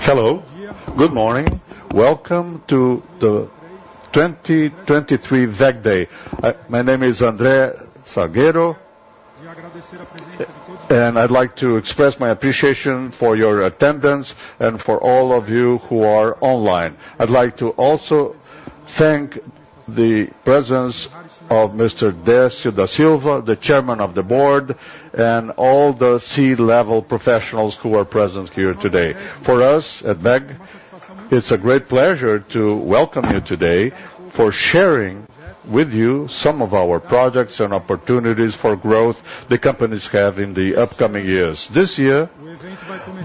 Hello, good morning. Welcome to the 2023 WEG Day. My name is André Salgueiro, and I'd like to express my appreciation for your attendance and for all of you who are online. I'd like to also thank the presence of Mr. Décio da Silva, the Chairman of the Board, and all the C-level professionals who are present here today. For us at WEG, it's a great pleasure to welcome you today for sharing with you some of our projects and opportunities for growth the companies have in the upcoming years. This year,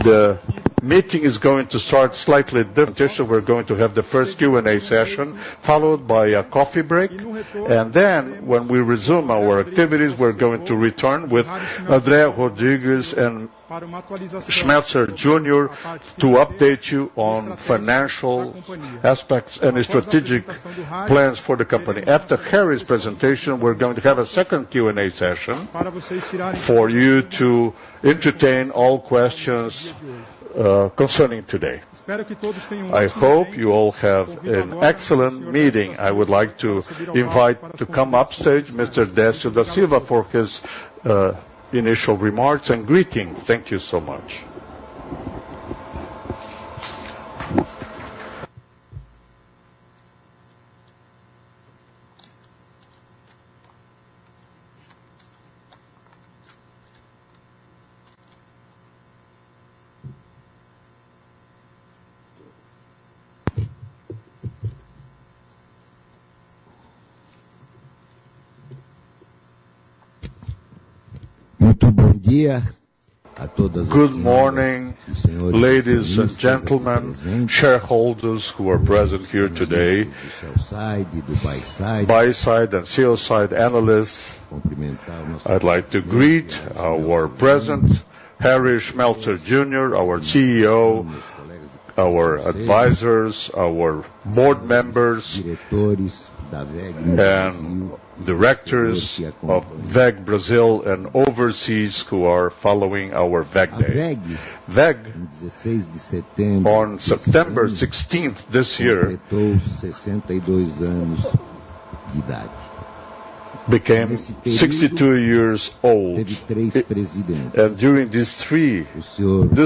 the meeting is going to start slightly different, so we're going to have the first Q&A session, followed by a coffee break, and then when we resume our activities, we're going to return with André Rodrigues and Schmelzer Jr. to update you on financial aspects and strategic plans for the company. After Harry's presentation, we're going to have a second Q&A session for you to entertain all questions concerning today. I hope you all have an excellent meeting. I would like to invite to come onstage Mr. Décio da Silva for his initial remarks and greeting. Thank you so much. Good morning, ladies and gentlemen, shareholders who are present here today, buy-side and sell-side analysts. I'd like to greet our President, Harry Schmelzer Jr., our CEO, our advisors, our board members, and directors of WEG, Brazil, and overseas who are following our WEG Day. WEG, on September sixteenth this year, became 62 years old. During this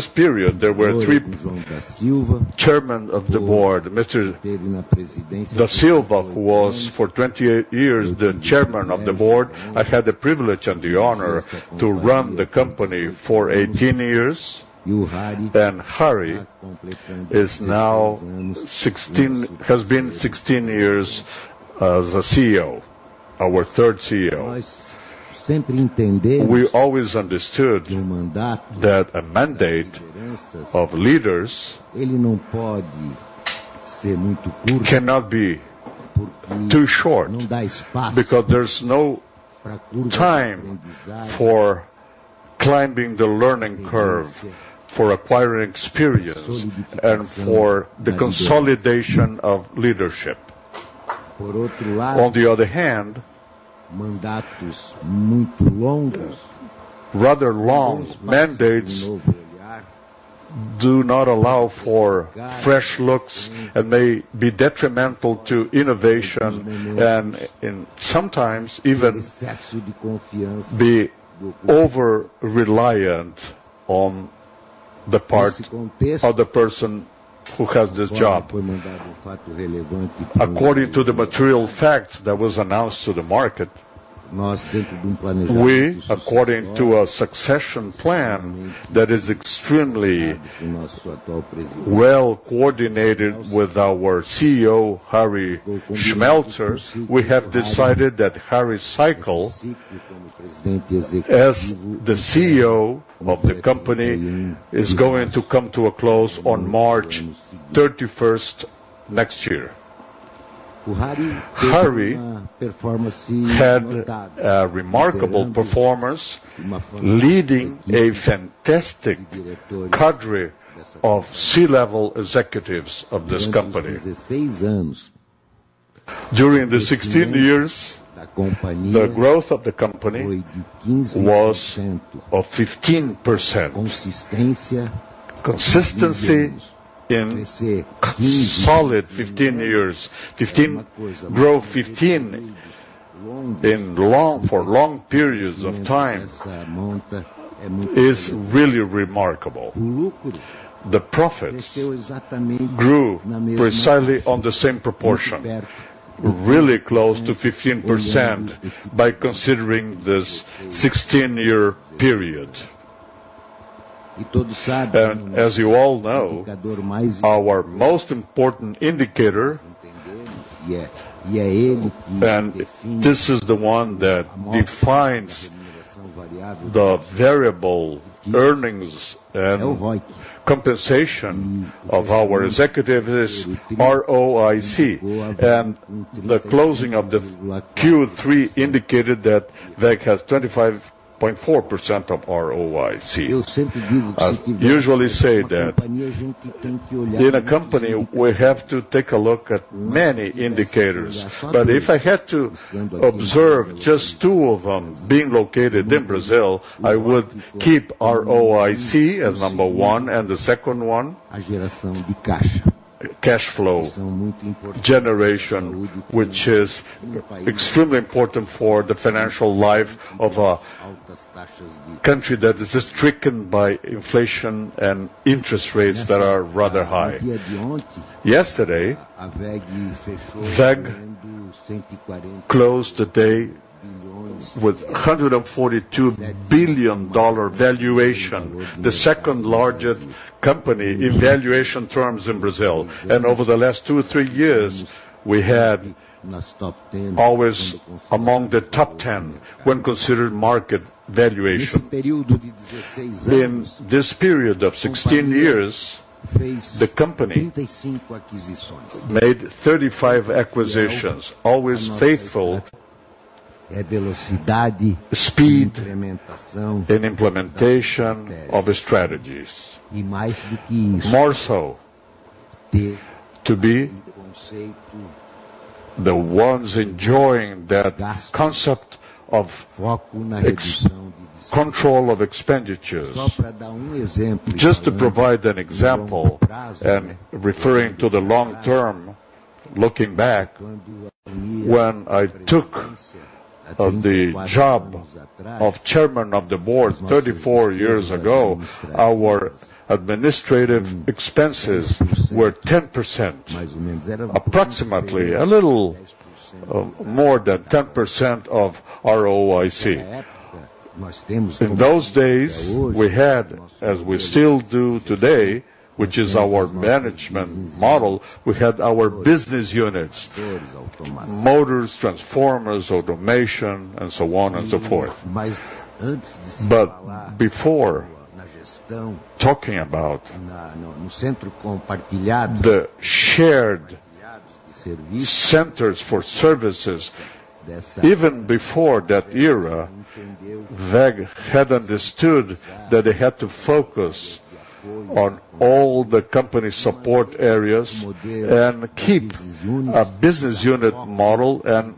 period, there were three chairman of the board, Mr. da Silva, who was for 20 years, the chairman of the board. I had the privilege and the honor to run the company for 18 years, and Harry is now 16, has been 16 years as a CEO, our third CEO. We always understood that a mandate of leaders cannot be too short, because there's no time for climbing the learning curve, for acquiring experience, and for the consolidation of leadership. On the other hand, rather long mandates do not allow for fresh looks and may be detrimental to innovation, and, and sometimes even be over-reliant on the part of the person who has this job. According to the material fact that was announced to the market, we, according to a succession plan that is extremely well-coordinated with our CEO, Harry Schmelzer, we have decided that Harry's cycle as the CEO of the company is going to come to a close on March 31st next year. Harry had a remarkable performance, leading a fantastic cadre of C-level executives of this company. During the 16 years, the growth of the company was of 15%. Consistency in solid 15 years. 15% growth for long periods of time is really remarkable. The profits grew precisely on the same proportion, really close to 15% by considering this 16-year period. As you all know, our most important indicator, and this is the one that defines the variable earnings and compensation of our executive, is ROIC. The closing of the Q3 indicated that WEG has 25.4% of ROIC. I usually say that in a company, we have to take a look at many indicators, but if I had to observe just two of them being located in Brazil, I would keep ROIC as number one, and the second one, cash flow generation, which is extremely important for the financial life of a country that is stricken by inflation and interest rates that are rather high. Yesterday, WEG closed the day with $142 billion valuation, the second largest company in valuation terms in Brazil. Over the last two or three years, we had always among the top 10 when considered market valuation. In this period of 16 years, the company made 35 acquisitions, always faithful, speed and implementation of the strategies. More so, to be the ones enjoying that concept of expense control of expenditures. Just to provide an example, and referring to the long term, looking back, when I took the job of Chairman of the Board 34 years ago, our administrative expenses were 10%, approximately a little more than 10% of our ROIC. In those days, we had, as we still do today, which is our management model, we had our business units, motors, transformers, automation, and so on and so forth. But before talking about the shared centers for services, even before that era, WEG had understood that they had to focus on all the company support areas and keep a business unit model, and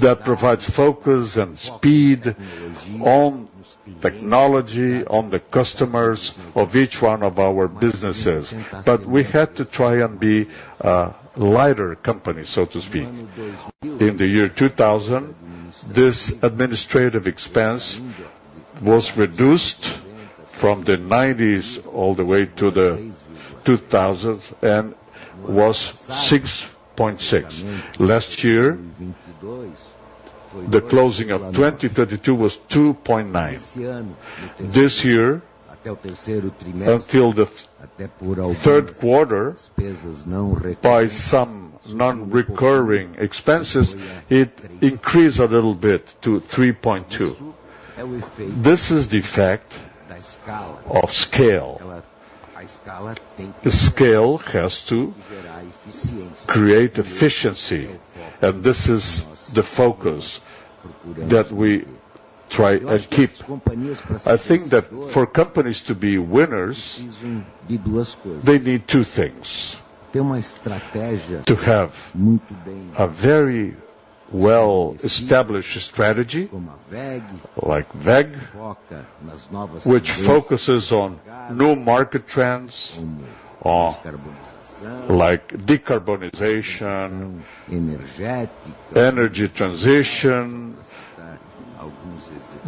that provides focus and speed on technology, on the customers of each one of our businesses. But we had to try and be a lighter company, so to speak. In the year 2000, this administrative expense was reduced from the 90s all the way to the 2000s and was 6.6. Last year, the closing of 2023 was 2.9. This year, until the third quarter, by some non-recurring expenses, it increased a little bit to 3.2. This is the effect of scale. The scale has to create efficiency, and this is the focus that we try and keep. I think that for companies to be winners, they need two things: to have a very well-established strategy, like WEG, which focuses on new market trends, on like decarbonization, energy transition,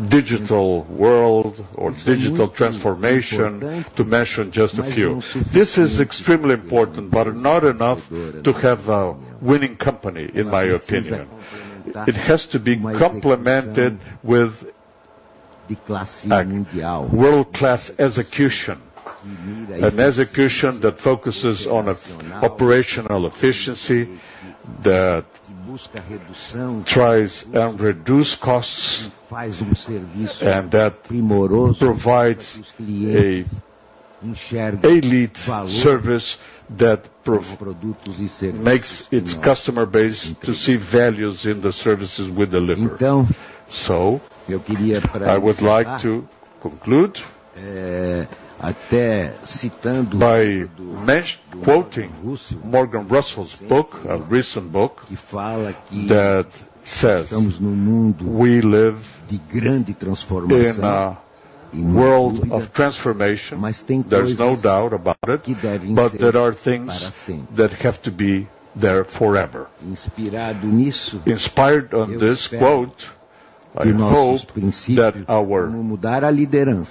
digital world or digital transformation, to mention just a few. This is extremely important, but not enough to have a winning company, in my opinion. It has to be complemented with a world-class execution. An execution that focuses on an operational efficiency that tries to reduce costs, and that provides a lead service that promotes its customer base to see value in the services we deliver. So I would like to conclude by quoting Morgan Housel's book, a recent book, that says, "We live in a world of transformation. There's no doubt about it, but there are things that have to be there forever." Inspired by this quote, I hope that our...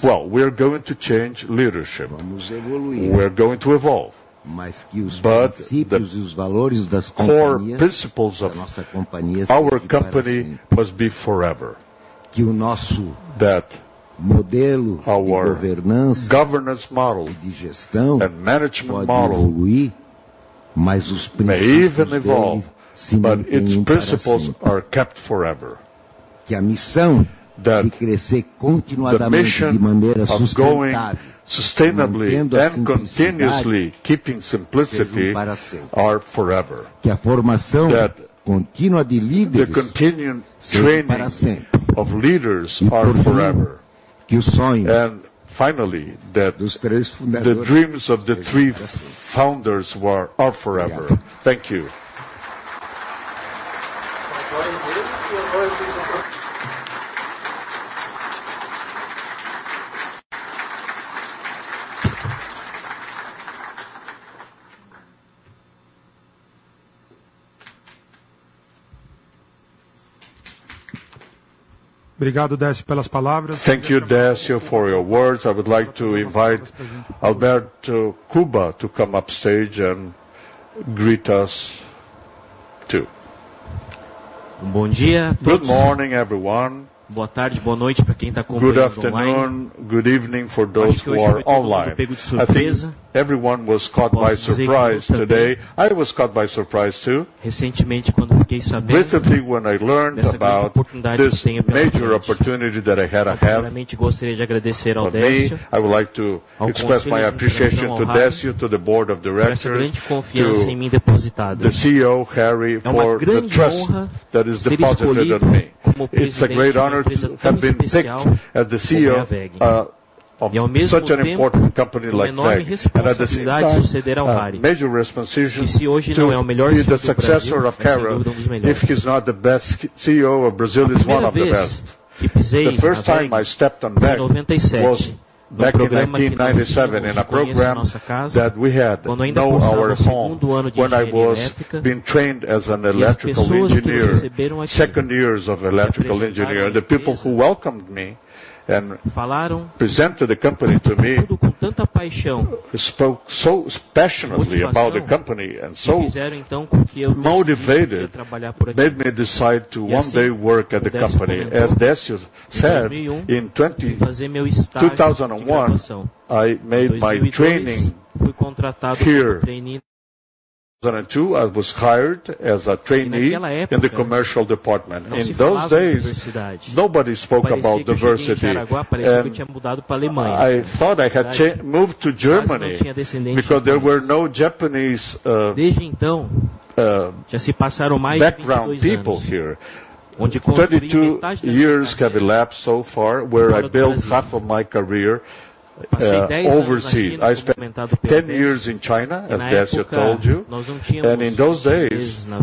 Well, we are going to change leadership. We're going to evolve, but the core principles of our company must be forever, that our governance model and management model may even evolve, but its principles are kept forever. That the mission of growing sustainably and continuously keeping simplicity are forever, that the continuing training of leaders are forever. And finally, that the dreams of the three founders were, are forever. Thank you. ... Obrigado, Décio, pelas palavras. Thank you, Décio, for your words. I would like to invite Alberto Kuba to come upstage and greet us too. Bom dia a todos! Good morning, everyone. Boa tarde, boa noite pra quem tá acompanhando online. Good afternoon, good evening for those who are online. Acho que hoje fui pego de surpresa. Everyone was caught by surprise today. I was caught by surprise too. Recentemente, quando fiquei sabendo- Recently, when I learned about- Dessa grande oportunidade que eu tenho pela frente. This major opportunity that I had to have. Primeiramente, gostaria de agradecer ao Décio- Me, I would like to express my appreciation to Décio, to the board of directors- Essa grande confiança em mim depositada. To the CEO, Harry, for the trust that is deposited on me. It's a great honor to have been picked as the CEO of such an important company like WEG. And at the same time, a major responsibility to be the successor of Harry. If he's not the best CEO of Brazil, he's one of the best. A primeira vez- The first time I stepped on WEG- em 1997 was back in 1997, in a program that we had: Know Our Home. Quando ainda cursava o segundo ano de Engenharia Elétrica- When I was being trained as an electrical engineer, second years of electrical engineer, the people who welcomed me and- falaram presented the company to me- Tudo com tanta paixão. spoke so passionately about the company and so- motivação Motivated, made me decide to one day work at the company. E assim- Décio said, "In 2001, I made my training here. 2002, fui contratado como trainee. 2, I was hired as a trainee in the commercial department. E naquela época- In those days, nobody spoke about diversity. Parecia que eu cheguei em Jaraguá, parecia que eu tinha mudado pra Alemanha. I thought I had moved to Germany. Porque não tinha descendente. because there were no Japanese, Desde então- Já se passaram mais de 22 anos. background people here. 32 years have elapsed so far, where I built half of my career, overseas. No Brasil. I spent 10 years in China, as Décio told you. Na época- In those days- Nós não tínhamos chineses na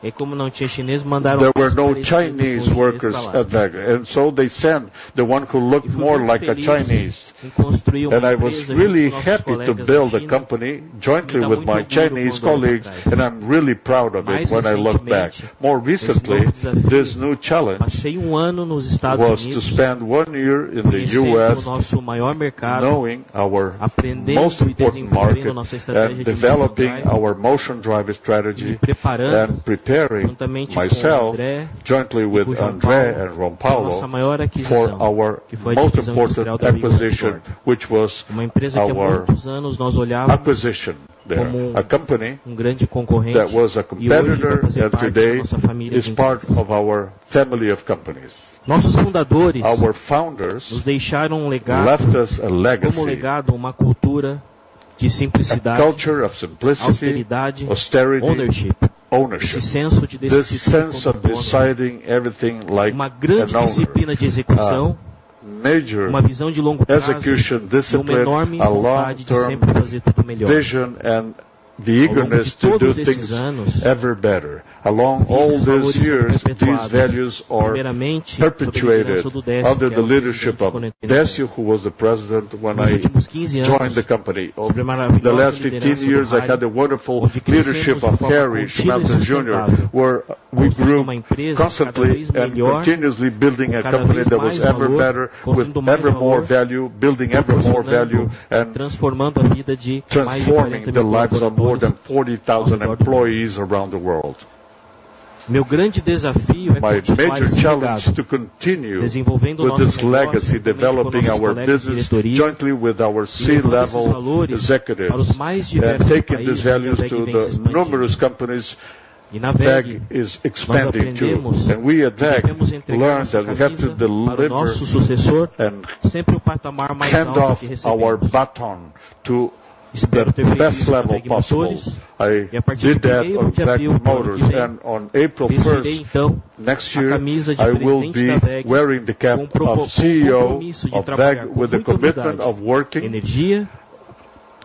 WEG, e como não tinha chinês, mandaram- There were no Chinese workers at WEG, and so they sent the one who looked more like a Chinese. E fui muito feliz- I was really happy to build a company jointly with my Chinese colleagues, and I'm really proud of it when I look back. Mais recentemente. More recently, this new challenge- Passei um ano nos Estados Unidos. was to spend one year in the U.S.- Conhecendo o nosso maior mercado Knowing our most important market- Aprendendo e desenvolvendo a nossa estratégia de motion drive and developing our motion drive strategy- e me preparando and preparing myself- juntamente com o André e o João Paulo jointly with André and João Paulo- Nossa maior aquisição, que foi a aquisição da Imperial Electric. for our most important acquisition, which was our- Uma empresa que há muitos anos nós olhávamos como- acquisition. There, a company- grande concorrente that was a competitor, and today- E hoje faz parte da nossa família de empresas. is part of our family of companies. Nossos fundadores- Our founders- Nos deixaram um legado. left us a legacy- Como legado, uma cultura de simplicidade. A culture of simplicity- austeridade austerity- ownership ownership. Esse senso de decisão. This sense of deciding everything like an owner. Uma grande disciplina de execução- Uh, major- uma visão de longo prazo Execution discipline, a long term- e uma enorme vontade de sempre fazer tudo melhor vision, and the eagerness to do things ever better. Ao longo de todos esses anos- Along all these years, these values are perpetuated- Primeiramente, sob a liderança do Décio, que é o presidente. Under the leadership of Décio, who was the president when I- nos últimos 15 anos joined the company. Over the last 15 years, I had the wonderful leadership of Harry Schmelzer Jr., where we grew constantly and continuously building a company that was ever better, with ever more value, building ever more value, and- transformando a vida de mais de 40,000 colaboradores transforming the lives of more than 40,000 employees around the world. Meu grande desafio é continuar esse legado- My major challenge, to continue- Desenvolvendo nosso negócio. with this legacy, developing our business- juntamente com nossos colegas de diretoria Jointly with our C-level executives- e levar esses valores para os mais diversos países onde a WEG está expandindo. Taking these values to the numerous companies WEG is expanding to. E na WEG- We at WEG learned that we have to deliver and- Sempre o patamar mais alto que recebemos. Hand off our baton to the best level possible. Espero ter feito isso como WEG Motores. I did that on WEG Motores. On April first, next year- vestir, então, a camisa de presidente da WEG. I will be wearing the cap of CEO of WEG- Com o propósito e o compromisso de trabalhar com muita humildade with a commitment of working- Energia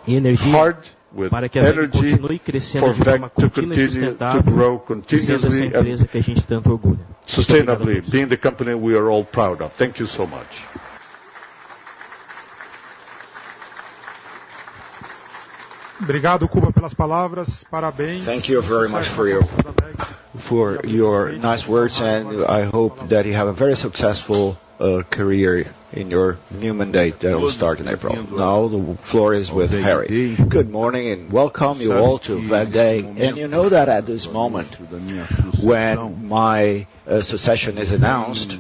e energia hard, with energy- para que a WEG continue a crescer de forma contínua e sustentável for WEG to continue to grow continuously- E seja essa empresa que a gente tanto orgulha. Sustainably, being the company we are all proud of. Thank you so much. Obrigado, Kuba, pelas palavras. Parabéns! Thank you very much for your, for your nice words, and I hope that you have a very successful career in your new mandate that will start in April. Now, the floor is with Harry. Good morning, and welcome you all to WEG Day. You know that at this moment, when my succession is announced,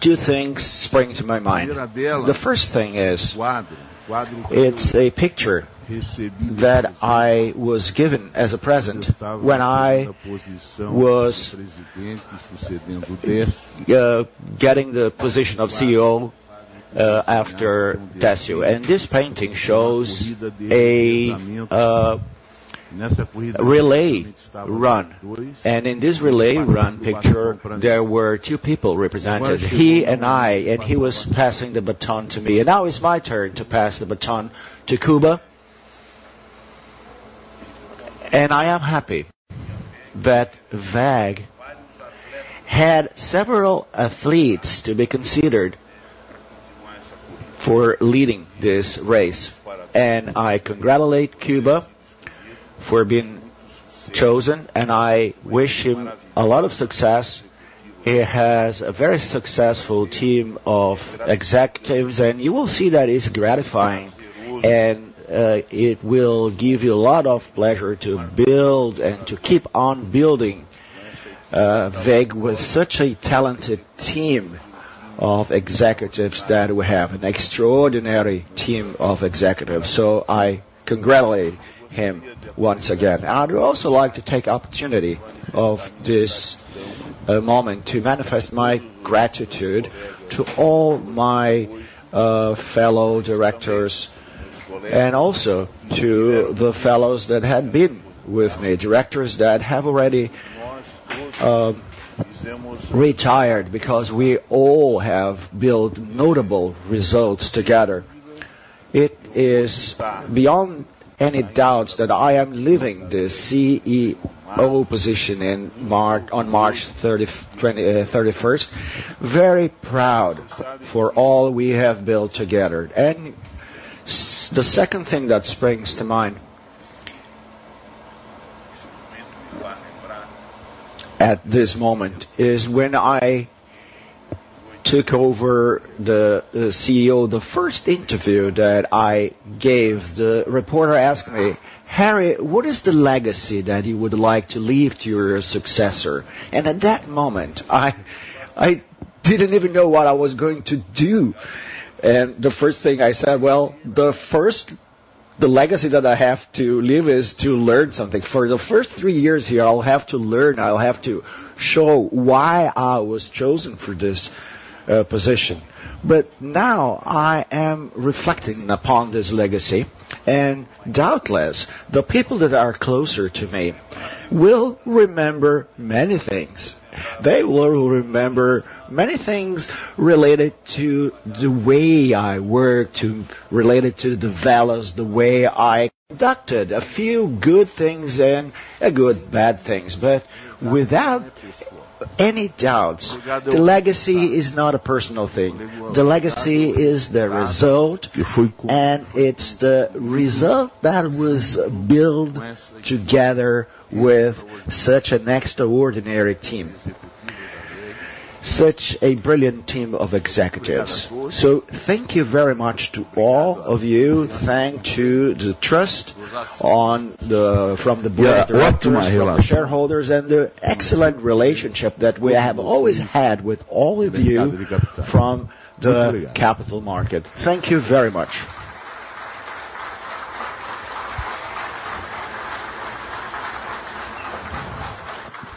two things spring to my mind. The first thing is, it's a picture that I was given as a present when I was getting the position of CEO, after Décio. This painting shows a relay run. In this relay run picture, there were two people represented, he and I, and he was passing the baton to me, and now it's my turn to pass the baton to Kuba. I am happy that WEG had several athletes to be considered for leading this race. I congratulate Kuba for being chosen, and I wish him a lot of success. He has a very successful team of executives, and you will see that it's gratifying, and, it will give you a lot of pleasure to build and to keep on building, WEG with such a talented team of executives that we have, an extraordinary team of executives. So I congratulate him once again. I'd also like to take opportunity of this, moment, to manifest my gratitude to all my, fellow directors, and also to the fellows that had been with me, directors that have already, retired, because we all have built notable results together. It is beyond any doubts that I am leaving the CEO position in March—on March 31st, very proud for all we have built together. The second thing that springs to mind at this moment is when I took over the CEO, the first interview that I gave. The reporter asked me: "Harry, what is the legacy that you would like to leave to your successor?" At that moment, I didn't even know what I was going to do. The first thing I said, "Well, the legacy that I have to leave is to learn something. For the first three years here, I'll have to learn. I'll have to show why I was chosen for this position." But now I am reflecting upon this legacy, and doubtless, the people that are closer to me will remember many things. They will remember many things related to the way I work, to related to the values, the way I conducted a few good things and, good, bad things. But without any doubts, the legacy is not a personal thing. The legacy is the result, and it's the result that was built together with such an extraordinary team, such a brilliant team of executives. So thank you very much to all of you. Thanks to the trust from the board of directors, from the shareholders, and the excellent relationship that we have always had with all of you from the capital market. Thank you very much.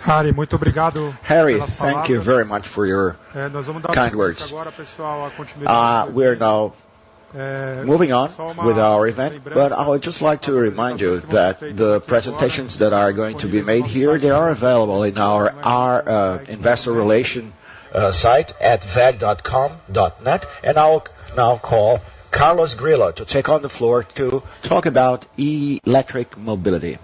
Harry, thank you very much for your kind words. We are now moving on with our event, but I would just like to remind you that the presentations that are going to be made here, they are available in our investor relation site at weg.net. I'll now call Carlos Grillo to take the floor to talk about electric mobility.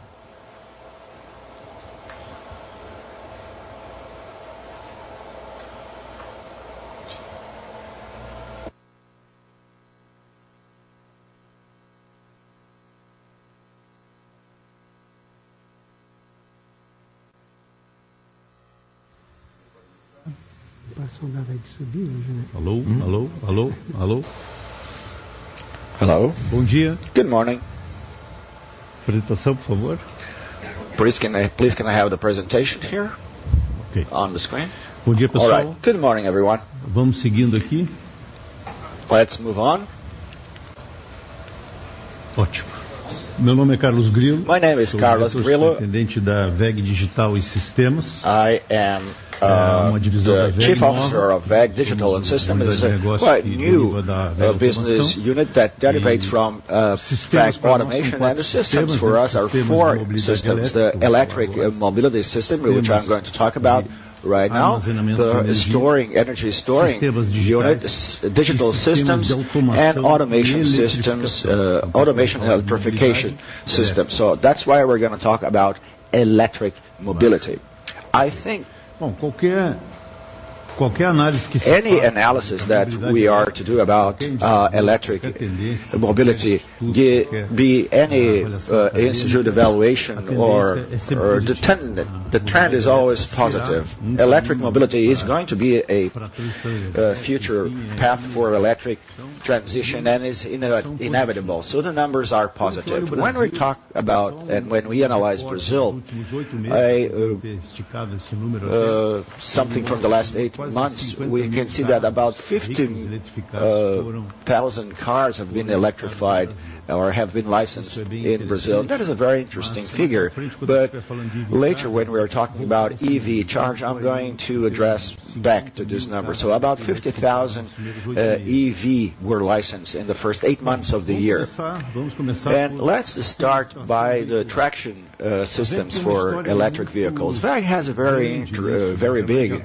Hello, hello, hello, hello. Hello. Good day. Good morning. Presentation, please. Please, can I—please, can I have the presentation here—Okay—on the screen? Good day, pessoal. All right. Good morning, everyone. Vamos seguindo aqui. Let's move on. Ottimo. My name is Carlos Grillo. My name is Carlos Grillo. I am the chief officer of WEG Digital and Systems. I am the chief officer of WEG Digital and System. This is a quite new business unit that derivates from WEG automation, and the systems for us are four systems: the electric mobility system, we will try—I'm going to talk about right now, the storing energy storing unit, the digital systems and automation systems, automation and electrification system. So that's why we're gonna talk about electric mobility. I think any analysis that we are to do about electric mobility, be it any institute evaluation or the trend is always positive. Electric mobility is going to be a future path for electric transition, and it's inevitable, so the numbers are positive. When we talk about, and when we analyze Brazil, in the last eight months, we can see that about 15,000 cars have been electrified or have been licensed in Brazil. That is a very interesting figure, but later, when we are talking about EV charge, I'm going to address back to this number. So about 50,000 EV were licensed in the first eight months of the year. And let's start with the traction systems for electric vehicles. WEG has a very big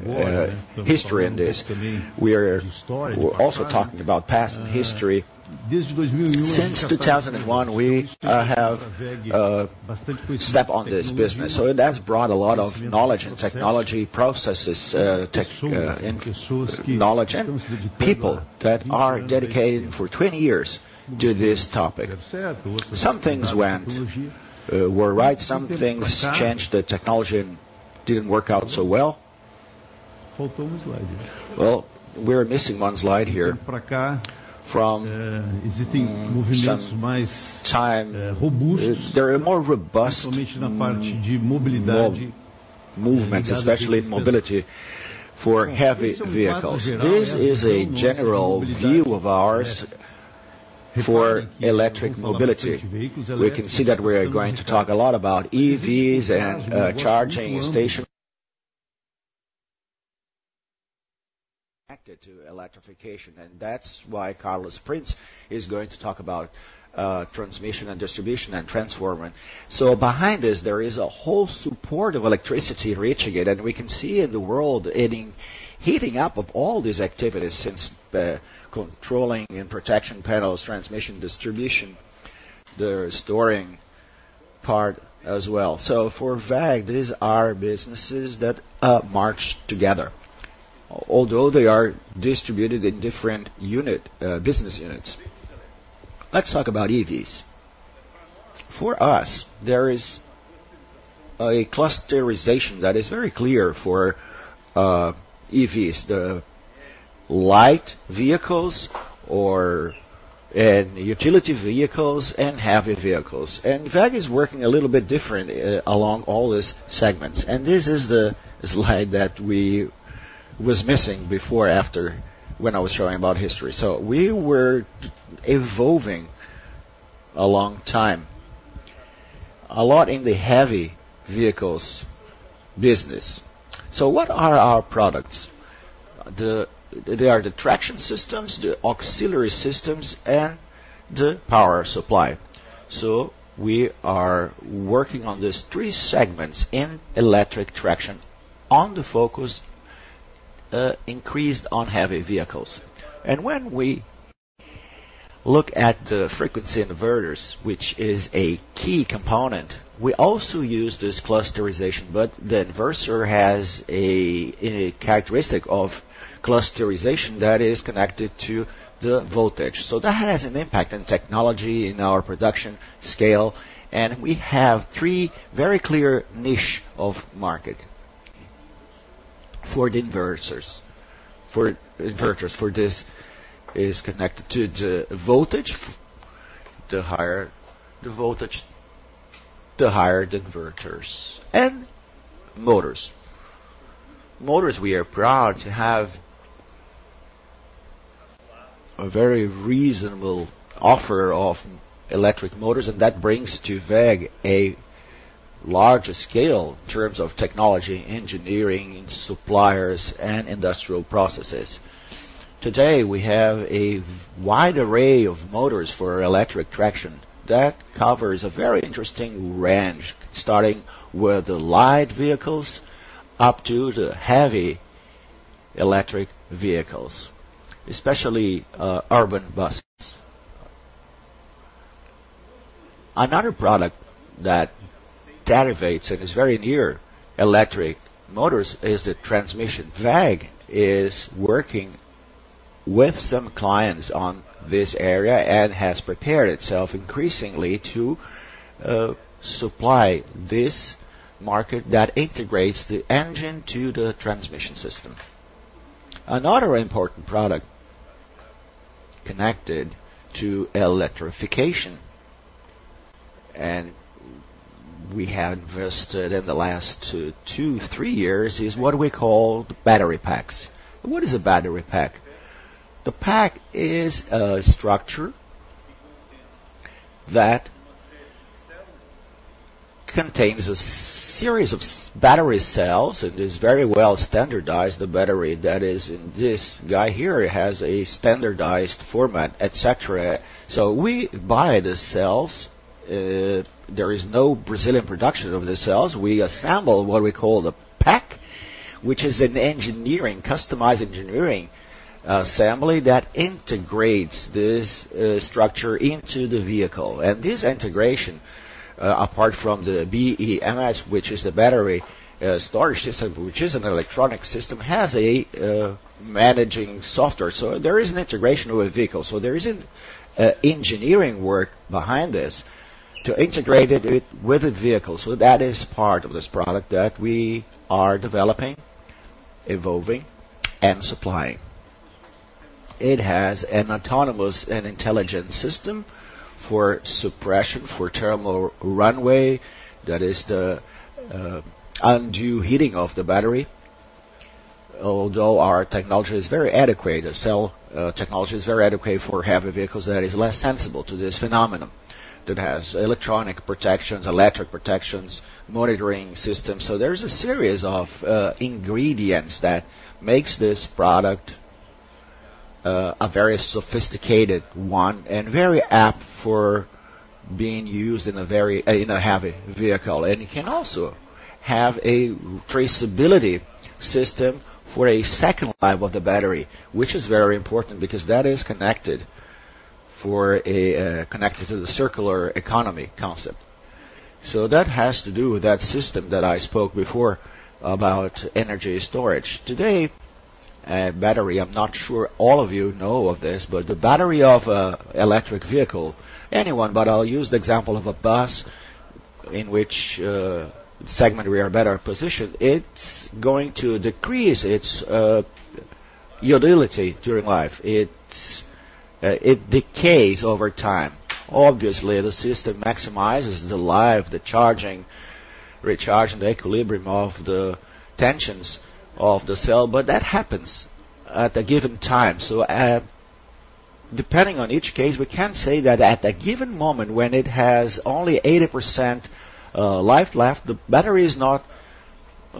history in this. We are also talking about. Since 2001, we have step on this business, so that's brought a lot of knowledge and technology processes, tech, and knowledge and people that are dedicated for 20 years to this topic. Some things went, were right, some things changed, the technology didn't work out so well. Well, we're missing one slide here. From some time, there are more robust movements, especially in mobility for heavy vehicles. This is a general view of ours for electric mobility. We can see that we're going to talk a lot about EVs and charging station. Connected to electrification, and that's why Carlos Prinz is going to talk about transmission and distribution and transformer. Behind this, there is a whole support of electricity reaching it, and we can see in the world it's heating up of all these activities since controlling and protection panels, transmission, distribution, the storing part as well. For WEG, these are businesses that march together, although they are distributed in different unit business units. Let's talk about EVs. For us, there is a clusterization that is very clear for EVs, the light vehicles or and utility vehicles, and heavy vehicles. WEG is working a little bit differently along all these segments. This is the slide that we was missing before, after when I was talking about history. We were evolving a long time, a lot in the heavy vehicles business. What are our products? They are the traction systems, the auxiliary systems, and the power supply. So we are working on these three segments in electric traction, on the focus, increased on heavy vehicles. When we look at the frequency inverters, which is a key component, we also use this clusterization, but the inverter has a characteristic of clusterization that is connected to the voltage. So that has an impact on technology, in our production scale, and we have three very clear niche of market for the inverters. For inverters, for this is connected to the voltage, the higher the voltage, the higher the inverters and motors. Motors, we are proud to have a very reasonable offer of electric motors, and that brings to WEG a larger scale in terms of technology, engineering, suppliers, and industrial processes. Today, we have a wide array of motors for electric traction that covers a very interesting range, starting with the light vehicles up to the heavy electric vehicles, especially urban buses. Another product that derivates and is very near electric motors is the transmission. WEG is working with some clients on this area and has prepared itself increasingly to supply this market that integrates the engine to the transmission system. Another important product connected to electrification, and we have invested in the last two, two, three years, is what we call the battery packs. What is a battery pack? The pack is a structure that contains a series of battery cells. It is very well standardized, the battery that is in this guy here has a standardized format, et cetera. So we buy the cells, there is no Brazilian production of the cells. We assemble what we call the pack, which is a customized engineering assembly that integrates this structure into the vehicle. This integration, apart from the BEMS, which is the battery storage system, which is an electronic system, has a managing software. So there is an integration with the vehicle. So there is an engineering work behind this to integrate it with the vehicle. So that is part of this product that we are developing, evolving, and supplying. It has an autonomous and intelligent system for suppression for thermal runaway, that is the undue heating of the battery. Although our technology is very adequate, the cell technology is very adequate for heavy vehicles, that is less sensitive to this phenomenon, that has electronic protections, electric protections, monitoring systems. So there's a series of ingredients that makes this product a very sophisticated one and very apt for being used in a heavy vehicle. And you can also have a traceability system for a second life of the battery, which is very important because that is connected to the circular economy concept. So that has to do with that system that I spoke before about energy storage. Today, battery, I'm not sure all of you know of this, but the battery of an electric vehicle, anyone, but I'll use the example of a bus in which segment we are better positioned. It's going to decrease its utility during life. It decays over time. Obviously, the system maximizes the life, the charging, recharging, the equilibrium of the tensions of the cell, but that happens at a given time. So, depending on each case, we can say that at a given moment, when it has only 80%, life left, the battery is not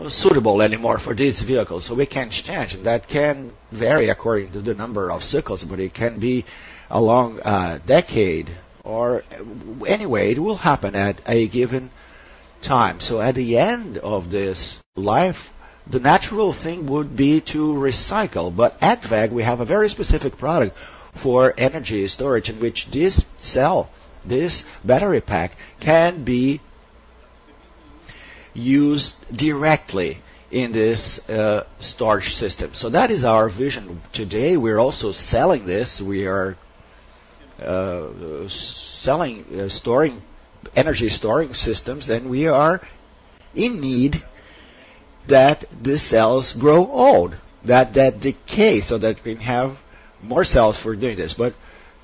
suitable anymore for this vehicle. So we can change, and that can vary according to the number of cycles, but it can be a long decade, or anyway, it will happen at a given time. So at the end of this life, the natural thing would be to recycle, but at WEG, we have a very specific product for energy storage, in which this cell, this battery pack, can be used directly in this storage system. So that is our vision. Today, we're also selling this. We are selling, storing... Energy storage systems, and we are in need that the cells grow old, that decay, so that we have more cells for doing this. But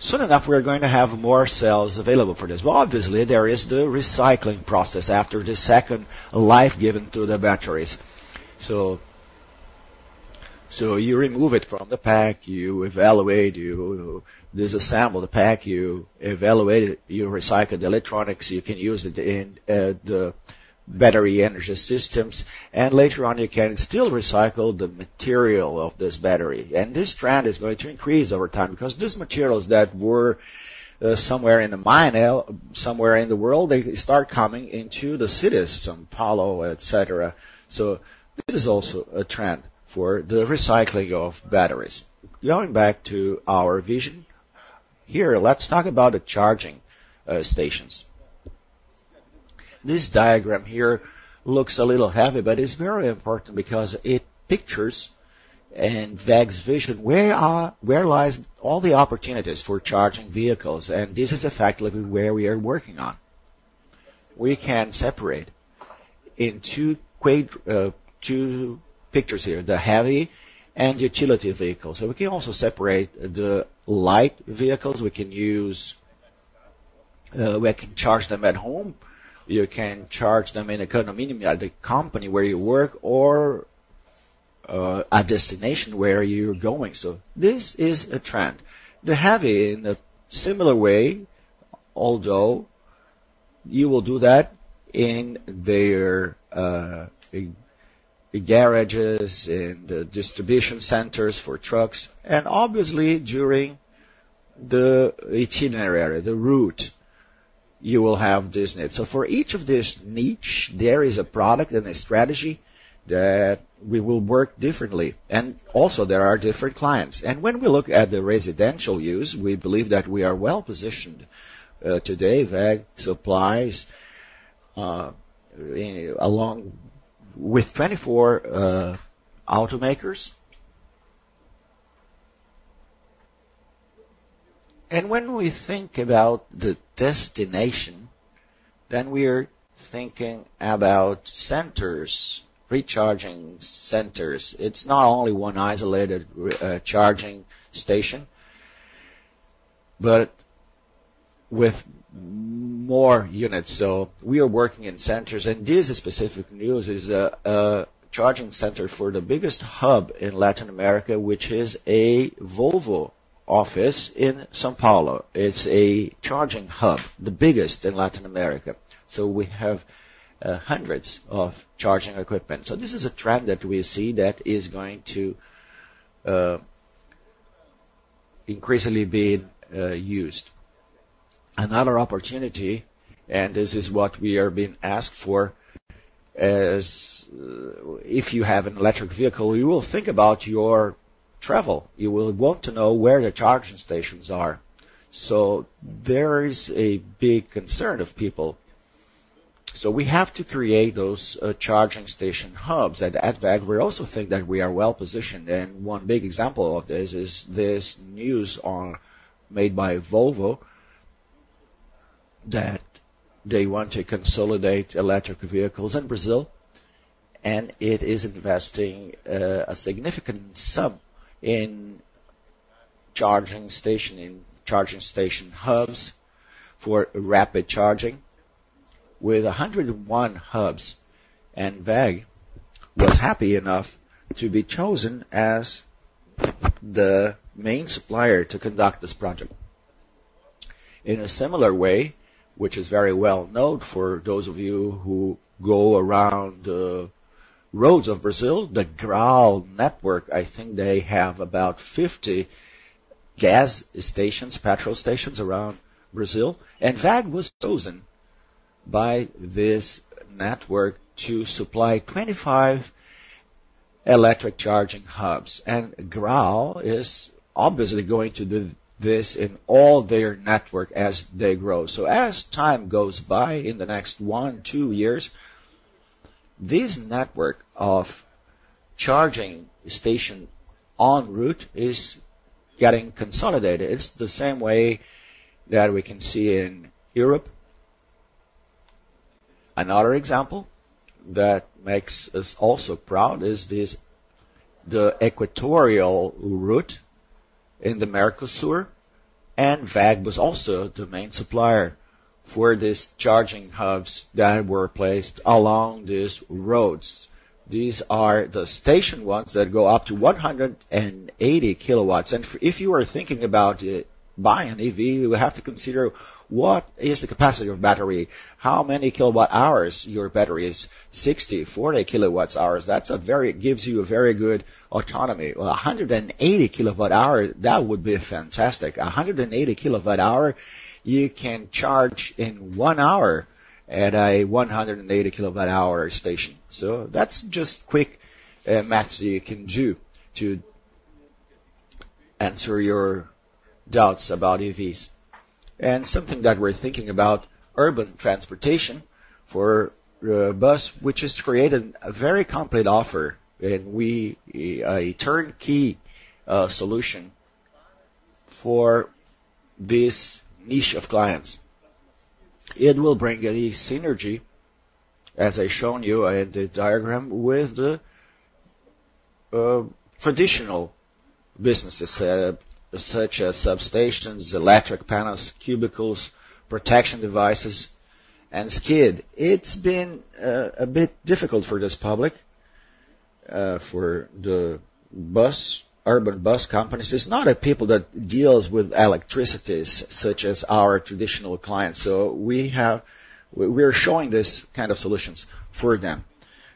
soon enough, we are going to have more cells available for this. Well, obviously, there is the recycling process after the second life given to the batteries. So you remove it from the pack, you evaluate, you disassemble the pack, you evaluate, you recycle the electronics, you can use it in the battery energy systems, and later on, you can still recycle the material of this battery. And this trend is going to increase over time because these materials that were somewhere in the mine, somewhere in the world, they start coming into the cities, São Paulo, et cetera. So this is also a trend for the recycling of batteries. Going back to our vision, here, let's talk about the charging stations. This diagram here looks a little heavy, but it's very important because it pictures and WEG's vision, where lies all the opportunities for charging vehicles, and this is effectively where we are working on. We can separate in two quad, two pictures here, the heavy and utility vehicles. So we can also separate the light vehicles. We can use, we can charge them at home, you can charge them in a condominium, at the company where you work, or, a destination where you're going. So this is a trend. The heavy, in a similar way, although you will do that in their, in the garages, in the distribution centers for trucks, and obviously, during the itinerary, the route, you will have this need. So for each of this niche, there is a product and a strategy that we will work differently. And also, there are different clients. And when we look at the residential use, we believe that we are well-positioned. Today, WEG supplies along with 24 automakers. And when we think about the destination, then we are thinking about centers, recharging centers. It's not only one isolated recharging station, but with more units. So we are working in centers, and this specific news is a charging center for the biggest hub in Latin America, which is a Volvo office in São Paulo. It's a charging hub, the biggest in Latin America. So we have hundreds of charging equipment. So this is a trend that we see that is going to increasingly be used. Another opportunity, and this is what we are being asked for, is if you have an electric vehicle, you will think about your travel. You will want to know where the charging stations are. So there is a big concern of people. So we have to create those charging station hubs. And at WEG, we also think that we are well-positioned, and one big example of this is this news made by Volvo that they want to consolidate electric vehicles in Brazil, and it is investing a significant sum in charging station hubs for rapid charging with 101 hubs, and WEG was happy enough to be chosen as the main supplier to conduct this project. In a similar way, which is very well known for those of you who go around the roads of Brazil, the Graal network, I think they have about 50 gas stations, petrol stations around Brazil, and WEG was chosen by this network to supply 25 electric charging hubs, and Graal is obviously going to do this in all their network as they grow. So as time goes by, in the next one-two years, this network of charging stations on route is getting consolidated. It's the same way that we can see in Europe. Another example that makes us also proud is this, the equatorial route in the Mercosur, and WEG was also the main supplier for these charging hubs that were placed along these roads. These are the station ones that go up to 180 kW, and if you are thinking about buying an EV, you have to consider: What is the capacity of battery? How many kWh your battery is? 60, 40 kWh, that's a very good autonomy. Well, 180 kWh, that would be fantastic. 180 kWh, you can charge in one hour at a 180 kW station. So that's just quick math you can do to answer your doubts about EVs. And something that we're thinking about, urban transportation for bus, which has created a very complete offer, and we... a turnkey solution for this niche of clients. It will bring a synergy, as I've shown you in the diagram, with the traditional businesses, such as substations, electric panels, cubicles, protection devices, and skid. It's been a bit difficult for this public, for the bus, urban bus companies. It's not a people that deals with electricities, such as our traditional clients, so we have—we are showing this kind of solutions for them.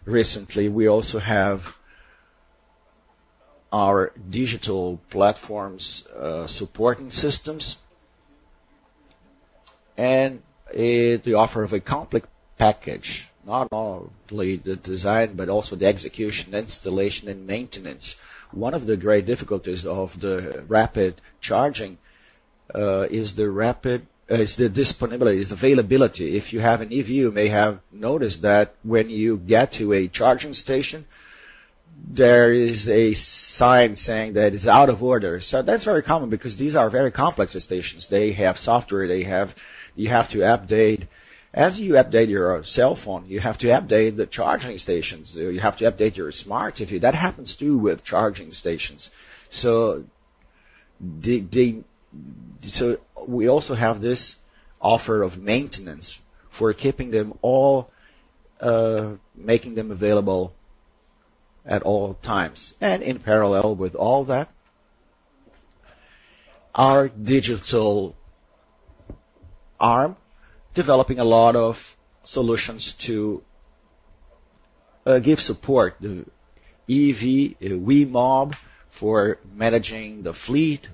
Recently, we also have our digital platforms, supporting systems and the offer of a complete package, not only the design, but also the execution, installation, and maintenance. One of the great difficulties of the rapid charging is the rapid... is the availability. If you have an EV, you may have noticed that when you get to a charging station, there is a sign saying that it's out of order. So that's very common because these are very complex stations. They have software, they have... You have to update. As you update your cellphone, you have to update the charging stations. You have to update your smart TV. That happens, too, with charging stations. So we also have this offer of maintenance for keeping them all, making them available at all times. And in parallel with all that, our digital arm, developing a lot of solutions to give support, the EV, WeMob, for managing the fleet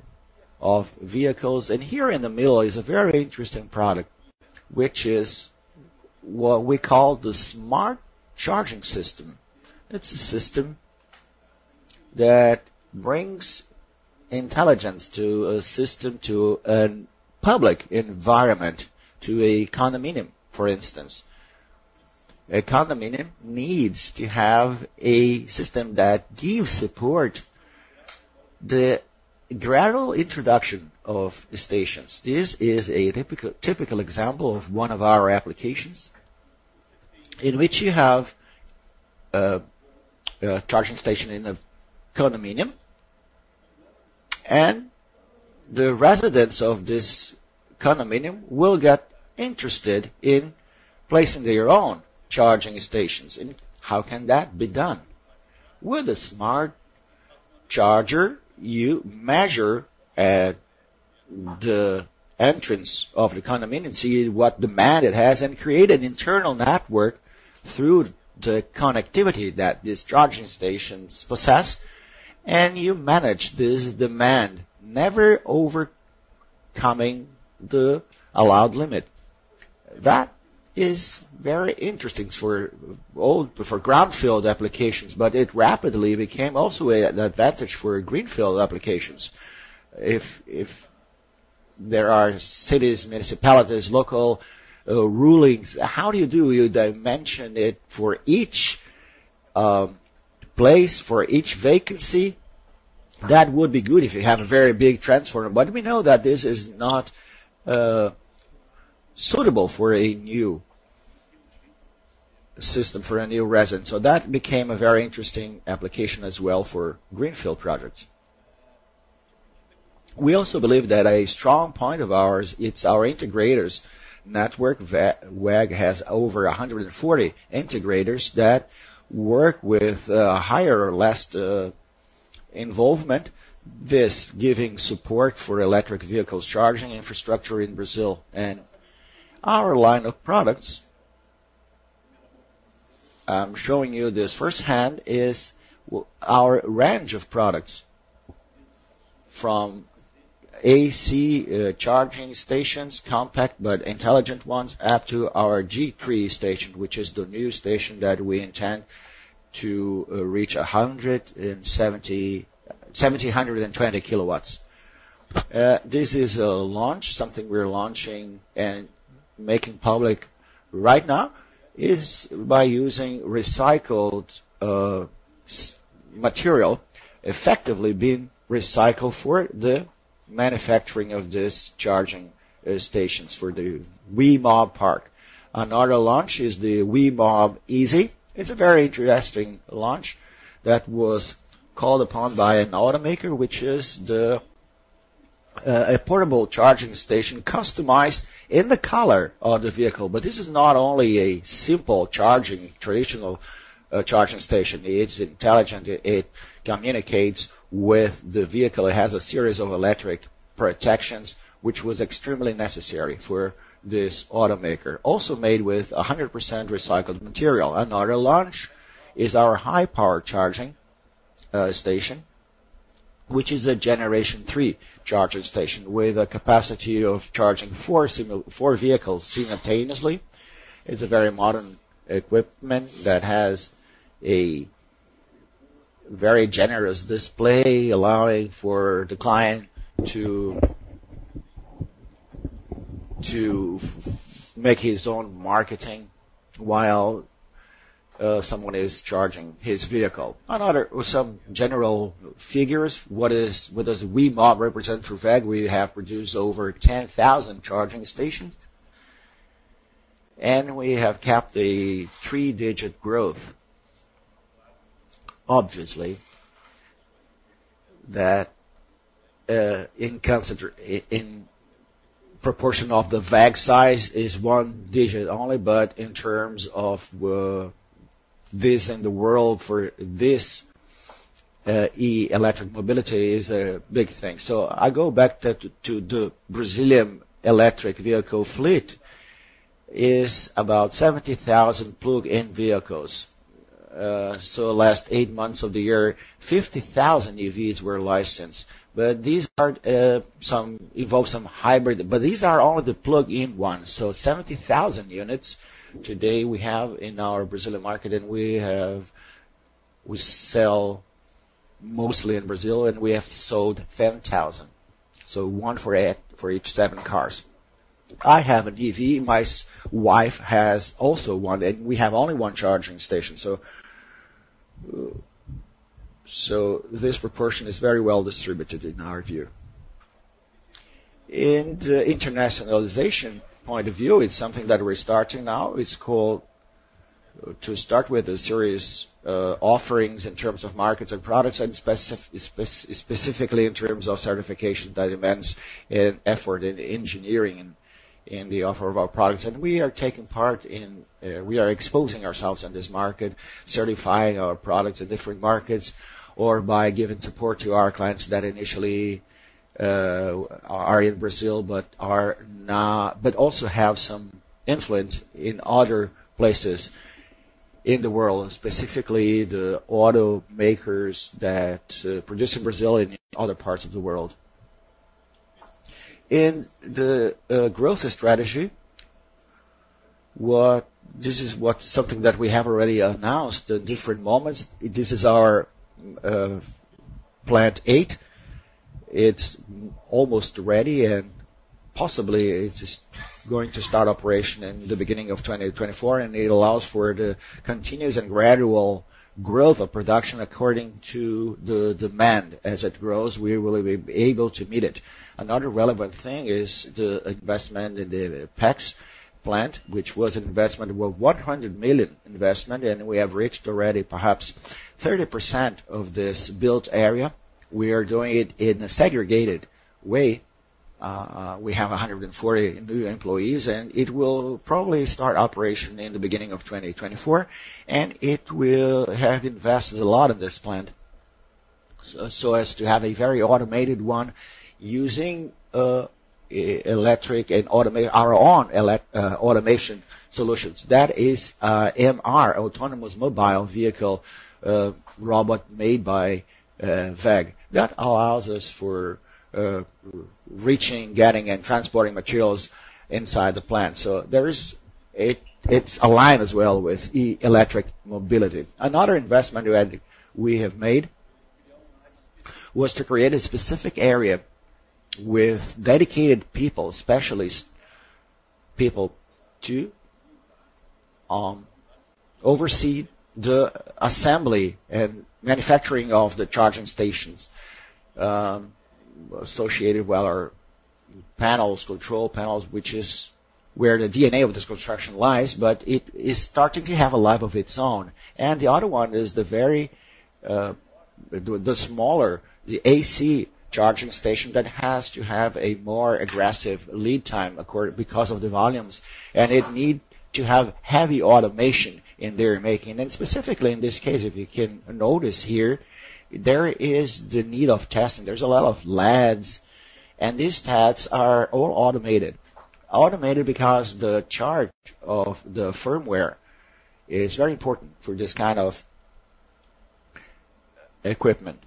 of vehicles. And here in the middle is a very interesting product, which is what we call the smart charging system. It's a system that brings intelligence to a system, to a public environment, to a condominium, for instance. A condominium needs to have a system that gives support. The gradual introduction of stations, this is a typical example of one of our applications, in which you have a charging station in a condominium, and the residents of this condominium will get interested in placing their own charging stations. And how can that be done? With a smart charger, you measure the entrance of the condominium, see what demand it has, and create an internal network through the connectivity that these charging stations possess, and you manage this demand, never overcoming the allowed limit. That is very interesting for brownfield applications, but it rapidly became also an advantage for greenfield applications. If there are cities, municipalities, local rulings, how do you do? You dimension it for each place, for each vacancy. That would be good if you have a very big transformer, but we know that this is not suitable for a new system, for a new resident. So that became a very interesting application as well for greenfield projects. We also believe that a strong point of ours. It's our integrators network. WEG has over 140 integrators that work with higher or less involvement, this giving support for electric vehicles charging infrastructure in Brazil. And our line of products, I'm showing you this first hand, is our range of products from AC charging stations, compact but intelligent ones, up to our G3 station, which is the new station that we intend to reach 170 kW-720 kW. This is a launch, something we're launching and making public right now, is by using recycled material, effectively being recycled for the manufacturing of this charging stations for the WeMob Park. Another launch is the WeMob Easy. It's a very interesting launch that was called upon by an automaker, which is the, a portable charging station customized in the color of the vehicle. But this is not only a simple charging, traditional, charging station, it's intelligent, it communicates with the vehicle. It has a series of electric protections, which was extremely necessary for this automaker. Also made with 100% recycled material. Another launch is our high power charging station, which is a generation three charging station with a capacity of charging four vehicles simultaneously. It's a very modern equipment that has a very generous display, allowing for the client to make his own marketing while someone is charging his vehicle. Another. Some general figures, what is, what does WeMob represent for WEG? We have produced over 10,000 charging stations, and we have kept a three-digit growth. Obviously, that in proportion of the WEG size is one digit only, but in terms of this in the world for this electric mobility is a big thing. So I go back to the Brazilian electric vehicle fleet is about 70,000 plug-in vehicles. So last eight months of the year, 50,000 EVs were licensed, but these are some involve some hybrid, but these are all the plug-in ones. So 70,000 units today we have in our Brazilian market, and we sell mostly in Brazil, and we have sold 10,000. So one for each seven cars. I have an EV, my wife has also one, and we have only one charging station. So this proportion is very well distributed, in our view. In the internationalization point of view, it's something that we're starting now. It's called... To start with a series, offerings in terms of markets and products, and specifically in terms of certification, that demands an effort in engineering in the offer of our products. We are taking part in, we are exposing ourselves in this market, certifying our products in different markets, or by giving support to our clients that initially, are in Brazil, but are not, but also have some influence in other places in the world, specifically the automakers that, produce in Brazil and in other parts of the world. In the growth strategy, something that we have already announced at different moments. This is our Plant 8. It's almost ready, and possibly it's going to start operation in the beginning of 2024, and it allows for the continuous and gradual growth of production according to the demand. As it grows, we will be able to meet it. Another relevant thing is the investment in the PEX plant, which was an investment, well, 100 million investment, and we have reached already perhaps 30% of this built area. We are doing it in a segregated way. We have 140 new employees, and it will probably start operation in the beginning of 2024, and it will have invested a lot of this plant, so as to have a very automated one using our own electric and automation solutions. That is, AMR, autonomous mobile robot made by WEG. That allows us for reaching, getting, and transporting materials inside the plant. So it's aligned as well with electric mobility. Another investment that we have made was to create a specific area with dedicated people, specialist people, to oversee the assembly and manufacturing of the charging stations associated with our panels, control panels, which is where the DNA of this construction lies, but it is starting to have a life of its own. The other one is the very smaller, the AC charging station that has to have a more aggressive lead time according, because of the volumes, and it need to have heavy automation in their making. Specifically in this case, if you can notice here, there is the need of testing. There's a lot of LEDs, and these tests are all automated, automated because the charge of the firmware is very important for this kind of equipment.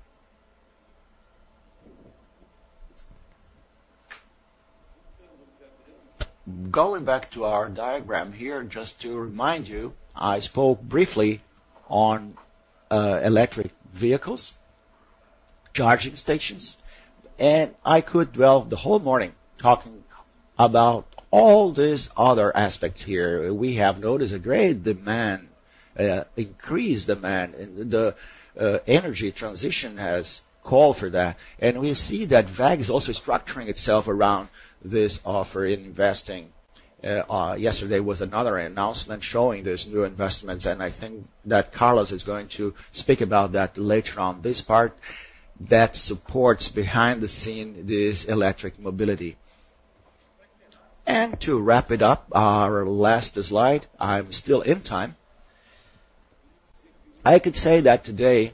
Going back to our diagram here, just to remind you, I spoke briefly on electric vehicles, charging stations, and I could dwell the whole morning talking about all these other aspects here. We have noticed a great demand, increased demand, and the energy transition has called for that. We see that WEG is also structuring itself around this offer in investing. Yesterday was another announcement showing these new investments, and I think that Carlos is going to speak about that later on. This part that supports behind the scene, this electric mobility. To wrap it up, our last slide, I'm still in time. I could say that today,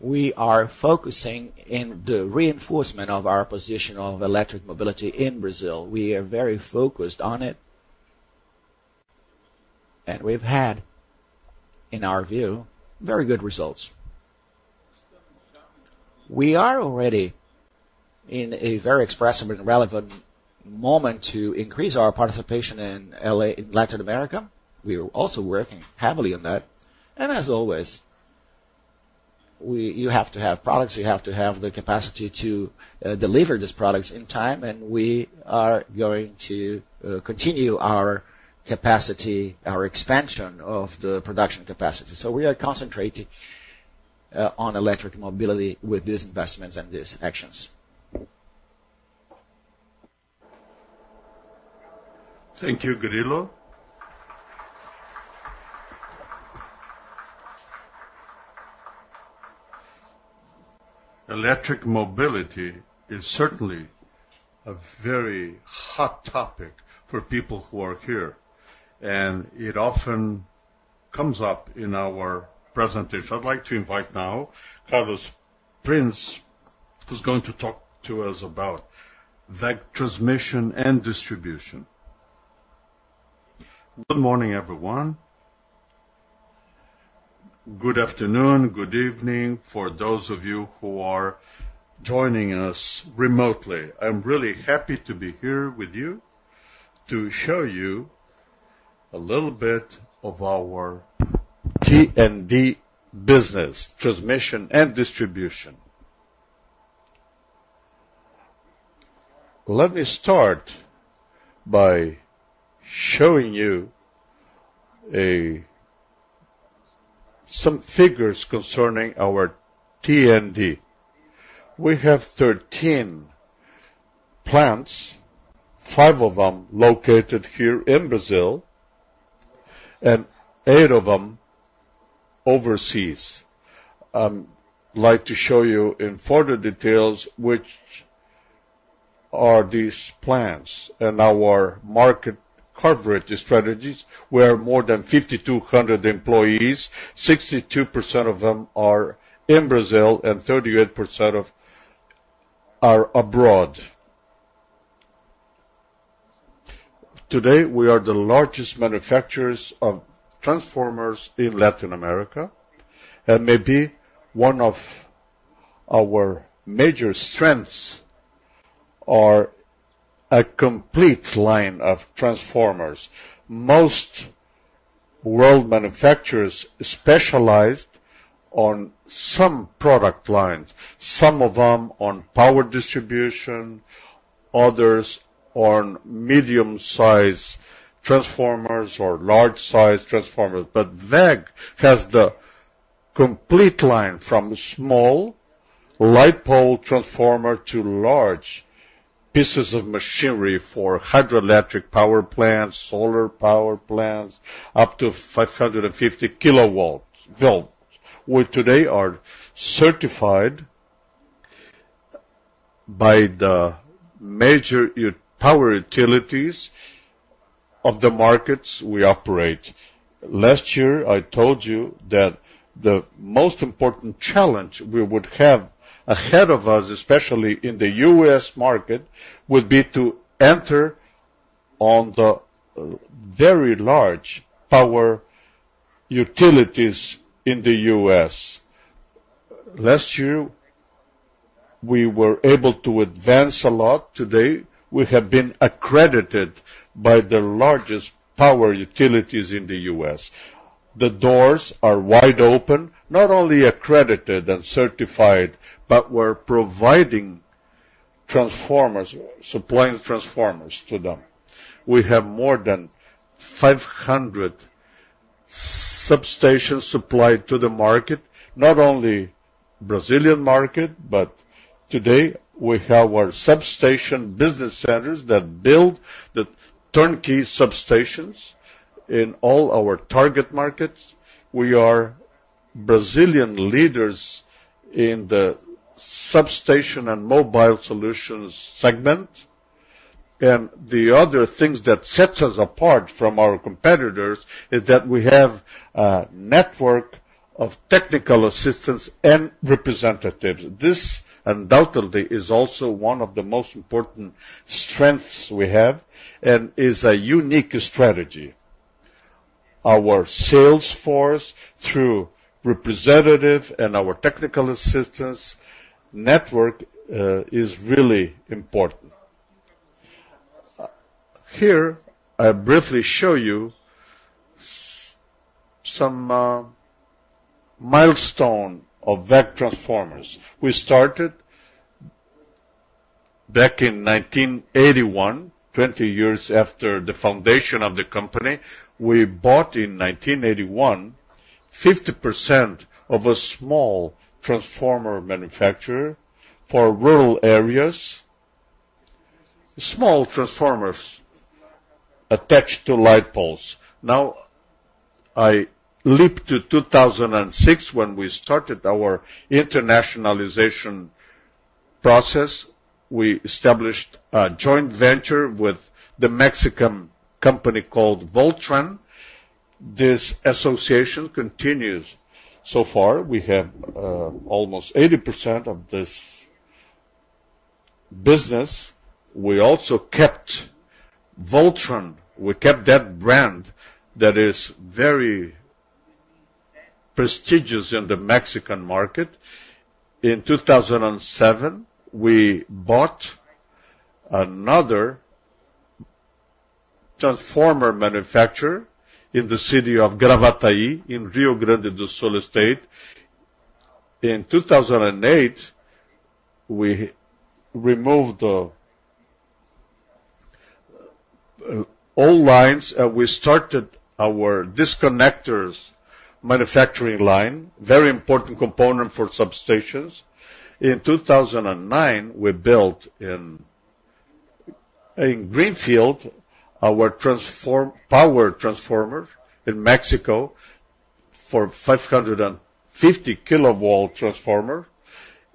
we are focusing in the reinforcement of our position of electric mobility in Brazil. We are very focused on it. We've had, in our view, very good results. We are already in a very expressive and relevant moment to increase our participation in LA—in Latin America. We are also working heavily on that, and as always, you have to have products, you have to have the capacity to deliver these products in time, and we are going to continue our capacity, our expansion of the production capacity. So we are concentrating on electric mobility with these investments and these actions. Thank you, Guerilo. Electric mobility is certainly a very hot topic for people who are here, and it often comes up in our presentation. I'd like to invite now, Carlos Prinz, who's going to talk to us about WEG transmission and distribution. Good morning, everyone. Good afternoon, good evening, for those of you who are joining us remotely. I'm really happy to be here with you to show you a little bit of our T&D business, transmission and distribution. Let me start by showing you some figures concerning our T&D. We have 13 plants, five of them located here in Brazil, and eight of them overseas. I'd like to show you in further details, which are these plants and our market coverage strategies, where more than 5,200 employees, 62% of them are in Brazil, and 38% are abroad. Today, we are the largest manufacturers of transformers in Latin America, and maybe one of our major strengths are a complete line of transformers. Most world manufacturers specialize on some product lines, some of them on power distribution, others on medium-size transformers or large-size transformers. But WEG has the complete line, from small light pole transformer to large pieces of machinery for hydroelectric power plants, solar power plants, up to 550 kV. We today are certified by the major power utilities of the markets we operate. Last year, I told you that the most important challenge we would have ahead of us, especially in the U.S. market, would be to enter on the very large power utilities in the U.S. Last year, we were able to advance a lot. Today, we have been accredited by the largest power utilities in the U.S.. The doors are wide open, not only accredited and certified, but we're providing transformers, supplying transformers to them. We have more than 500 substations supplied to the market, not only Brazilian market, but today we have our substation business centers that build the turnkey substations in all our target markets. We are Brazilian leaders in the substation and mobile solutions segment. The other things that set us apart from our competitors is that we have a network of technical assistance and representatives. This undoubtedly is also one of the most important strengths we have, and is a unique strategy. Our sales force, through representatives and our technical assistance network, is really important. Here, I briefly show you some milestones of WEG Transformers. We started back in 1981, 20 years after the foundation of the company. We bought in 1981, 50% of a small transformer manufacturer for rural areas. Small transformers attached to light poles. Now, I leap to 2006, when we started our internationalization process. We established a joint venture with the Mexican company called Voltran. This association continues. So far, we have almost 80% of this business. We also kept Voltran. We kept that brand that is very prestigious in the Mexican market. In 2007, we bought another transformer manufacturer in the city of Gravataí, in Rio Grande do Sul State. In 2008, we removed the all lines, and we started our disconnectors manufacturing line, very important component for substations. In 2009, we built in Greenfield, our power transformer in Mexico for 550 kV transformer.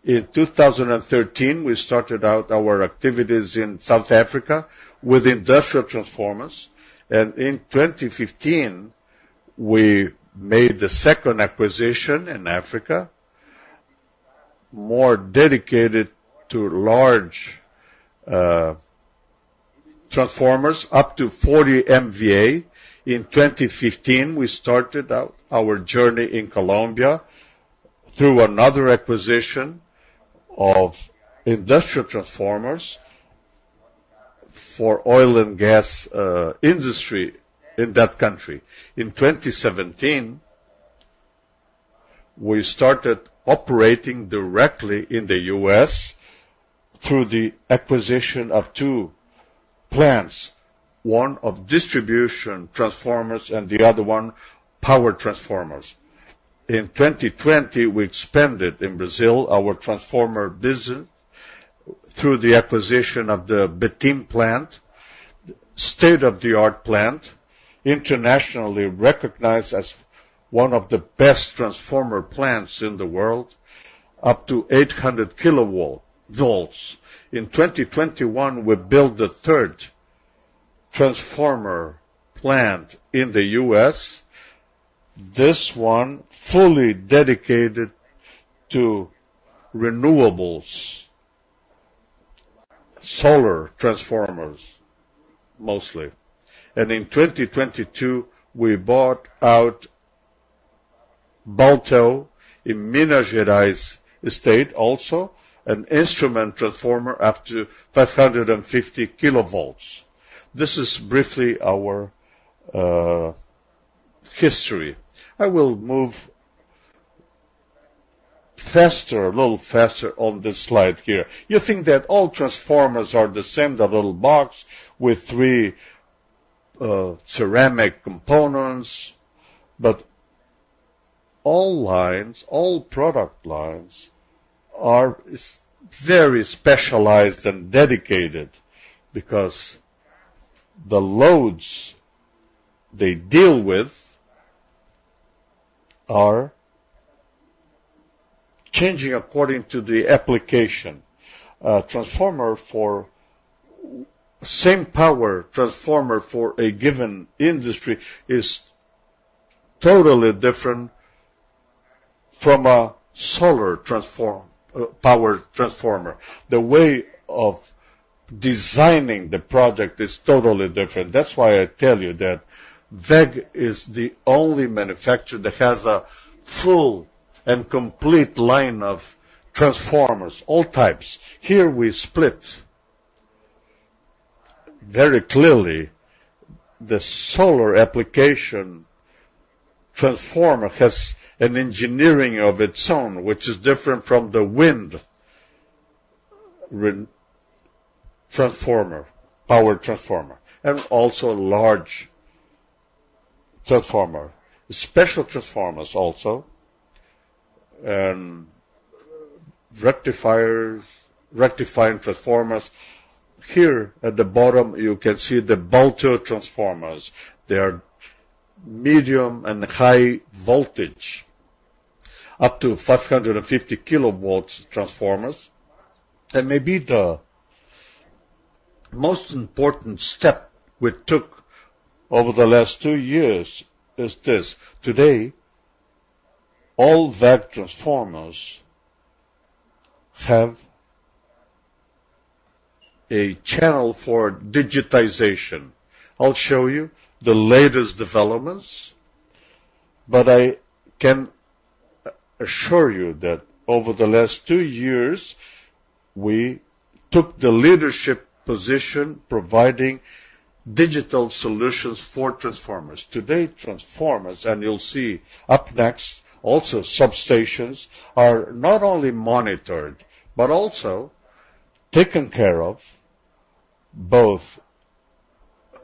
In 2013, we started out our activities in South Africa with industrial transformers, and in 2015, we made the second acquisition in Africa, more dedicated to large transformers, up to 40 MVA. In 2015, we started out our journey in Colombia through another acquisition of industrial transformers for oil and gas industry in that country. In 2017, we started operating directly in the U.S. through the acquisition of two plants, one of distribution transformers, and the other one, power transformers. In 2020, we expanded in Brazil, our transformer through the acquisition of the Betim plant. State-of-the-art plant, internationally recognized as one of the best transformer plants in the world, up to 800 kV. In 2021, we built the third transformer plant in the U.S.. This one, fully dedicated to renewables, solar transformers, mostly. In 2022, we bought out Balteau in Minas Gerais State, also an instrument transformer up to 550 kV. This is briefly our history. I will move faster, a little faster on this slide here. You think that all transformers are the same: the little box with three ceramic components, but all lines, all product lines are very specialized and dedicated because the loads they deal with are changing according to the application. A transformer for same power transformer for a given industry is totally different from a solar power transformer. The way of designing the product is totally different. That's why I tell you that WEG is the only manufacturer that has a full and complete line of transformers, all types. Here we split. Very clearly, the solar application transformer has an engineering of its own, which is different from the wind-wind transformer, power transformer, and also large transformer. Special transformers also, and rectifiers, rectifying transformers. Here at the bottom, you can see the Balteo transformers. They are medium and high voltage, up to 550 kV transformers, and the most important step we took over the last two years is this: today, all WEG transformers have a channel for digitization. I'll show you the latest developments, but I can assure you that over the last two years, we took the leadership position, providing digital solutions for transformers. Today, transformers, and you'll see up next, also, substations are not only monitored, but also taken care of, both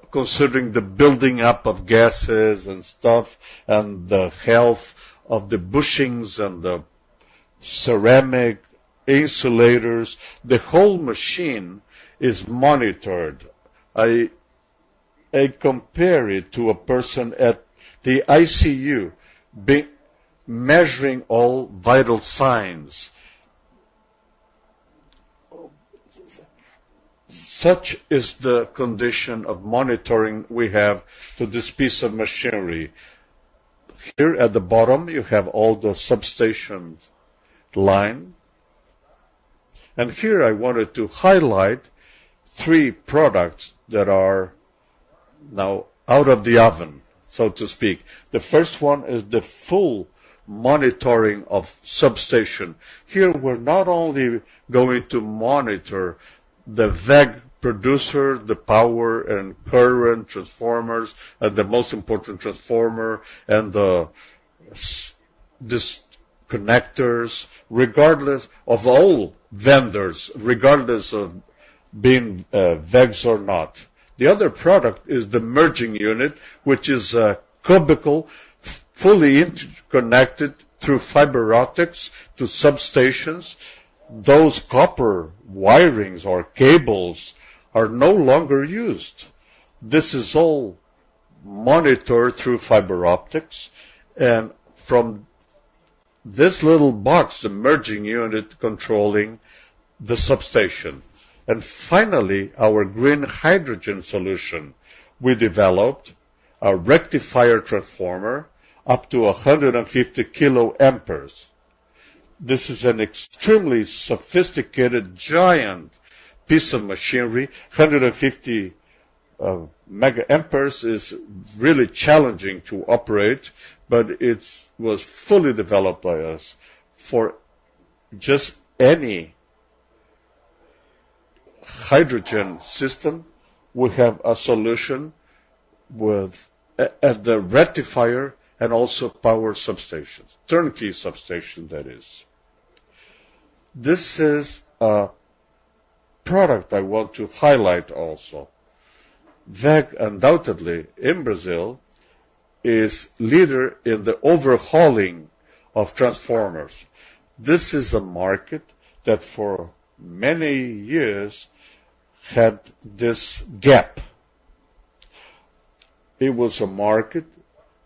considering the building up of gases and stuff, and the health of the bushings and the ceramic insulators. The whole machine is monitored. I compare it to a person at the ICU, measuring all vital signs. Such is the condition of monitoring we have to this piece of machinery. Here at the bottom, you have all the substation line. And here, I wanted to highlight three products that are now out of the oven, so to speak. The first one is the full monitoring of substation. Here, we're not only going to monitor the WEG producer, the power and current transformers, and the most important transformer, and the disconnectors, regardless of all vendors, regardless of being WEGs or not. The other product is the merging unit, which is a cubicle, fully interconnected through fiber optics to substations. Those copper wirings or cables are no longer used. This is all monitored through fiber optics, and from this little box, the merging unit, controlling the substation. And finally, our green hydrogen solution. We developed a rectifier transformer up to 150 kilo amperes. This is an extremely sophisticated, giant piece of machinery. 150 mega amperes is really challenging to operate, but it was fully developed by us. For any hydrogen system, we have a solution with our rectifier and also power substations, turnkey substation, that is. This is a product I want to highlight also. WEG, undoubtedly, in Brazil, is leader in the overhauling of transformers. This is a market that for many years had this gap. It was a market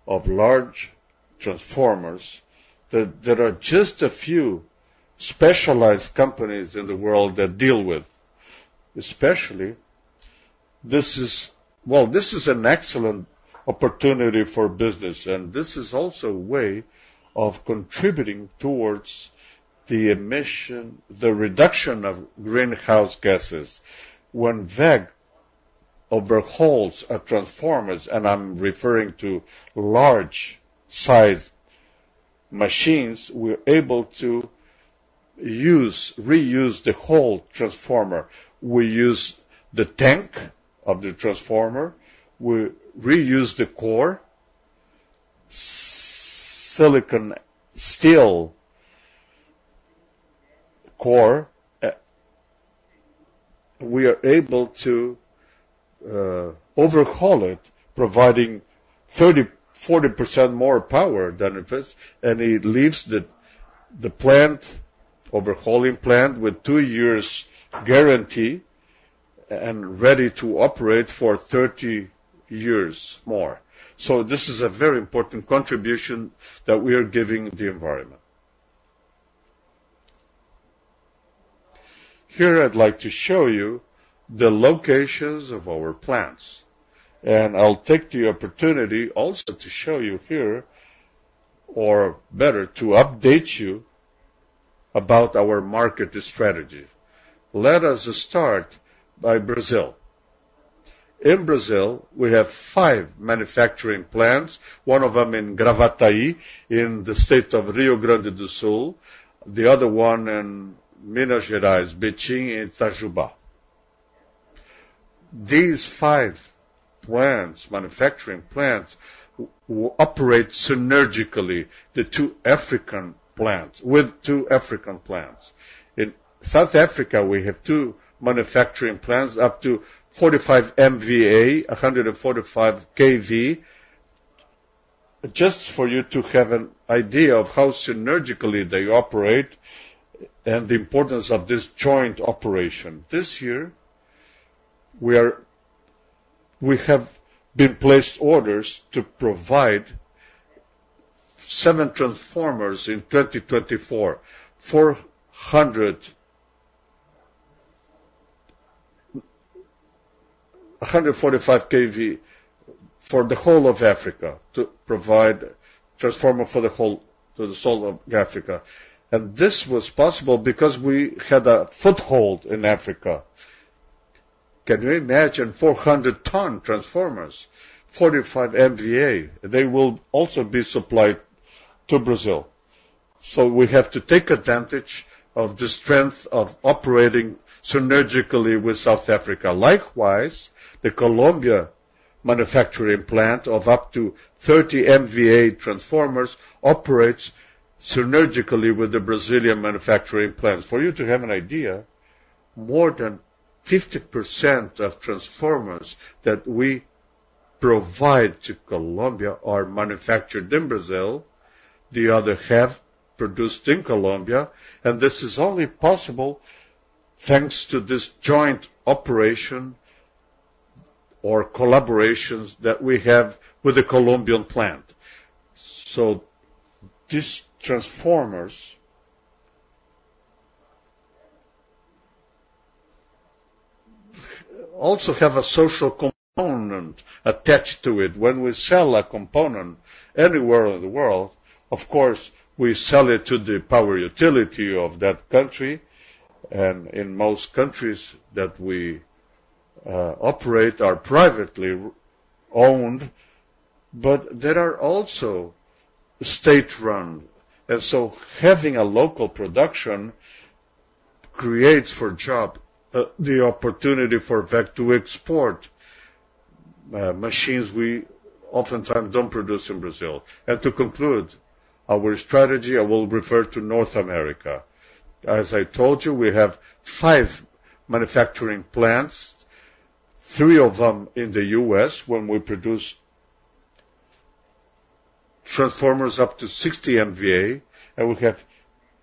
of large transformers, that there are just a few specialized companies in the world that deal with. Especially, this is well, this is an excellent opportunity for business, and this is also a way of contributing towards the emissions, the reduction of greenhouse gases. When WEG overhauls transformers, and I'm referring to large size machines, we're able to use, reuse the whole transformer. We use the tank of the transformer, we reuse the core, silicon steel core. We are able to overhaul it, providing 30%-40% more power than it was, and it leaves the overhauling plant with two years guarantee and ready to operate for 30 years more. So this is a very important contribution that we are giving the environment. Here, I'd like to show you the locations of our plants, and I'll take the opportunity also to show you here, or better, to update you about our market strategy. Let us start by Brazil. In Brazil, we have five manufacturing plants, one of them in Gravataí, in the state of Rio Grande do Sul, the other one in Minas Gerais, Betim, and Itajubá. These five plants, manufacturing plants, operate synergistically, the two African plants with two African plants. In South Africa, we have two manufacturing plants, up to 45 MVA, 145 kV. Just for you to have an idea of how synergistically they operate and the importance of this joint operation. This year, we have been placed orders to provide seven transformers in 2024, 400, 145 kV for the whole of Africa, to provide transformer for the whole to the whole of Africa. And this was possible because we had a foothold in Africa. Can you imagine 400-ton transformers, 45 MVA? They will also be supplied to Brazil. So we have to take advantage of the strength of operating synergistically with South Africa. Likewise, the Colombian manufacturing plant of up to 30 MVA transformers operates synergistically with the Brazilian manufacturing plants. For you to have an idea, more than 50% of transformers that we provide to Colombia are manufactured in Brazil, the other half produced in Colombia, and this is only possible thanks to this joint operation or collaborations that we have with the Colombian plant. So these transformers also have a social component attached to it. When we sell a component anywhere in the world, of course, we sell it to the power utility of that country, and in most countries that we operate are privately owned, but there are also state-run. So having a local production creates for job the opportunity for WEG to export machines we oftentimes don't produce in Brazil. To conclude, our strategy, I will refer to North America. As I told you, we have 5 manufacturing plants, three of them in the U.S., where we produce transformers up to 60 MVA, and we have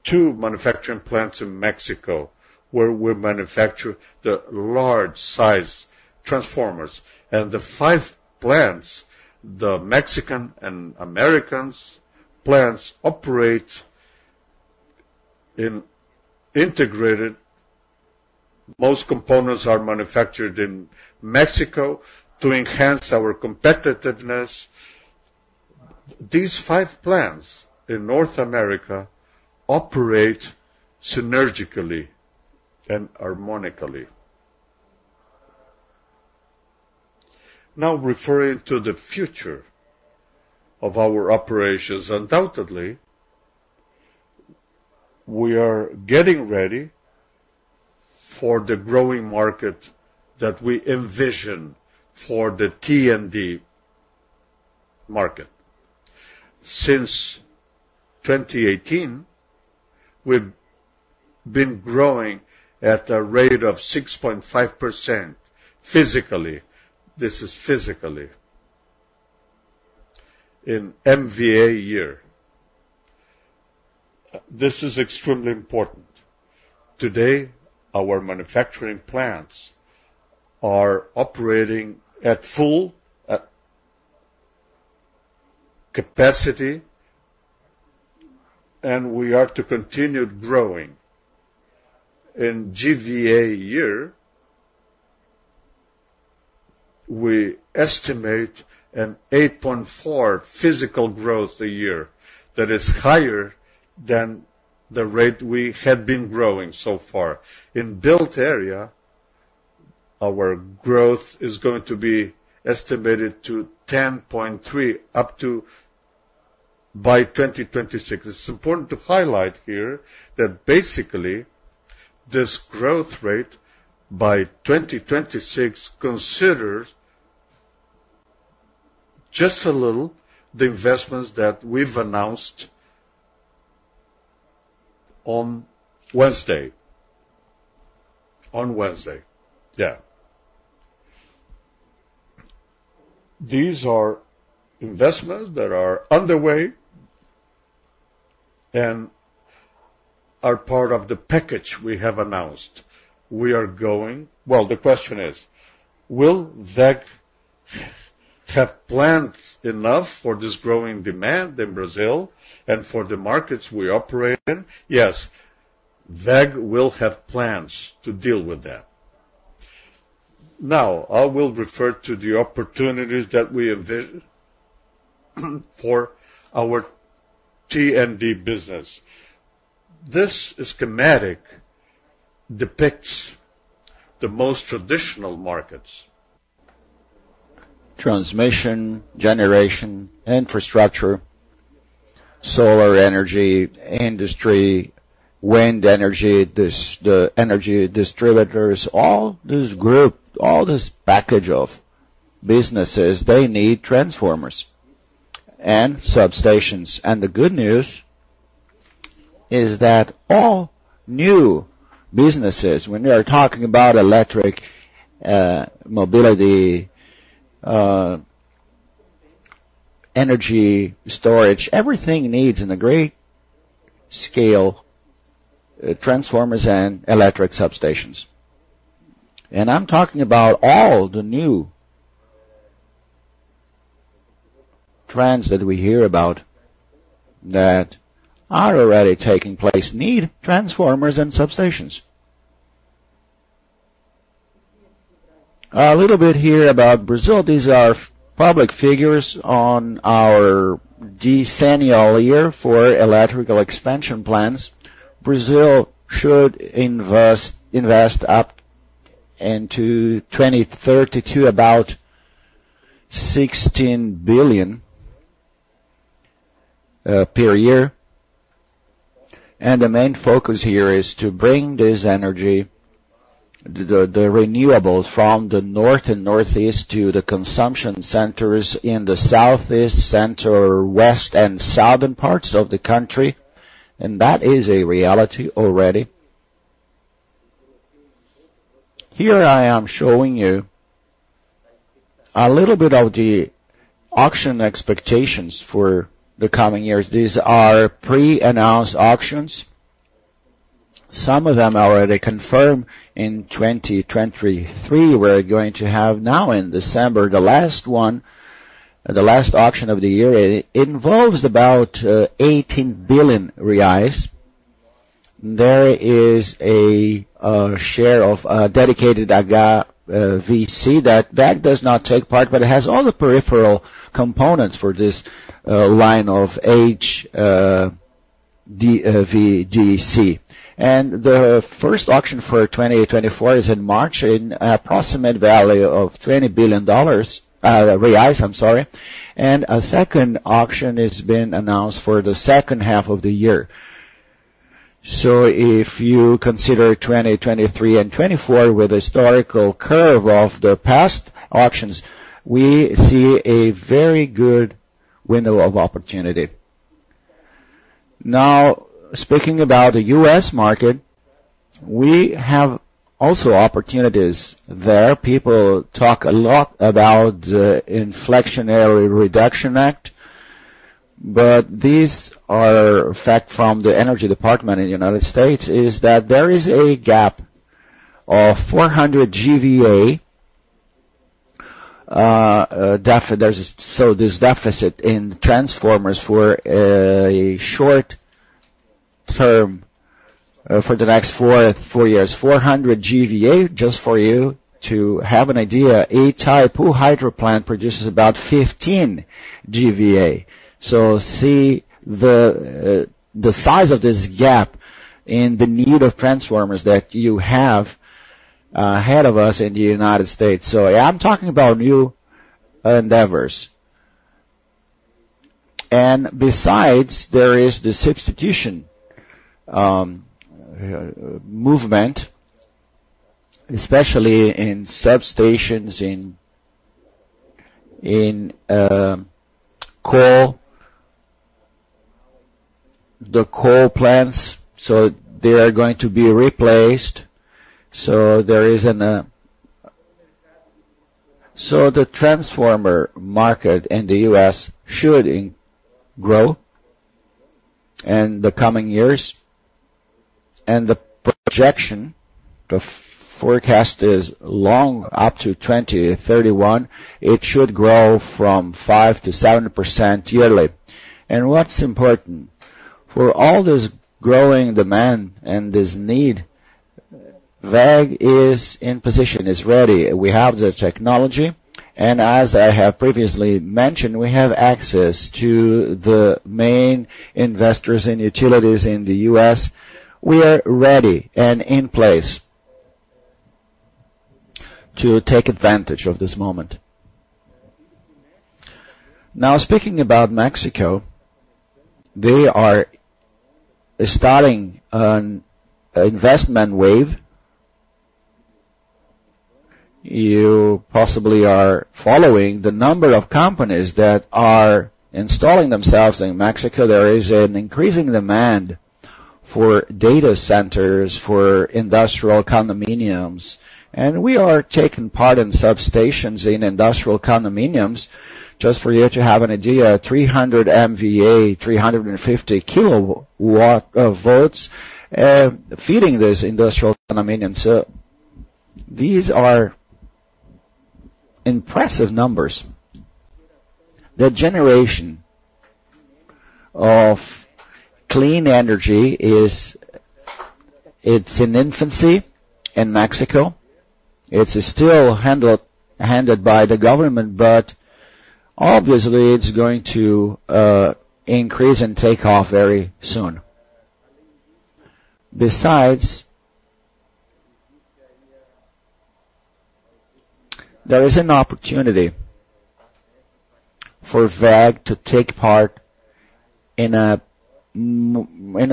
two manufacturing plants in Mexico, where we manufacture the large-size transformers. The 5 plants, the Mexican and American plants, operate in integrated. Most components are manufactured in Mexico to enhance our competitiveness. These 5 plants in North America operate synergistically and harmonically. Now, referring to the future of our operations, undoubtedly, we are getting ready for the growing market that we envision for the T&D market. Since 2018, we've been growing at a rate of 6.5%, physically. This is physically in MVA year. This is extremely important. Today, our manufacturing plants are operating at full capacity, and we are to continue growing. In GVA year, we estimate an 8.4 physical growth a year. That is higher than the rate we had been growing so far. In built area, our growth is going to be estimated to 10.3, up to by 2026. It's important to highlight here that basically, this growth rate by 2026, considers just a little, the investments that we've announced on Wednesday. On Wednesday, yeah. These are investments that are underway and are part of the package we have announced. We are going... Well, the question is: Will WEG have plans enough for this growing demand in Brazil and for the markets we operate in? Yes, WEG will have plans to deal with that. Now, I will refer to the opportunities that we envision, for our T&D business. This schematic depicts the most traditional markets: transmission, generation, infrastructure, solar energy, industry, wind energy, the energy distributors, all this group, all this package of businesses, they need transformers and substations. The good news is that all new businesses, when we are talking about electric, mobility,... energy storage, everything needs in a great scale, transformers and electric substations. And I'm talking about all the new trends that we hear about, that are already taking place, need transformers and substations. A little bit here about Brazil. These are public figures on our decennial year for electrical expansion plans. Brazil should invest, invest up into 2030 to about 16 billion per year. And the main focus here is to bring this energy, the, the, the renewables from the north and northeast to the consumption centers in the southeast, center, west, and southern parts of the country, and that is a reality already. Here I am showing you a little bit of the auction expectations for the coming years. These are pre-announced auctions, some of them already confirmed in 2023. We're going to have now in December, the last one, the last auction of the year, it involves about 18 billion reais. There is a share of dedicated AC/DC that does not take part, but it has all the peripheral components for this line of HVDC. And the first auction for 2024 is in March, in approximate value of BRL 20 billion, I'm sorry. And a second auction is being announced for the second half of the year. So if you consider 2023 and 2024 with a historical curve of the past auctions, we see a very good window of opportunity. Now, speaking about the U.S. market, we have also opportunities there. People talk a lot about the Inflation Reduction Act, but these are facts from the Energy Department in the United States, is that there is a gap of 400 GVA, def-- there's. So this deficit in transformers for a short term, for the next four years. 400 GVA, just for you to have an idea, Itaipu Hydro plant produces about 15 GVA. So see the size of this gap and the need of transformers that you have ahead of us in the United States. So I'm talking about new endeavors. And besides, there is the substitution movement, especially in substations, in coal, the coal plants, so they are going to be replaced. So there is an... So the transformer market in the US should grow in the coming years, and the projection, the forecast is long, up to 2031. It should grow from 5%-7% yearly. And what's important? For all this growing demand and this need, WEG is in position, is ready. We have the technology, and as I have previously mentioned, we have access to the main investors and utilities in the U.S.. We are ready and in place to take advantage of this moment. Now, speaking about Mexico, they are starting an investment wave. You possibly are following the number of companies that are installing themselves in Mexico. There is an increasing demand for data centers, for industrial condominiums, and we are taking part in substations in industrial condominiums. Just for you to have an idea, 300 MVA, 350 kV, feeding this industrial condominium. So these are impressive numbers. The generation of clean energy is—it's in infancy in Mexico. It's still handled by the government, but obviously, it's going to increase and take off very soon. Besides, there is an opportunity for WEG to take part in a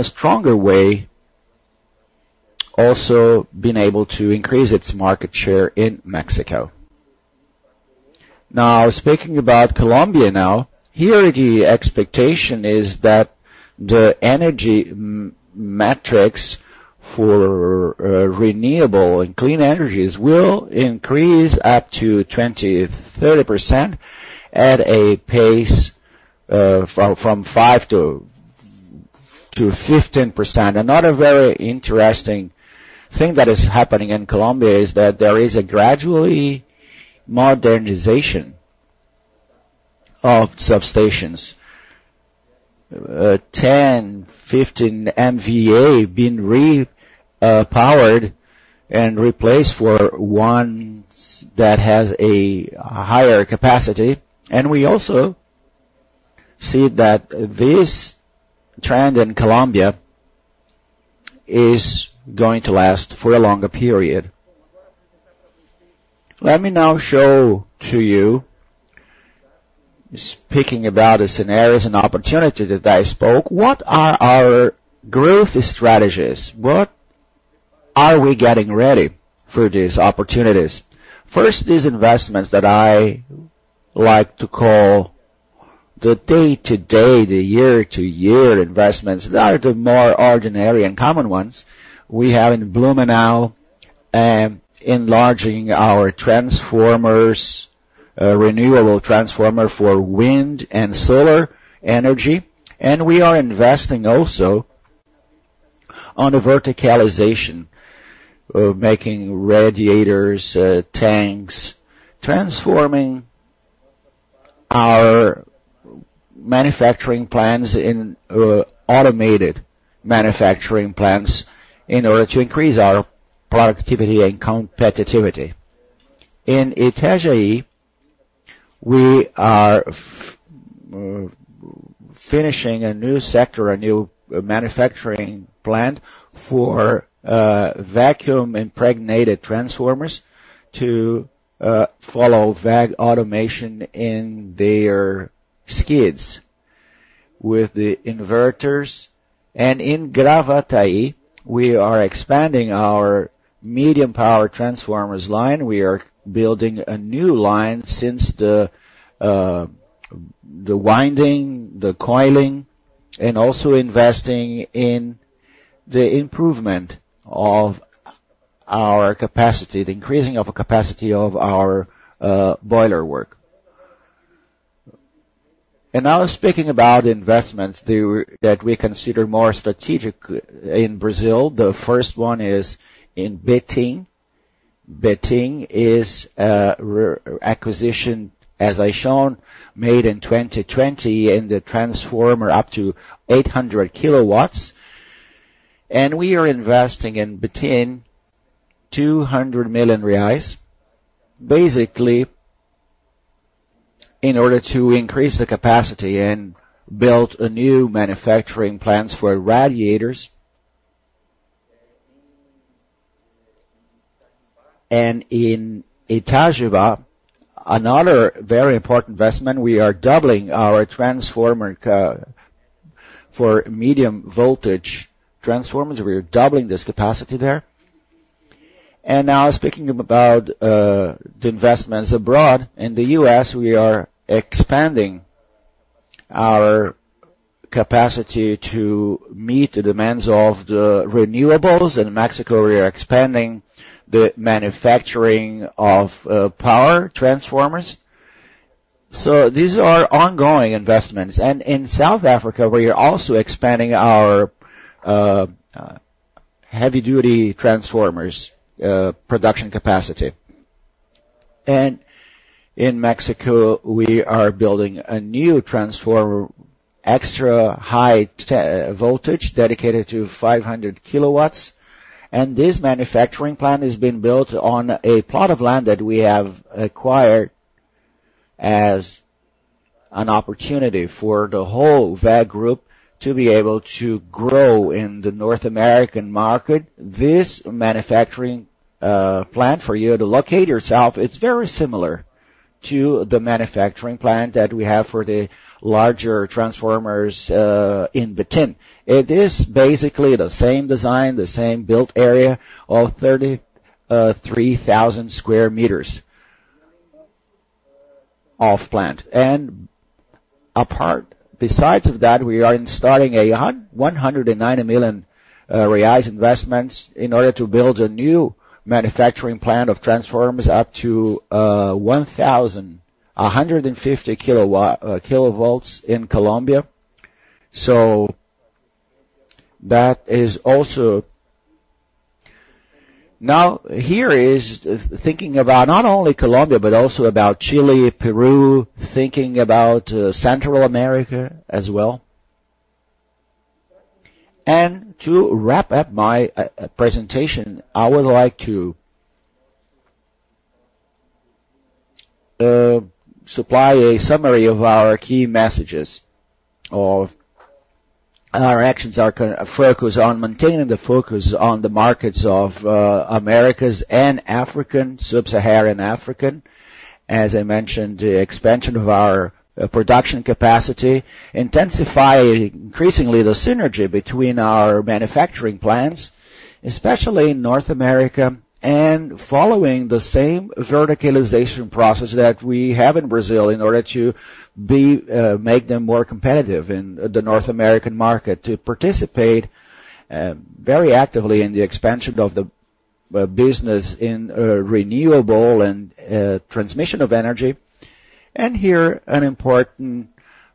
stronger way, also being able to increase its market share in Mexico. Now, speaking about Colombia, here, the expectation is that the energy metrics for renewable and clean energies will increase up to 20%-30% at a pace from 5%-15%. Another very interesting thing that is happening in Colombia is that there is a gradual modernization of substations. 10, 15 MVA being powered and replaced for ones that has a higher capacity. And we also see that this trend in Colombia is going to last for a longer period. Let me now show to you, speaking about the scenHarryos and opportunity that I spoke, what are our growth strategies? What are we getting ready for these opportunities? First, these investments that I like to call the day-to-day, the year-to-year investments, they are the more ordinary and common ones. We have in Blumenau, enlarging our transformers, renewable transformer for wind and solar energy, and we are investing also on the verticalization, making radiators, tanks, transforming our manufacturing plants in, automated manufacturing plants in order to increase our productivity and competitiveness. In Itajaí, we are finishing a new sector, a new manufacturing plant for vacuum-impregnated transformers to follow WEG automation in their skids with the inverters. And in Gravataí, we are expanding our medium power transformers line. We are building a new line since the winding, the coiling, and also investing in the improvement of our capacity, the increasing of a capacity of our boiler work. And now speaking about investments, that we consider more strategic in Brazil, the first one is in Betim. Betim is acquisition, as I shown, made in 2020, in the transformer, up to 800 kW. And we are investing in Betim, 200 million reais, basically, in order to increase the capacity and build a new manufacturing plants for radiators. In Itajubá, another very important investment, we are doubling our transformer for medium voltage transformers. We are doubling this capacity there. Now speaking about the investments abroad, in the U.S., we are expanding our capacity to meet the demands of the renewables. In Mexico, we are expanding the manufacturing of power transformers. So these are ongoing investments. In South Africa, we are also expanding our heavy-duty transformers production capacity. In Mexico, we are building a new transformer, extra high voltage, dedicated to 500 kW. This manufacturing plant is being built on a plot of land that we have acquired as an opportunity for the whole WEG group to be able to grow in the North American market. This manufacturing plant, for you to locate yourself, it's very similar to the manufacturing plant that we have for the larger transformers in Betim. It is basically the same design, the same built area of 33,000 square meters of plant. And apart-- besides of that, we are in starting a 190 million reais investments in order to build a new manufacturing plant of transformers up to 1,150 kV in Colombia. So that is also... Now, here is thinking about not only Colombia, but also about Chile, Peru, thinking about Central America as well. To wrap up my presentation, I would like to supply a summary of our key messages, of our actions are gonna focus on maintaining the focus on the markets of Americas and Africa, Sub-Saharan Africa. As I mentioned, the expansion of our production capacity, intensify increasingly the synergy between our manufacturing plants, especially in North America, and following the same verticalization process that we have in Brazil in order to be make them more competitive in the North American market, to participate very actively in the expansion of the business in renewable and transmission of energy. And here, an important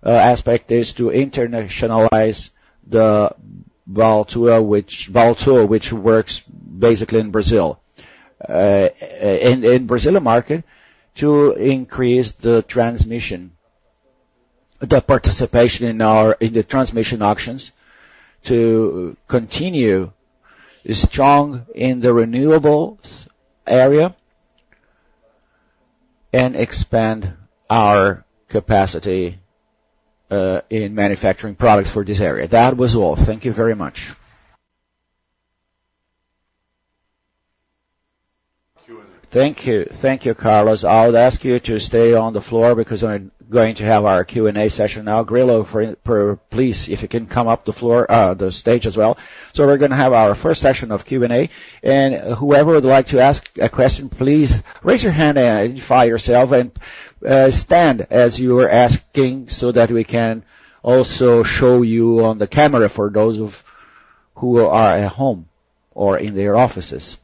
aspect is to internationalize the Valtor, which works basically in Brazil. In Brazil market, to increase the transmission, the participation in our in the transmission auctions, to continue strong in the renewables area, and expand our capacity in manufacturing products for this area. That was all. Thank you very much. Thank you. Thank you, Carlos. I would ask you to stay on the floor because we're going to have our Q&A session now. Grillo, please, if you can come up the floor, the stage as well. So we're gonna have our first session of Q&A, and whoever would like to ask a question, please raise your hand and identify yourself, and stand as you are asking, so that we can also show you on the camera for those of who are at home or in their offices.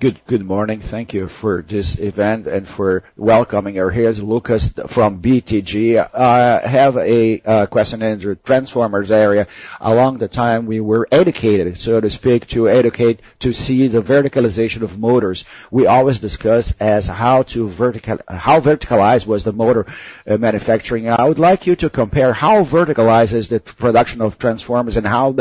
Good morning. Thank you for this event and for welcoming me. Here's Lucas from BTG. I have a question in the transformers area. Along the time, we were educated, so to speak, to educate, to see the verticalization of motors. We always discuss as how verticalized was the motor manufacturing. I would like you to compare, how verticalized is the production of transformers, and how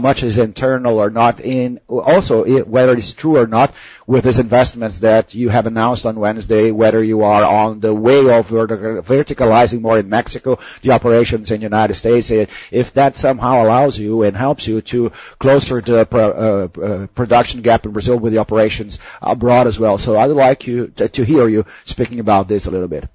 much is internal or not, and also whether it's true or not, with these investments that you have announced on Wednesday, whether you are on the way of verticalizing more in Mexico, the operations in United States, if that somehow allows you and helps you to closer to a pro production gap in Brazil with the operations abroad as well. So I would like you to hear you speaking about this a little bit.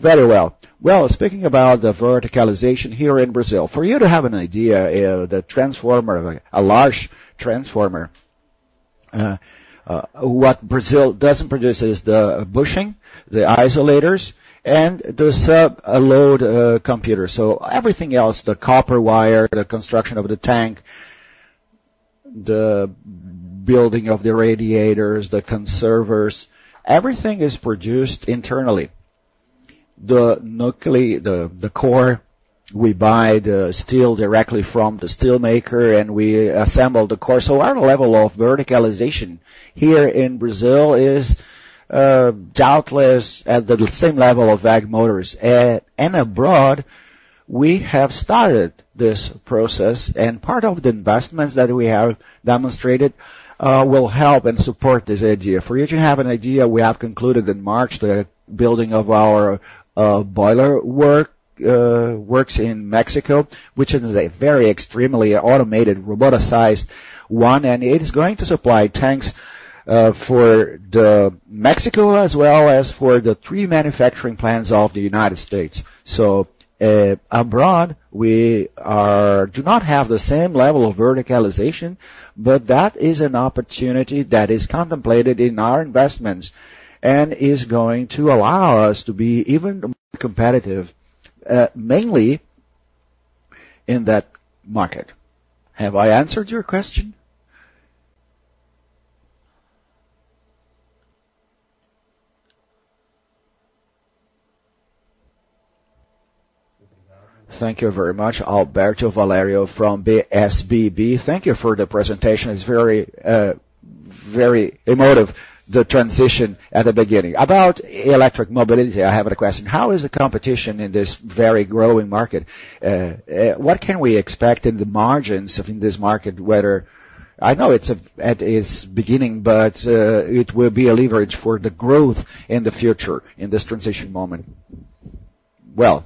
Very well. Well, speaking about the verticalization here in Brazil, for you to have an idea, the transformer, a large transformer, what Brazil doesn't produce is the bushing, the isolators, and the sub-load computer. So everything else, the copper wire, the construction of the tank, the building of the radiators, the conservers, everything is produced internally. The nuclei, the core, we buy the steel directly from the steelmaker, and we assemble the core. So our level of verticalization here in Brazil is doubtless at the same level of WEG Motors. And abroad, we have started this process, and part of the investments that we have demonstrated will help and support this idea. For you to have an idea, we have concluded in March, the building of our boiler works in Mexico, which is a very extremely automated, roboticized one, and it is going to supply tanks for Mexico, as well as for the three manufacturing plants of the United States. So, abroad, we do not have the same level of verticalization, but that is an opportunity that is contemplated in our investments and is going to allow us to be even more competitive, mainly in that market. Have I answered your question? Thank you very much. Alberto Valerio from UBS BB. Thank you for the presentation. It's very very emotive, the transition at the beginning. About electric mobility, I have a question: How is the competition in this very growing market? What can we expect in the margins of in this market, whether... I know it's at its beginning, but it will be a leverage for the growth in the future, in this transition moment. Well,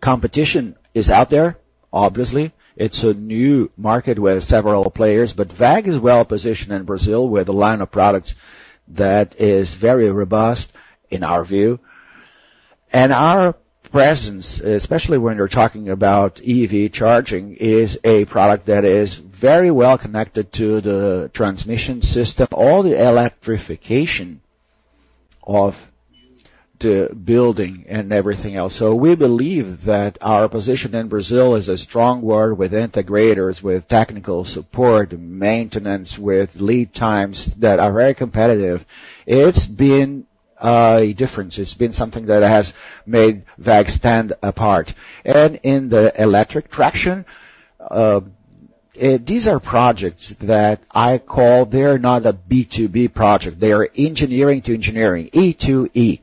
competition is out there. Obviously, it's a new market with several players, but WEG is well positioned in Brazil, with a line of products that is very robust in our view. And our presence, especially when you're talking about EV charging, is a product that is very well connected to the transmission system, all the electrification of the building and everything else. So we believe that our position in Brazil is a strong word with integrators, with technical support, maintenance, with lead times that are very competitive. It's been a difference. It's been something that has made WEG stand apart. In the electric traction, these are projects that I call, they're not a B2B project, they are engineering to engineering, E2E.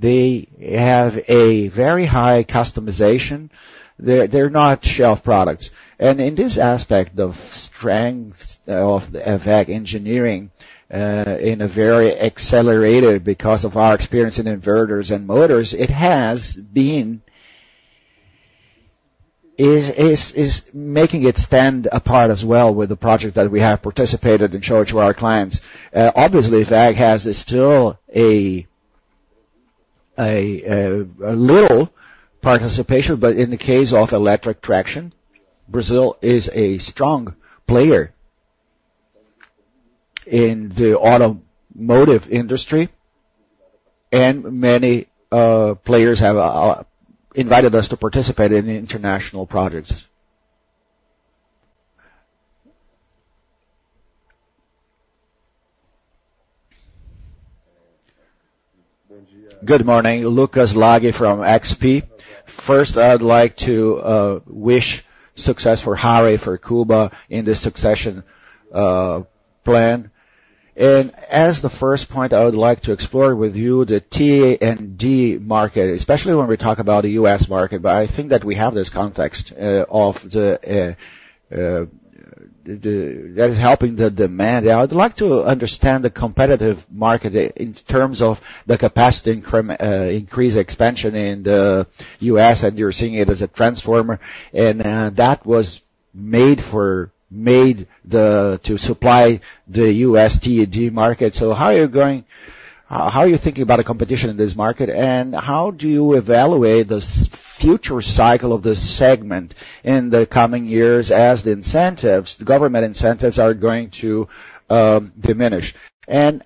They have a very high customization. They're not shelf products. In this aspect, the strength of the WEG engineering in a very accelerated because of our experience in inverters and motors, it has been is making it stand apart as well with the project that we have participated and showed to our clients. Obviously, WEG has still a little participation, but in the case of electric traction, Brazil is a strong player in the automotive industry, and many players have invited us to participate in international projects. Good morning, Lucas Laghi from XP. First, I'd like to wish success for Harry, for Kuba, in this succession plan. As the first point, I would like to explore with you the T&D market, especially when we talk about the U.S. market, but I think that we have this context that is helping the demand. I would like to understand the competitive market in terms of the capacity increase expansion in the U.S., and you're seeing it as a transformer, and that was made to supply the U.S. T&D market. So how are you thinking about the competition in this market, and how do you evaluate the future cycle of this segment in the coming years as the incentives, the government incentives, are going to diminish? And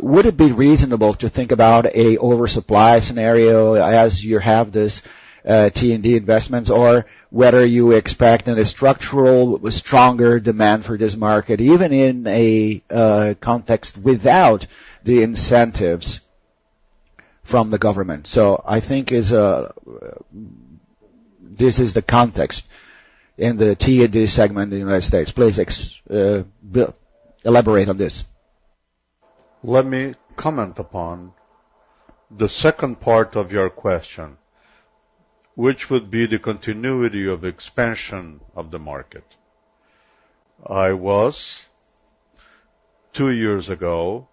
would it be reasonable to think about an oversupply scenHarryo as you have this, T&D investments, or whether you expect in a structural, stronger demand for this market, even in a context without the incentives from the government? So I think is a... This is the context in the T&D segment in the United States. Please elaborate on this. Let me comment upon the second part of your question, which would be the continuity of expansion of the market. I was, two years ago,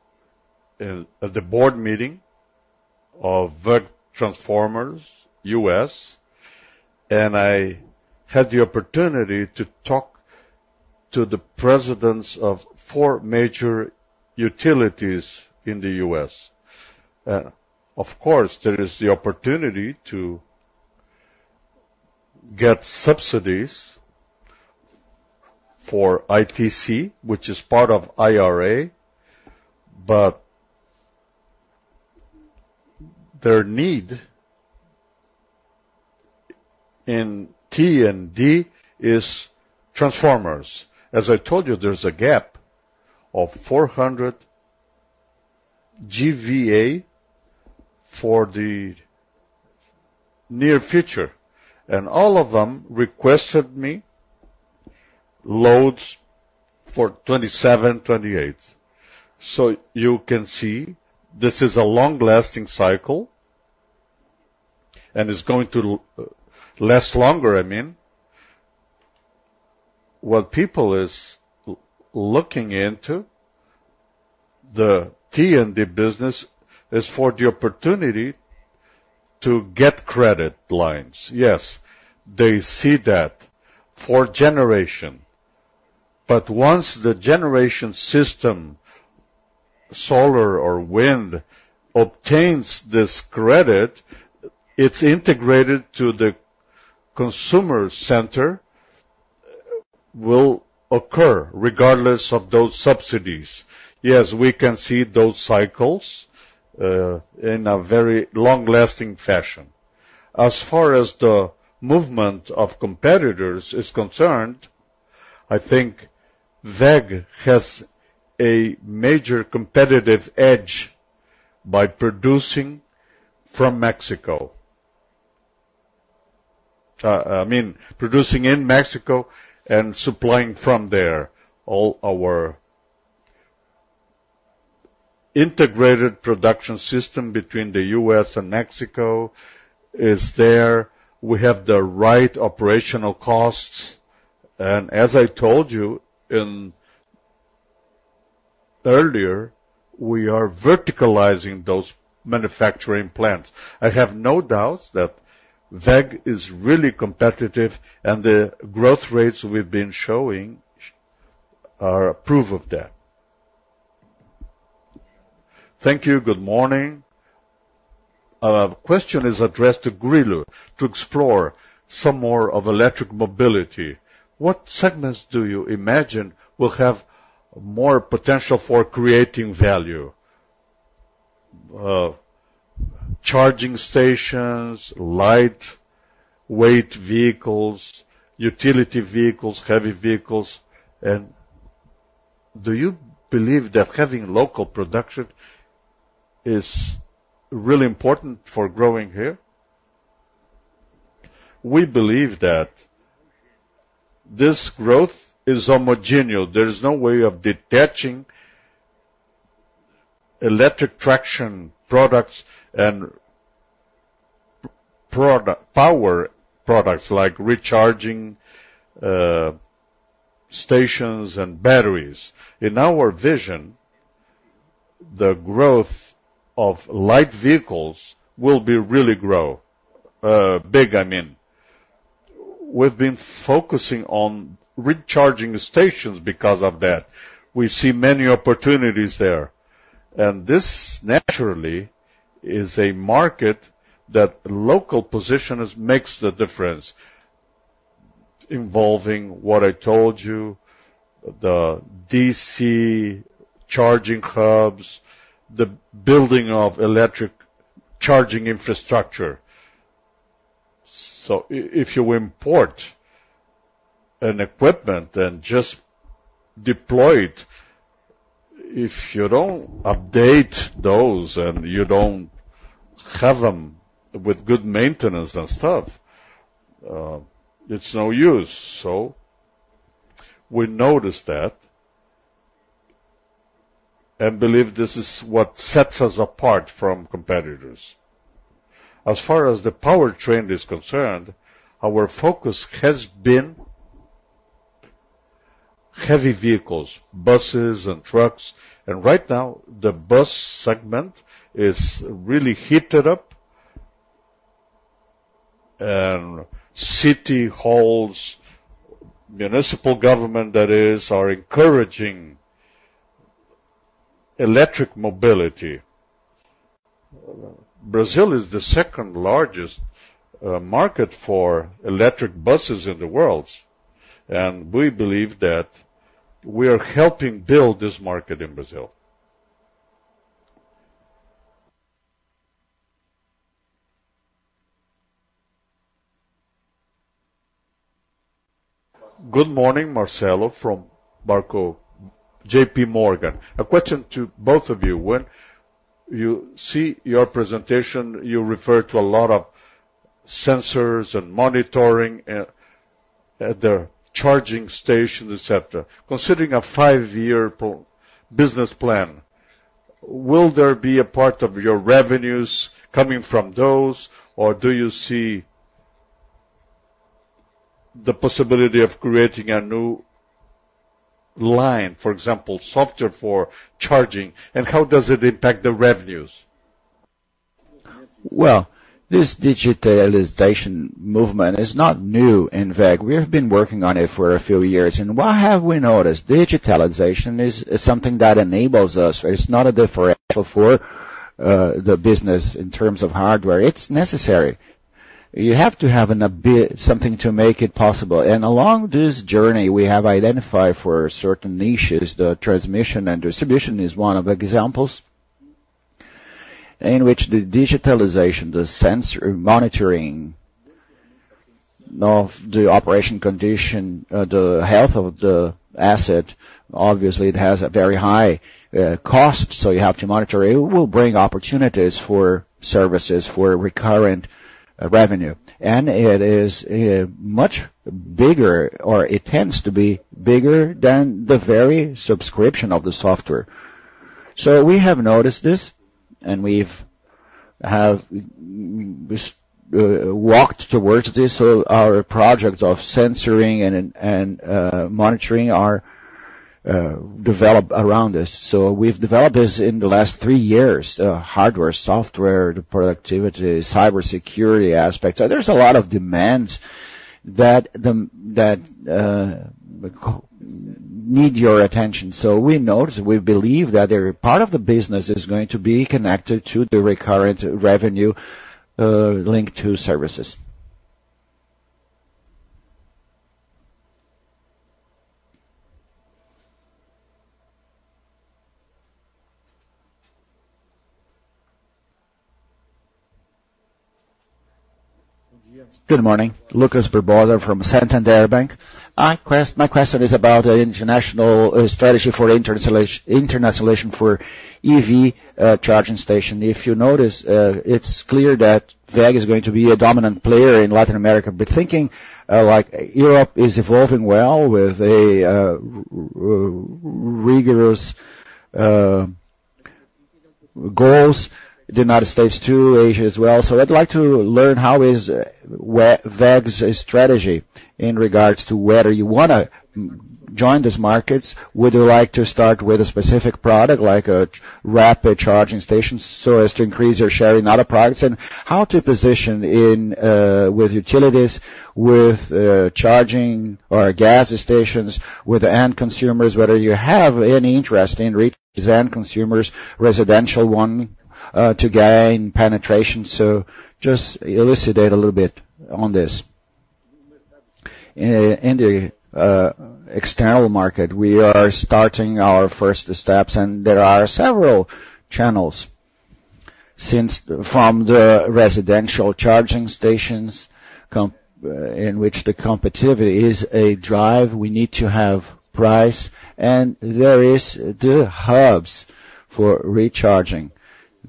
in, at the board meeting of WEG Transformers, US, and I had the opportunity to talk to the presidents of four major utilities in the U.S.. Of course, there is the opportunity to get subsidies for ITC, which is part of IRA, but their need in T&D is transformers. As I told you, there's a gap of 400 GVA for the near future, and all of them requested me loads for 2027, 2028. So you can see this is a long-lasting cycle, and it's going to last longer, I mean. What people is looking into, the T&D business, is for the opportunity to get credit lines. Yes, they see that for generation, but once the generation system, solar or wind, obtains this credit, it's integrated to the consumer center, will occur regardless of those subsidies. Yes, we can see those cycles in a very long-lasting fashion. As far as the movement of competitors is concerned, I think WEG has a major competitive edge by producing from Mexico. I mean, producing in Mexico and supplying from there. All our integrated production system between the U.S. and Mexico is there. We have the right operational costs, and as I told you in earlier, we are verticalizing those manufacturing plants. I have no doubts that WEG is really competitive, and the growth rates we've been showing are a proof of that. Thank you. Good morning. Question is addressed to Grillo, to explore some more of electric mobility. What segments do you imagine will have more potential for creating value? Charging stations, lightweight vehicles, utility vehicles, heavy vehicles, and do you believe that having local production is really important for growing here? We believe that this growth is homogeneous. There is no way of detaching electric traction products and power products, like recharging stations and batteries. In our vision, the growth of light vehicles will be really big, I mean. We've been focusing on recharging stations because of that. We see many opportunities there, and this, naturally, is a market that local positioning makes the difference.... involving what I told you, the DC charging hubs, the building of electric charging infrastructure. So if you import an equipment and just deploy it, if you don't update those and you don't have them with good maintenance and stuff, it's no use. So we noticed that, and believe this is what sets us apart from competitors. As far as the powertrain is concerned, our focus has been heavy vehicles, buses and trucks, and right now, the bus segment is really heated up. And city halls, municipal government that is, are encouraging electric mobility. Brazil is the second largest market for electric buses in the world, and we believe that we are helping build this market in Brazil. Good morning, Marcelo, from Banco, JP Morgan. A question to both of you. When you see your presentation, you refer to a lot of sensors and monitoring, at the charging station, et cetera. Considering a five-year business plan, will there be a part of your revenues coming from those? Or do you see the possibility of creating a new line, for example, software for charging, and how does it impact the revenues? Well, this digitalization movement is not new in WEG. We have been working on it for a few years, and what have we noticed? Digitalization is something that enables us, or it's not a differential for the business in terms of hardware. It's necessary. You have to have something to make it possible, and along this journey, we have identified for certain niches, the transmission and distribution is one of examples, in which the digitalization, the sensor monitoring of the operation condition, the health of the asset, obviously, it has a very high cost, so you have to monitor. It will bring opportunities for services, for recurrent revenue. And it is a much bigger, or it tends to be bigger than the very subscription of the software. So we have noticed this, and we've walked towards this. So our projects of sensing and monitoring are developed around this. So we've developed this in the last three years, hardware, software, the productivity, cybersecurity aspects. So there's a lot of demands that need your attention. So we noticed, we believe that a part of the business is going to be connected to the recurrent revenue linked to services. Good morning, Lucas Barbosa from Santander Bank. My question is about the international strategy for internationalization for EV charging station. If you notice, it's clear that WEG is going to be a dominant player in Latin America. But thinking like Europe is evolving well with rigorous goals, the United States, too, Asia as well. So I'd like to learn how is WEG's strategy in regards to whether you wanna join these markets? Would you like to start with a specific product, like a rapid charging station, so as to increase your shHarryng in other products? And how to position in with utilities, with charging or gas stations, with the end consumers, whether you have any interest in reach the end consumers, residential one, to gain penetration. So just elucidate a little bit on this. In the external market, we are starting our first steps, and there are several channels. Since from the residential charging stations, in which the competitive is a drive, we need to have price, and there are the hubs for recharging,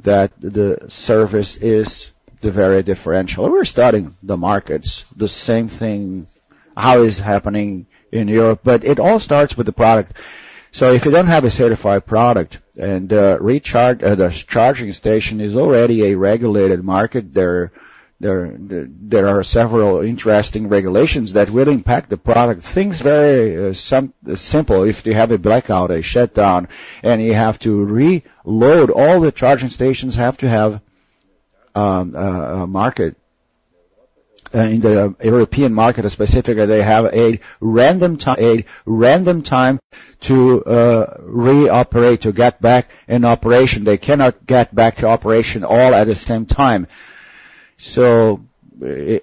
that the service is the very differential. We're studying the markets, the same thing, how is happening in Europe, but it all starts with the product. So if you don't have a certified product and recharge, the charging station is already a regulated market, there, there, there are several interesting regulations that will impact the product. Things very simple. If they have a blackout, a shutdown, and you have to reload, all the charging stations have to have market. In the European market, specifically, they have a random time to reoperate, to get back in operation. They cannot get back to operation all at the same time. So we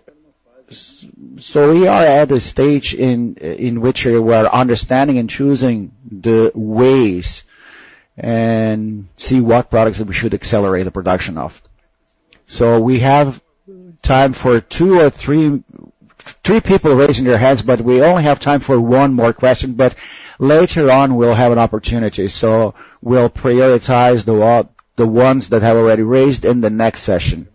are at a stage in which we are understanding and choosing the ways and see what products that we should accelerate the production of. So we have time for two or three people raising their hands, but we only have time for one more question, but later on, we'll have an opportunity. So we'll prioritize the ones that have already raised in the next session.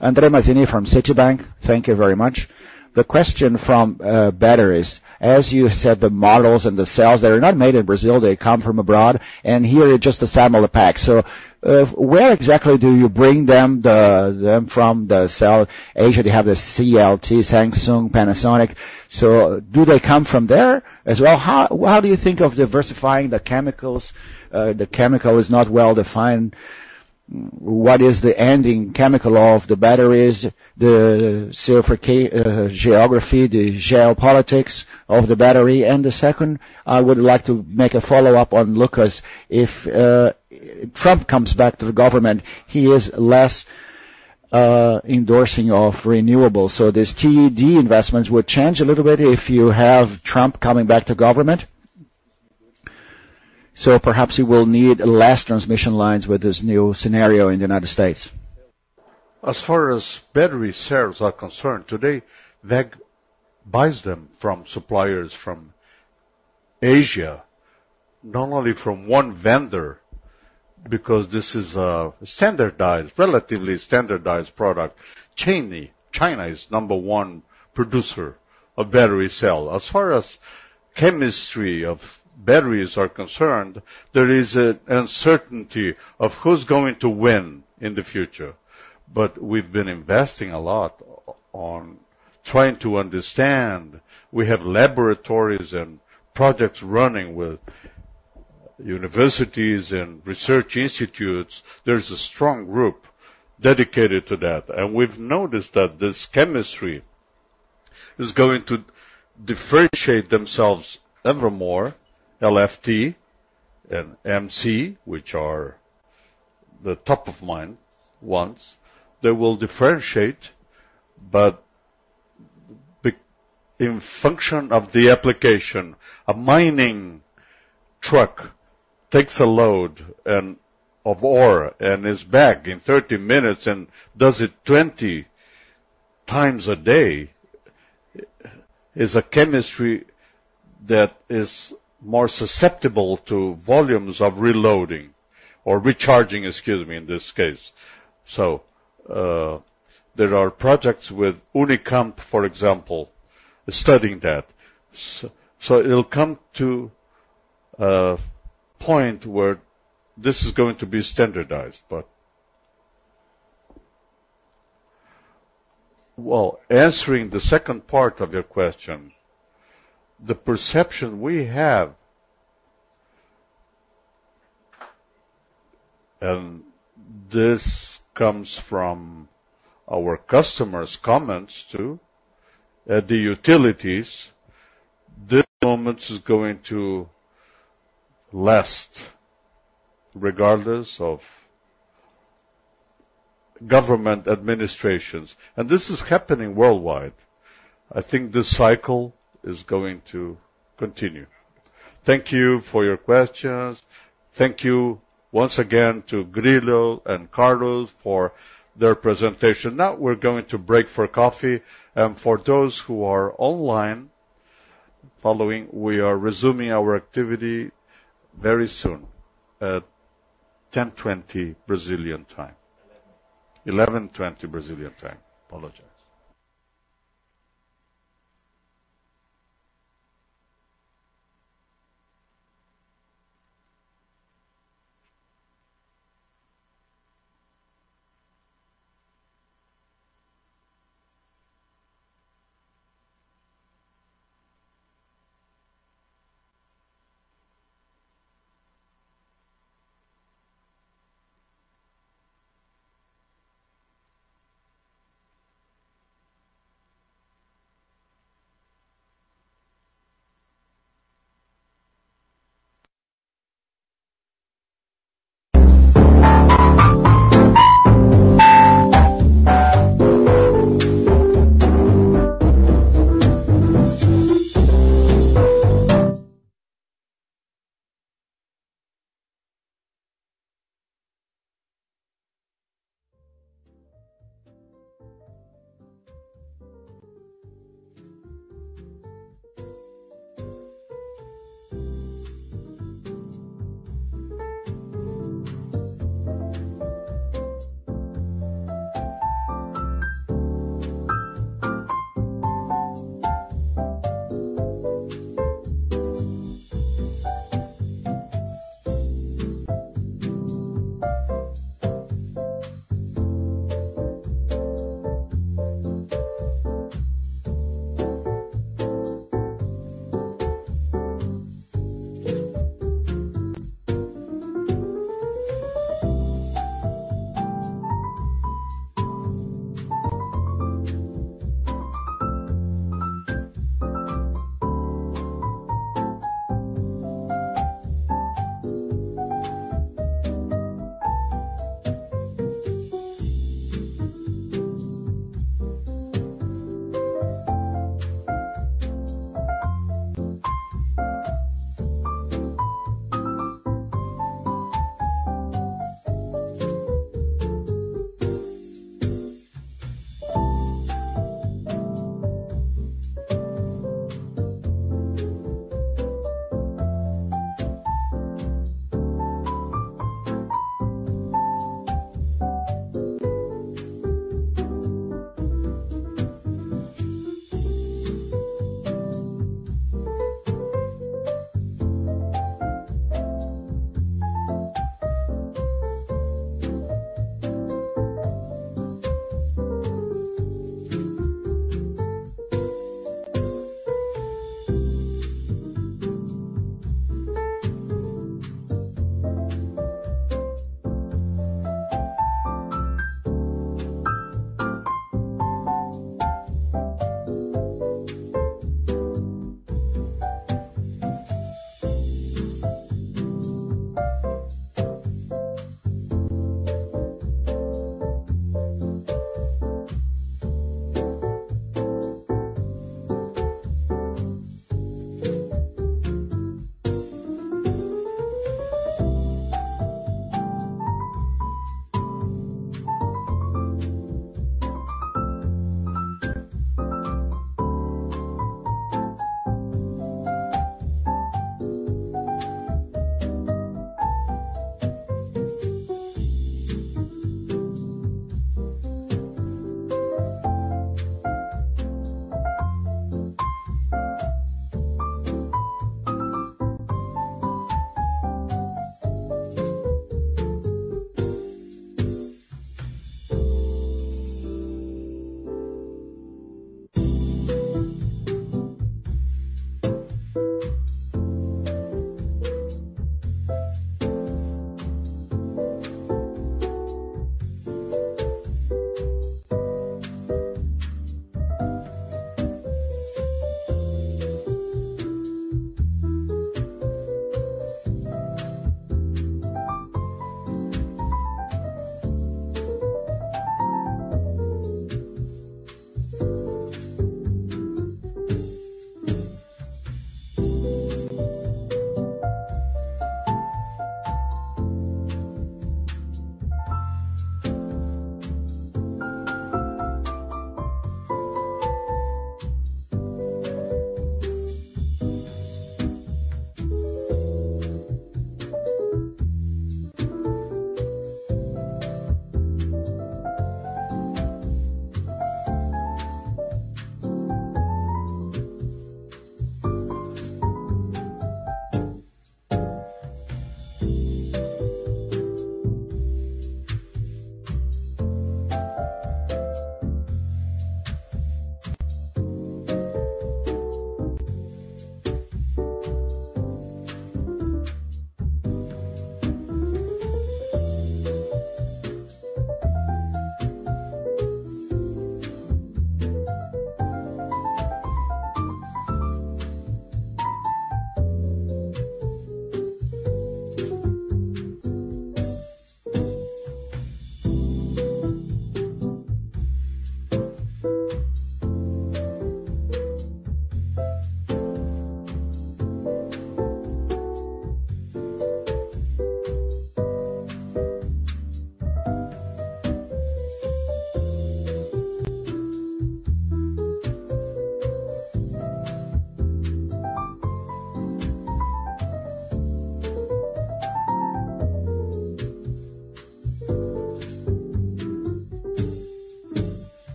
André Mazini from Citibank, thank you very much. The question from batteries, as you said, the models and the cells, they are not made in Brazil, they come from abroad, and here is just assemble the pack. So where exactly do you bring them, the, them from the South Asia, they have the CATL, Samsung, Panasonic. So do they come from there as well? How do you think of diversifying the chemicals? The chemical is not well defined. What is the ending chemical of the batteries, the sulfur ca-- geography, the geopolitics of the battery? The second, I would like to make a follow-up on Lucas. If Trump comes back to the government, he is less endorsing of renewables. So this T&D investments would change a little bit if you have Trump coming back to government. So perhaps you will need less transmission lines with this new scenHarryo in the United States. As far as battery cells are concerned, today, WEG buys them from suppliers from Asia, not only from one vendor, because this is a standardized, relatively standardized product. China, China is number one producer of battery cell. As far as chemistry of batteries are concerned, there is an uncertainty of who's going to win in the future. But we've been investing a lot on trying to understand. We have laboratories and projects running with universities and research institutes. There's a strong group dedicated to that, and we've noticed that this chemistry is going to differentiate themselves evermore, LFP and NMC, which are the top of mind ones. They will differentiate, but be in function of the application, a mining truck takes a load and of ore, and is back in 30 minutes and does it 20 times a day, is a chemistry that is more susceptible to volumes of reloading or recharging, excuse me, in this case. So, there are projects with Unicamp, for example, studying that. So it'll come to point where this is going to be standardized, but... Well, answering the second part of your question, the perception we have, and this comes from our customers' comments, too, at the utilities, this moment is going to last regardless of government administrations, and this is happening worldwide. I think this cycle is going to continue. Thank you for your questions. Thank you once again to Grillo and Carlos for their presentation. Now, we're going to break for coffee, and for those who are online following, we are resuming our activity very soon, at 10:20 A.M. Brazilian time. Eleven. 11:20 Brazilian time. Apologize.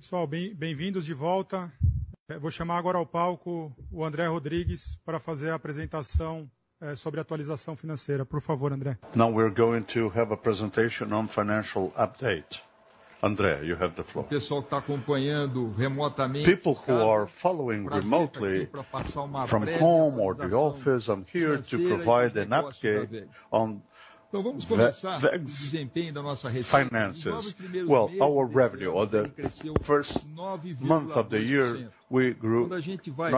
Pessoal, bem-vindos de volta! Vou chamar agora ao palco o André Rodrigues, para fazer a apresentação sobre a atualização financeira. Por favor, André. Now we're going to have a presentation on financial update. André, you have the floor. O pessoal que tá acompanhando remotamente- People who are following remotely- Pra passar uma breve atualização- From home or the office, I'm here to provide an update on the finances. Então vamos começar. Well, our revenue for the first month of the year, we grew 9.2%. Quando a gente vai-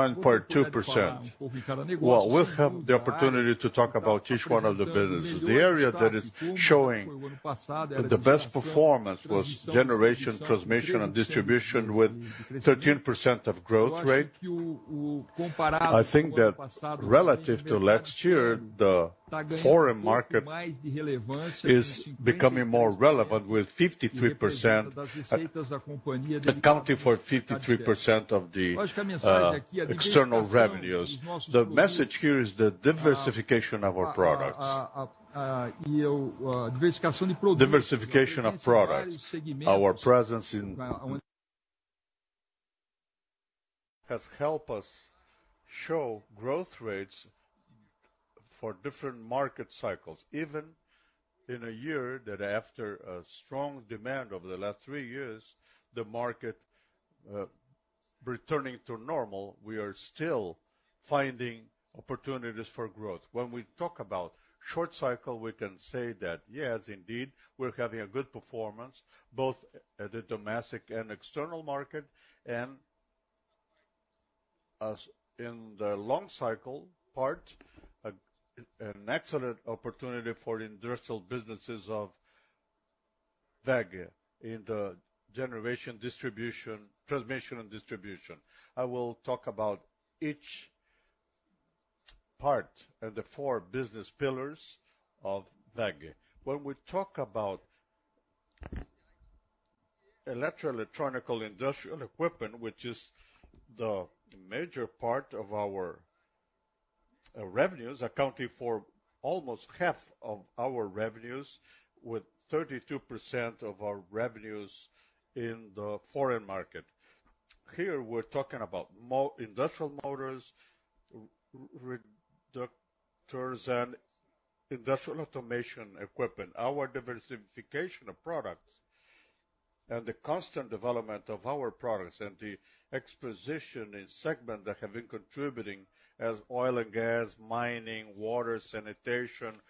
Well, we'll have the opportunity to talk about each one of the businesses. The area that is showing the best performance was generation, transmission, and distribution, with 13% growth rate. I think that relative to last year, the foreign market is becoming more relevant, with 53%, accounting for 53% of the external revenues. The message here is the diversification of our products. Diversificação de produtos. Diversification of products. Our presence in... has helped us show growth rates for different market cycles, even in a year that, after a strong demand over the last three years, the market returning to normal, we are still finding opportunities for growth. When we talk about short cycle, we can say that, yes, indeed, we're having a good performance, both at the domestic and external market, and as in the long cycle part, an excellent opportunity for industrial businesses of WEG in the generation, distribution, transmission, and distribution. I will talk about each part of the four business pillars of WEG. When we talk about electro-electronic industrial equipment, which is the major part of our revenues, accounting for almost half of our revenues, with 32% of our revenues in the foreign market. Here, we're talking about industrial motors, reducers, and industrial automation equipment. Our diversification of products and the constant development of our products and the exposure in segments that have been contributing as oil and gas, mining, water, sanitation,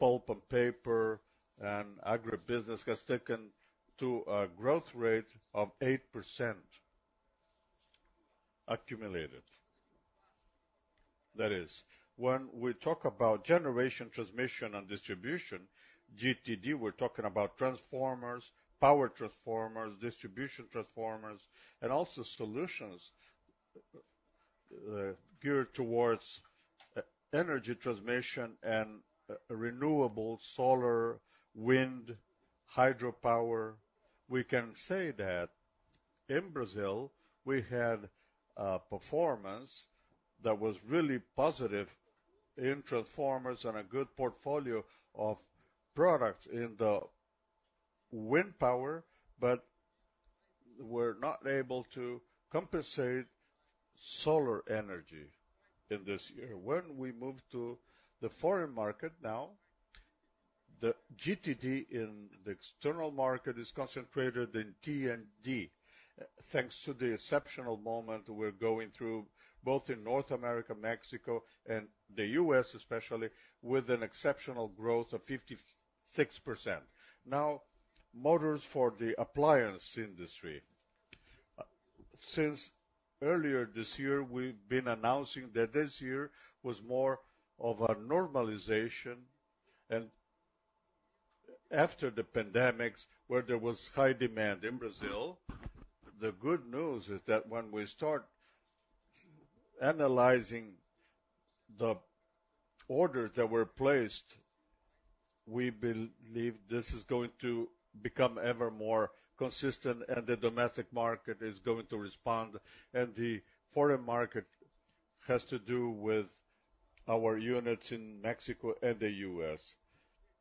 pulp and paper, and agribusiness, has taken to a growth rate of 8% accumulated. That is, when we talk about generation, transmission, and distribution, GTD, we're talking about transformers, power transformers, distribution transformers, and also solutions geared towards e-energy transmission and renewable solar, wind, hydropower. We can say that in Brazil, we had a performance that was really positive in transformers and a good portfolio of products in the wind power, but we're not able to compensate solar energy in this year. When we move to the foreign market now, the GTD in the external market is concentrated in T&D, thanks to the exceptional moment we're going through, both in North America, Mexico, and the U.S. especially, with an exceptional growth of 56%. Now, motors for the appliance industry. Since earlier this year, we've been announcing that this year was more of a normalization, and after the pandemics, where there was high demand in Brazil, the good news is that when we start analyzing the orders that were placed, we believe this is going to become ever more consistent, and the domestic market is going to respond, and the foreign market has to do with our units in Mexico and the U.S..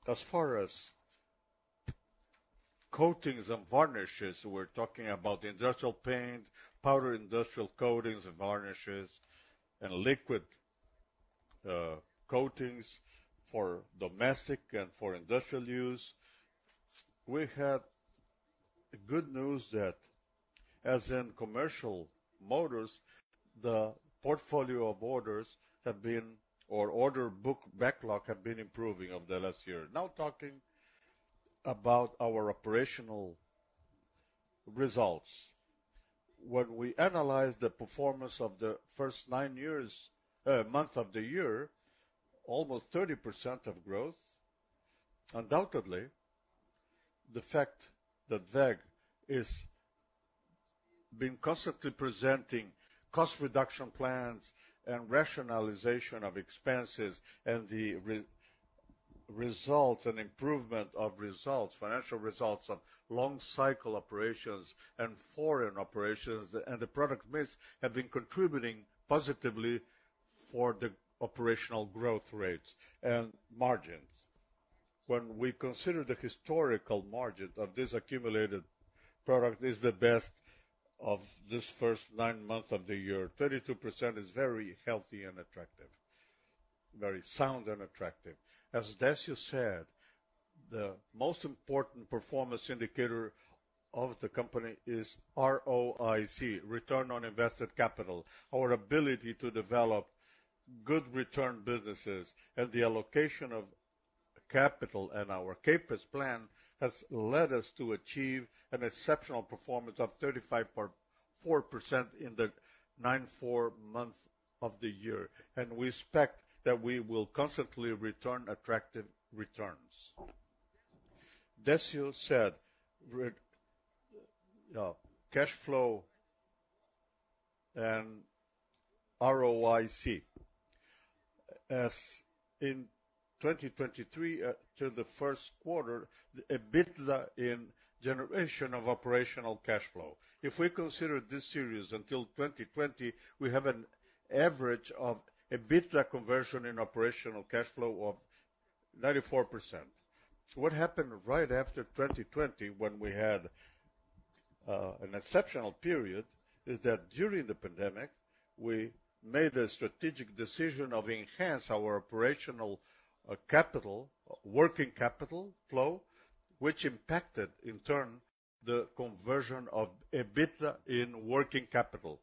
As far as coatings and varnishes, we're talking about industrial paint, powder industrial coatings and varnishes, and liquid coatings for domestic and for industrial use. We have good news that as in commercial motors, the portfolio of orders have been, or order book backlog have been improving over the last year. Now, talking about our operational results. When we analyze the performance of the first nine months of the year, almost 30% of growth, undoubtedly, the fact that WEG is been constantly presenting cost reduction plans and rationalization of expenses, and the re-results and improvement of results, financial results of long cycle operations and foreign operations, and the product mix have been contributing positively for the operational growth rates and margins. When we consider the historical margin of this accumulated product is the best of this first nine months of the year. 32% is very healthy and attractive, very sound and attractive. As Décio said, the most important performance indicator of the company is ROIC, return on invested capital, our ability to develop good return businesses and the allocation of capital and our CapEx plan, has led us to achieve an exceptional performance of 35.4% in the nine-month of the year, and we expect that we will constantly return attractive returns. Décio said cash flow and ROIC. As in 2023 to the first quarter, EBITDA in generation of operational cash flow. If we consider this series until 2020, we have an average of EBITDA conversion in operational cash flow of 94%. What happened right after 2020, when we had an exceptional period, is that during the pandemic, we made a strategic decision to enhance our operational capital working capital flow, which impacted in turn the conversion of EBITDA into working capital.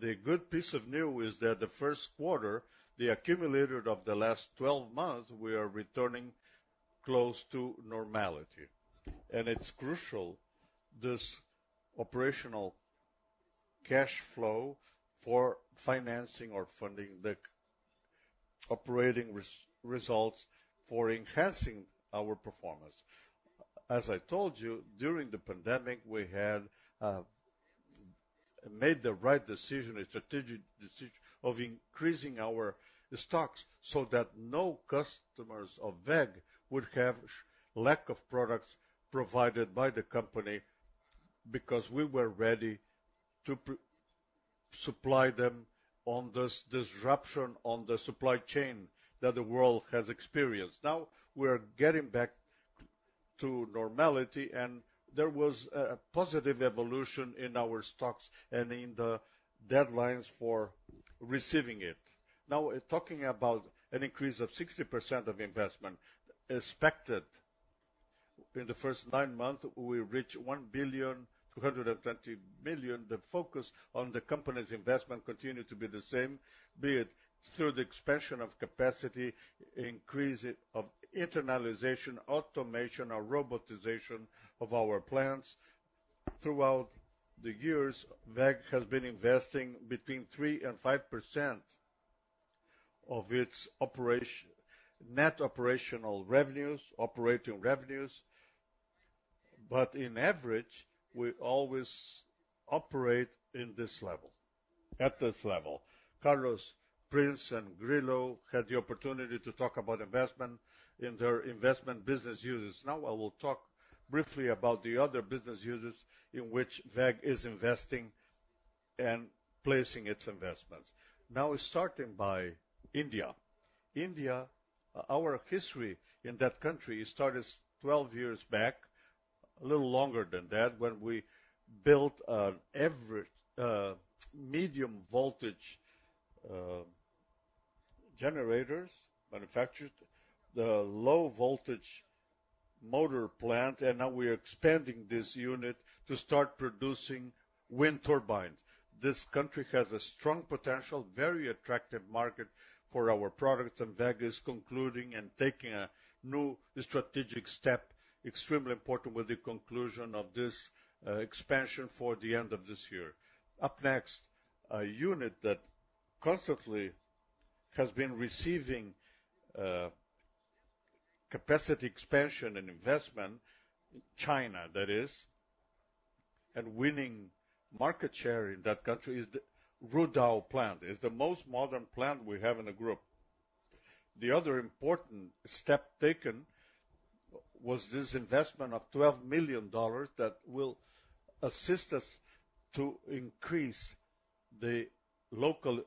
The good piece of news is that the first quarter, the accumulated of the last 12 months, we are returning close to normality. And it's crucial, this operational cash flow, for financing or funding the operating results for enhancing our performance. As I told you, during the pandemic, we had made the right decision, a strategic decision of increasing our stocks so that no customers of WEG would have lack of products provided by the company, because we were ready to supply them on this disruption on the supply chain that the world has experienced. Now, we're getting back to normality, and there was a positive evolution in our stocks and in the deadlines for receiving it. Now, talking about an increase of 60% of investment expected in the first 9 months, we reach 1.22 billion. The focus on the company's investment continued to be the same, be it through the expansion of capacity, increase of internalization, automation, or robotization of our plants. Throughout the years, WEG has been investing between 3%-5% of its operation, net operational revenues, operating revenues, but in average, we always operate in this level, at this level. Carlos Prinz and Grillo had the opportunity to talk about investment in their investment business units. Now I will talk briefly about the other business units in which WEG is investing and placing its investments. Now, starting by India. India, our history in that country started 12 years back, a little longer than that, when we built an average, medium voltage, generators, manufactured the low voltage motor plant, and now we are expanding this unit to start producing wind turbines. This country has a strong potential, very attractive market for our products, and WEG is concluding and taking a new strategic step, extremely important with the conclusion of this, expansion for the end of this year. Up next, a unit that constantly has been receiving, capacity expansion and investment, China that is, and winning market share in that country is the Rudao plant. It's the most modern plant we have in the group. The other important step taken was this investment of $12 million that will assist us to increase the local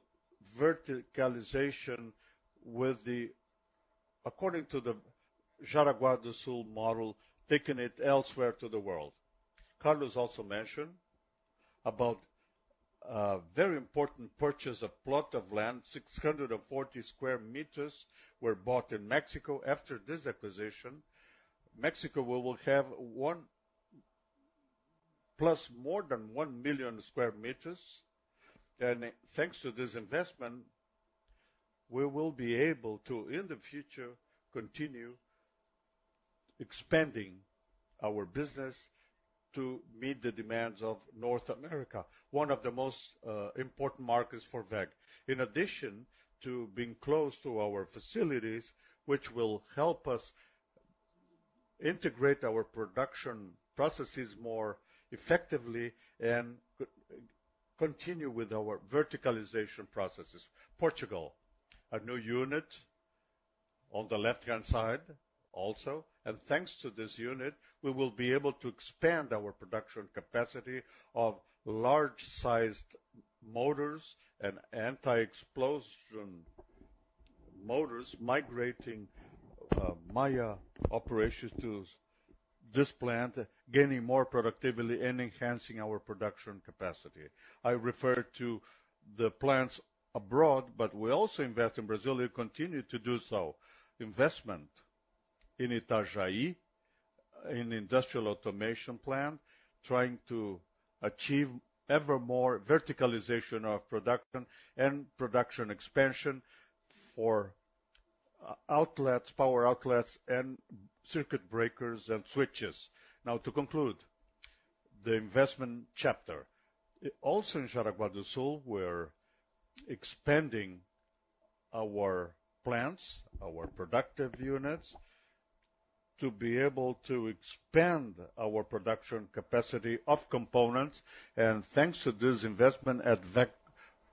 verticalization with the... According to the Jaraguá do Sul model, taking it elsewhere to the world. Carlos also mentioned about a very important purchase, a plot of land, 640 square meters were bought in Mexico. After this acquisition, Mexico will have more than 1 million square meters, and thanks to this investment, we will be able to, in the future, continue expanding our business to meet the demands of North America, one of the most important markets for WEG. In addition to being close to our facilities, which will help us integrate our production processes more effectively and continue with our verticalization processes. Portugal, a new unit on the left-hand side also, and thanks to this unit, we will be able to expand our production capacity of large-sized motors and anti-explosion motors, migrating my operations to this plant, gaining more productivity and enhancing our production capacity. I refer to the plants abroad, but we also invest in Brazil, and continue to do so. Investment in Itajaí, in industrial automation plant, trying to achieve ever more verticalization of production and production expansion for outlets, power outlets, and circuit breakers and switches. Now, to conclude the investment chapter, also in Jaraguá do Sul, we're expanding our plants, our productive units, to be able to expand our production capacity of components, and thanks to this investment at WEG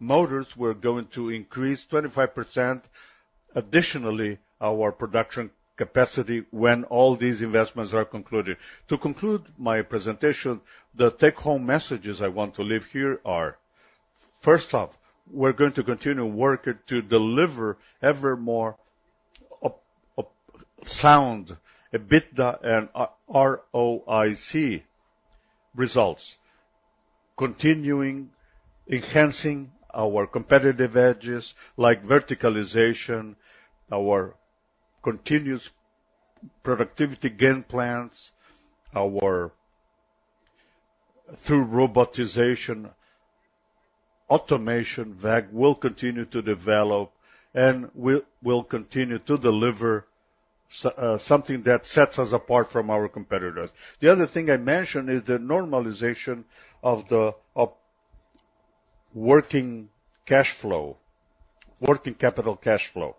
Motors, we're going to increase 25% additionally, our production capacity when all these investments are concluded. To conclude my presentation, the take-home messages I want to leave here are, first off, we're going to continue working to deliver ever more sound, EBITDA and ROIC results, continuing enhancing our competitive edges like verticalization, our continuous productivity gain plans, through robotization, automation, WEG will continue to develop, and we will continue to deliver something that sets us apart from our competitors. The other thing I mentioned is the normalization of the working cash flow, working capital cash flow.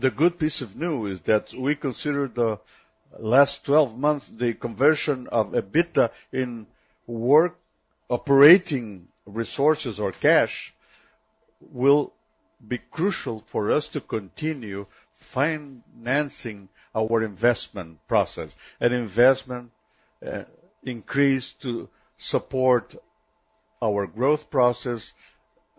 The good piece of news is that we consider the last 12 months, the conversion of EBITDA in work operating resources or cash, will be crucial for us to continue financing our investment process. An investment increase to support our growth process,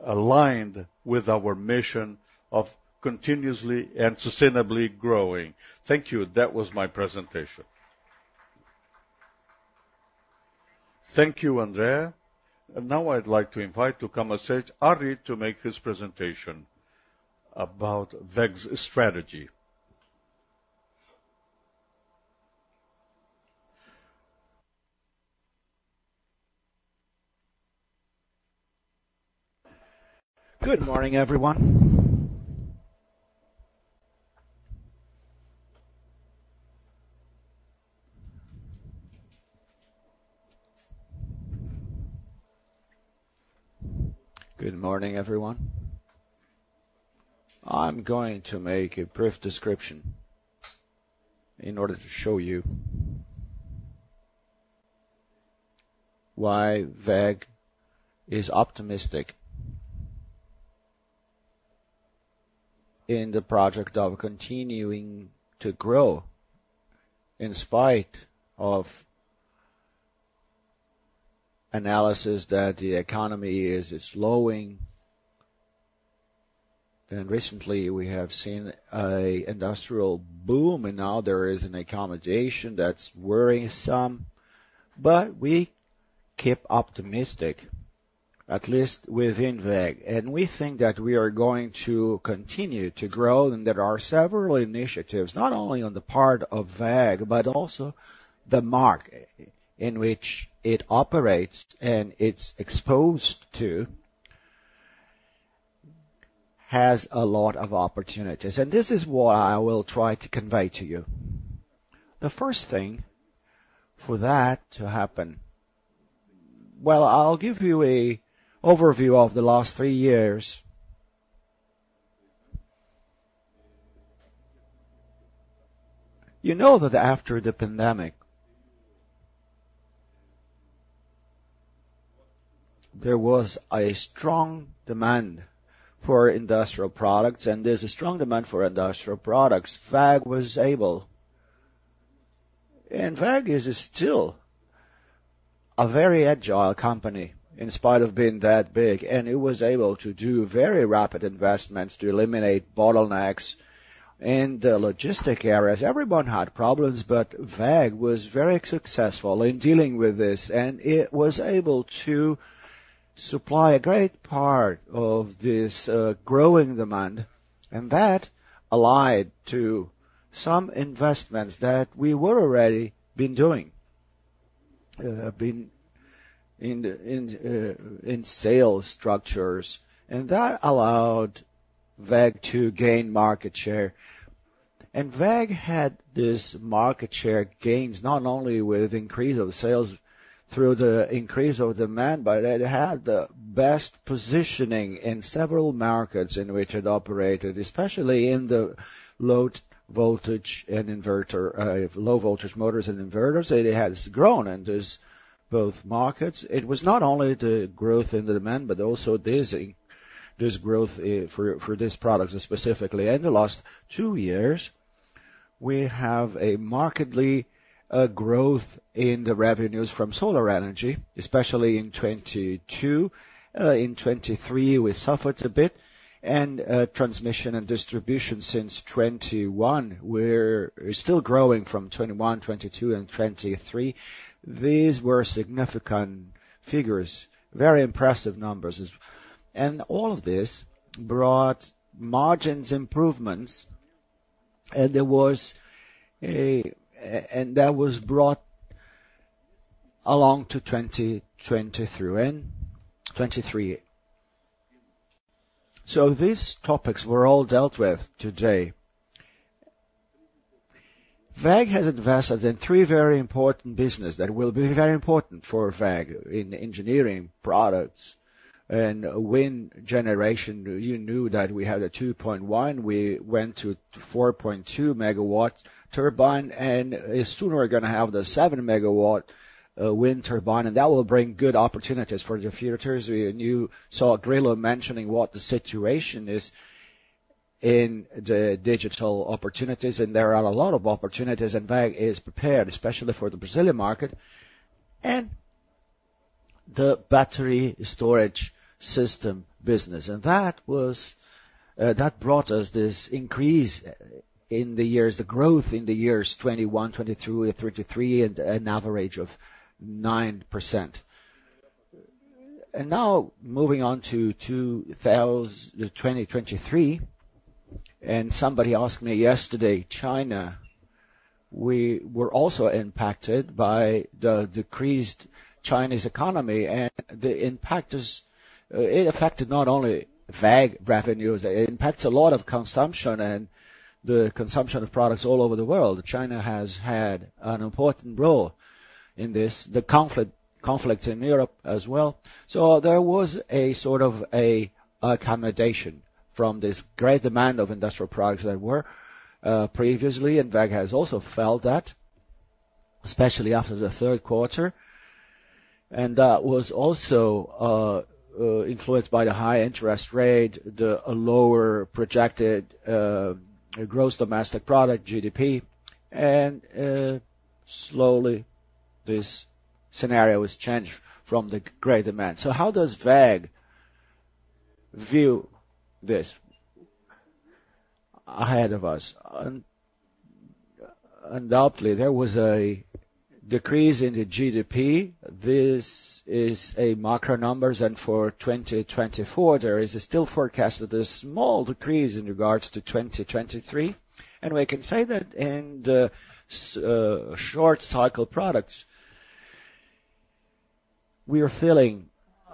aligned with our mission of continuously and sustainably growing. Thank you. That was my presentation. Thank you, André. Now I'd like to invite to come and sit, Harry, to make his presentation about WEG's strategy. Good morning, everyone. ... Good morning, everyone. I'm going to make a brief description in order to show you why WEG is optimistic in the project of continuing to grow, in spite of analyses that the economy is slowing. Recently, we have seen an industrial boom, and now there is an accommodation that's worrying some. But we keep optimistic, at least within WEG, and we think that we are going to continue to grow. There are several initiatives, not only on the part of WEG, but also the market in which it operates, and it's exposed to, has a lot of opportunities, and this is what I will try to convey to you. The first thing for that to happen... Well, I'll give you an overview of the last three years. You know that after the pandemic, there was a strong demand for industrial products, and there's a strong demand for industrial products. WEG was able, and WEG is still a very agile company in spite of being that big, and it was able to do very rapid investments to eliminate bottlenecks in the logistic areas. Everyone had problems, but WEG was very successful in dealing with this, and it was able to supply a great part of this growing demand, and that allied to some investments that we were already been doing in sales structures, and that allowed WEG to gain market share. WEG had this market share gains not only with increase of sales through the increase of demand, but it had the best positioning in several markets in which it operated, especially in the low voltage and inverter, low voltage motors and inverters. It has grown, and there's both markets. It was not only the growth in the demand, but also there's growth for this product specifically. And the last two years, we have a markedly growth in the revenues from solar energy, especially in 2022. In 2023, we suffered a bit, and transmission and distribution since 2021, we're still growing from 2021, 2022 and 2023. These were significant figures, very impressive numbers. And all of this brought margins improvements, and there was a and that was brought along to 2023, and 2023. So these topics were all dealt with today. WEG has invested in three very important business that will be very important for WEG in engineering products and wind generation. You knew that we had a 2.1, we went to 4.2 MW turbine, and soon we're gonna have the 7 MW wind turbine, and that will bring good opportunities for the futures. And you saw Grillo mentioning what the situation is in the digital opportunities, and there are a lot of opportunities, and WEG is prepared, especially for the Brazilian market and the battery storage system business. And that was, that brought us this increase in the years, the growth in the years 2021, 2022, 2023, and an average of 9%. And now moving on to 2000... 2023, and somebody asked me yesterday, China, we were also impacted by the decreased Chinese economy, and the impact is, it affected not only WEG revenues, it impacts a lot of consumption and the consumption of products all over the world. China has had an important role in this, the conflict, conflicts in Europe as well. So there was a sort of a accommodation from this great demand of industrial products that were, previously, and WEG has also felt that, especially after the third quarter, and that was also, influenced by the high interest rate, the lower projected, gross domestic product, GDP, and, slowly, this scenHarryo is changed from the great demand. So how does WEG view this ahead of us? Undoubtedly, there was a decrease in the GDP. This is macro numbers, and for 2024, there is still forecast that there's small decrease in regards to 2023. We can say that in the short cycle products, we are feeling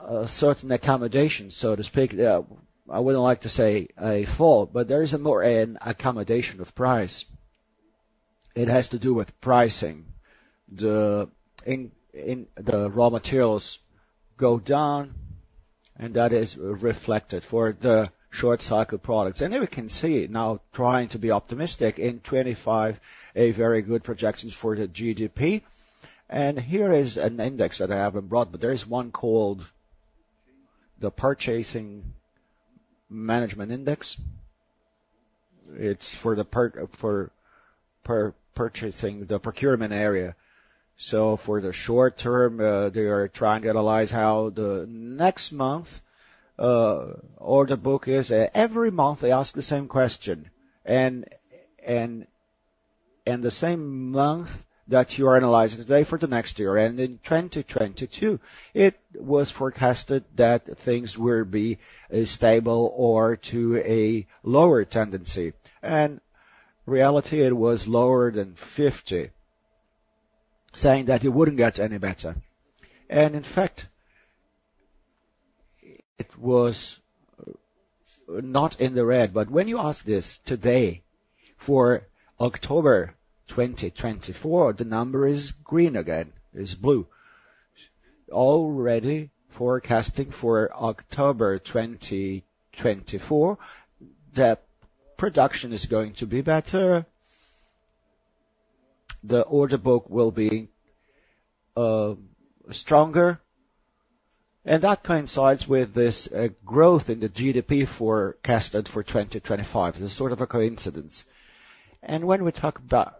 a certain accommodation, so to speak. I wouldn't like to say a fault, but there is a more an accommodation of price. It has to do with pricing. The raw materials go down, and that is reflected for the short cycle products. Here we can see now trying to be optimistic in 2025, a very good projections for the GDP. Here is an index that I haven't brought, but there is one called the Purchasing Managers' Index. It's for the purchasing, the procurement area. So for the short term, they are trying to analyze how the next month, order book is. Every month, they ask the same question, and, and, and the same month that you are analyzing today for the next year. And in 2022, it was forecasted that things will be stable or to a lower tendency, and in reality, it was lower than 50, saying that it wouldn't get any better. And in fact, it was not in the red. But when you ask this today, for October 2024, the number is green again. It's blue. Already forecasting for October 2024, that production is going to be better. The order book will be stronger, and that coincides with this growth in the GDP forecasted for 2025. This is sort of a coincidence. And when we talk about...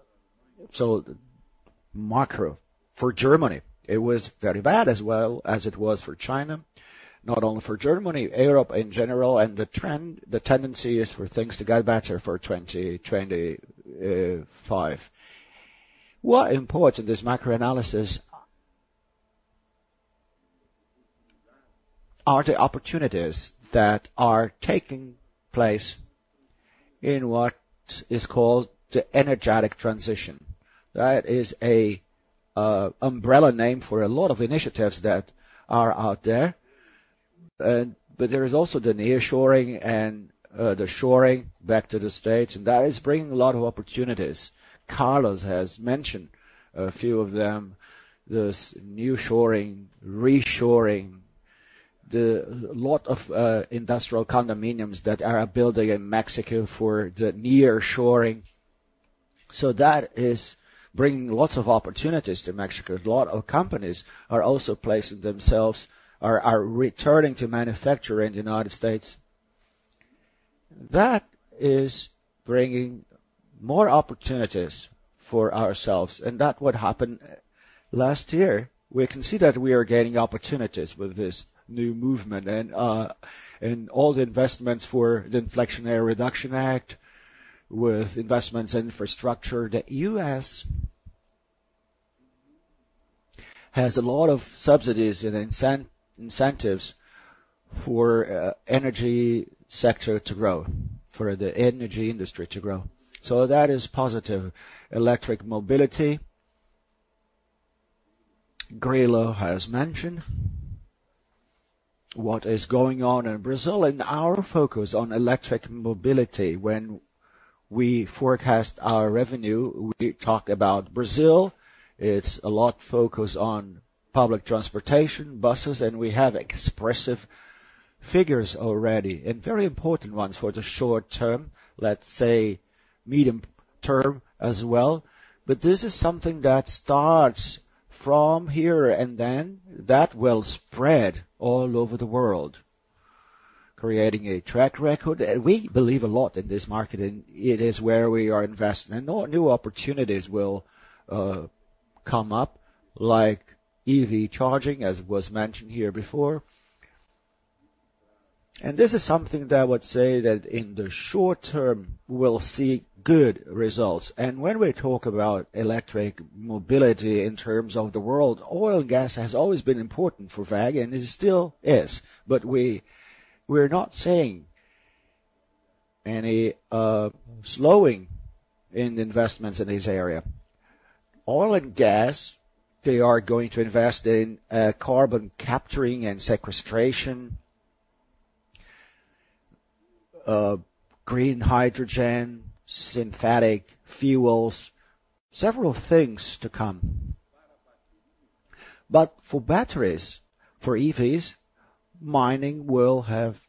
So macro for Germany, it was very bad as well as it was for China, not only for Germany, Europe in general, and the trend, the tendency is for things to get better for 2025. What importance in this macro analysis are the opportunities that are taking place in what is called the energetic transition. That is a umbrella name for a lot of initiatives that are out there. But there is also the nearshoring and the shoring back to the States, and that is bringing a lot of opportunities. Carlos has mentioned a few of them, this new shoring, reshoring, the lot of industrial condominiums that are building in Mexico for the nearshoring. So that is bringing lots of opportunities to Mexico. A lot of companies are also placing themselves or are returning to manufacture in the United States. That is bringing more opportunities for ourselves, and that what happened last year. We can see that we are getting opportunities with this new movement and and all the investments for the Inflation Reduction Act, with investments in infrastructure. The U.S. has a lot of subsidies and incentives for energy sector to grow, for the energy industry to grow. So that is positive. Electric mobility. Grillo has mentioned what is going on in Brazil, and our focus on electric mobility. When we forecast our revenue, we talk about Brazil. It's a lot focus on public transportation, buses, and we have expressive figures already, and very important ones for the short term, let's say medium term as well. But this is something that starts from here and then, that will spread all over the world, creating a track record. We believe a lot in this market, and it is where we are investing, and more new opportunities will come up, like EV charging, as was mentioned here before. And this is something that I would say that in the short term, we'll see good results. And when we talk about electric mobility in terms of the world, oil and gas has always been important for WEG, and it still is. But we, we're not saying any slowing in investments in this area. Oil and gas, they are going to invest in carbon capturing and sequestration, green hydrogen, synthetic fuels, several things to come. But for batteries, for EVs, mining will have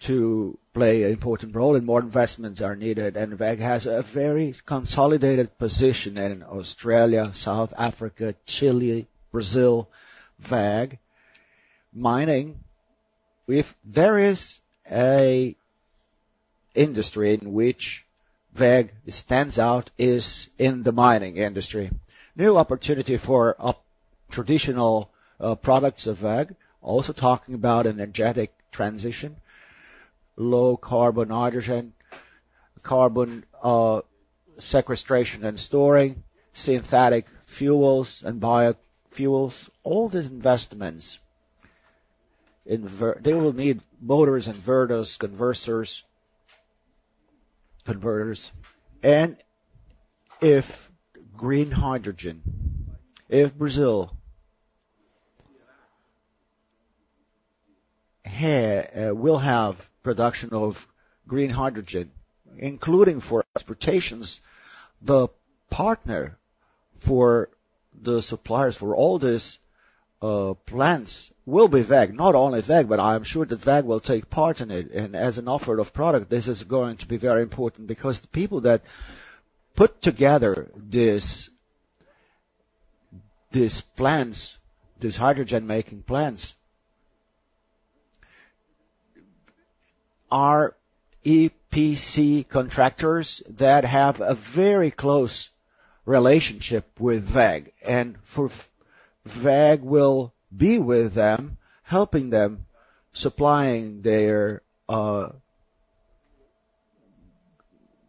to play an important role, and more investments are needed, and WEG has a very consolidated position in Australia, South Africa, Chile, Brazil. WEG mining, if there is an industry in which WEG stands out, is in the mining industry. New opportunity for traditional products of WEG, also talking about an energy transition, low carbon, hydrogen, carbon sequestration and storage, synthetic fuels and biofuels. All these investments they will need motors, inverters, converters. And if green hydrogen, if Brazil here will have production of green hydrogen, including for exports. The partner for the suppliers for all these plants will be WEG. Not only WEG, but I'm sure that WEG will take part in it, and as an offer of product, this is going to be very important. Because the people that put together this, these plants, these hydrogen-making plants, are EPC contractors that have a very close relationship with WEG. WEG will be with them, helping them, supplying their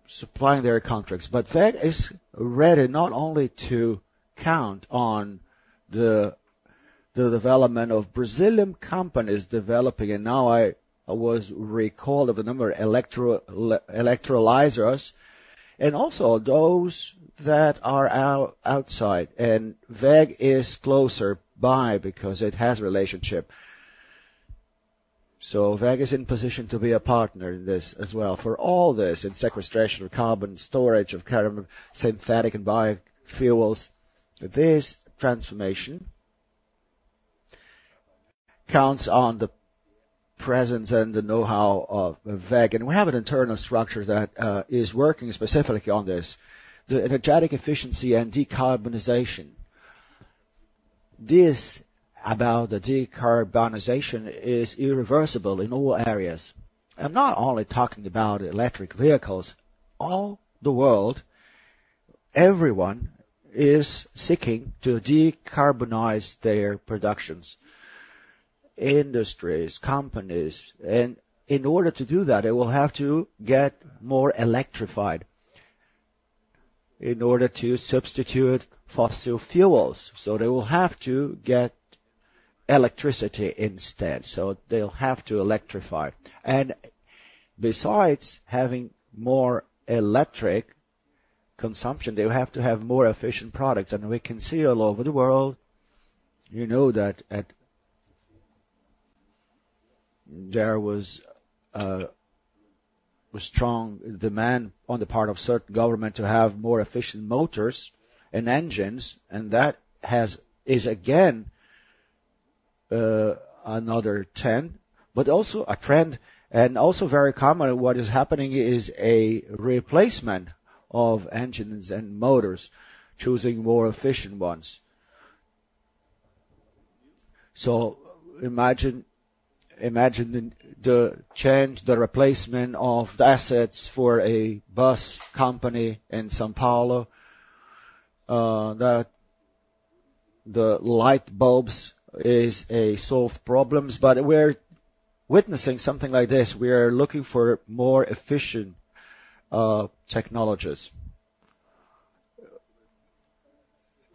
contracts. But WEG is ready not only to count on the development of Brazilian companies developing, and now I was recalled of a number of electrolyzers, and also those that are outside, and WEG is closer by because it has relationship. So WEG is in position to be a partner in this as well. For all this, in sequestration of carbon, storage of carbon, synthetic and biofuels, this transformation counts on the presence and the know-how of WEG. And we have an internal structure that is working specifically on this, the energetic efficiency and decarbonization. This, about the decarbonization, is irreversible in all areas. I'm not only talking about electric vehicles. All the world, everyone is seeking to decarbonize their productions, industries, companies, and in order to do that, it will have to get more electrified in order to substitute fossil fuels. So they will have to get electricity instead, so they'll have to electrify. And besides having more electric consumption, they will have to have more efficient products. And we can see all over the world, you know that. There was a strong demand on the part of certain government to have more efficient motors and engines, and that has is again another trend, but also a trend and also very common, what is happening is a replacement of engines and motors, choosing more efficient ones. So imagine, imagine the change, the replacement of the assets for a bus company in São Paulo, that the light bulbs is a solve problems. But we're witnessing something like this. We are looking for more efficient technologies.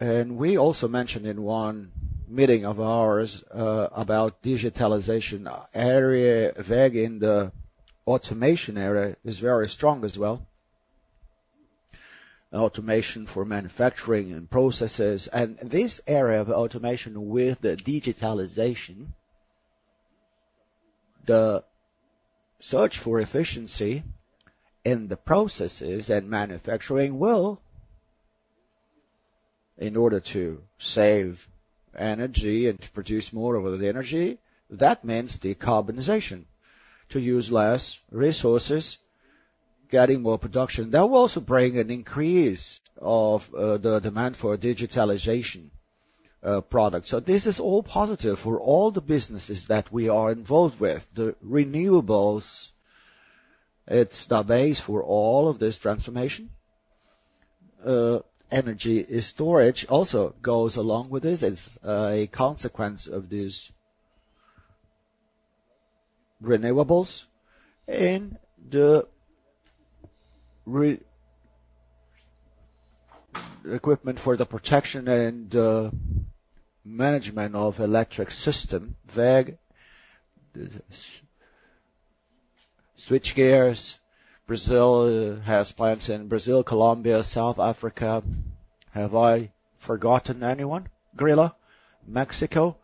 And we also mentioned in one meeting of ours about digitalization. Area, WEG in the automation area is very strong as well. Automation for manufacturing and processes, and this area of automation with the digitalization, the search for efficiency in the processes and manufacturing will, in order to save energy and to produce more of the energy, that means decarbonization. To use less resources, getting more production. That will also bring an increase of, the demand for digitalization, products. So this is all positive for all the businesses that we are involved with. The renewables, it's the base for all of this transformation. Energy storage also goes along with this. It's a consequence of these renewables and the equipment for the protection and the management of electric system. WEG switchgears. Brazil has plants in Brazil, Colombia, South Africa. Have I forgotten anyone? Guadalajara, Mexico,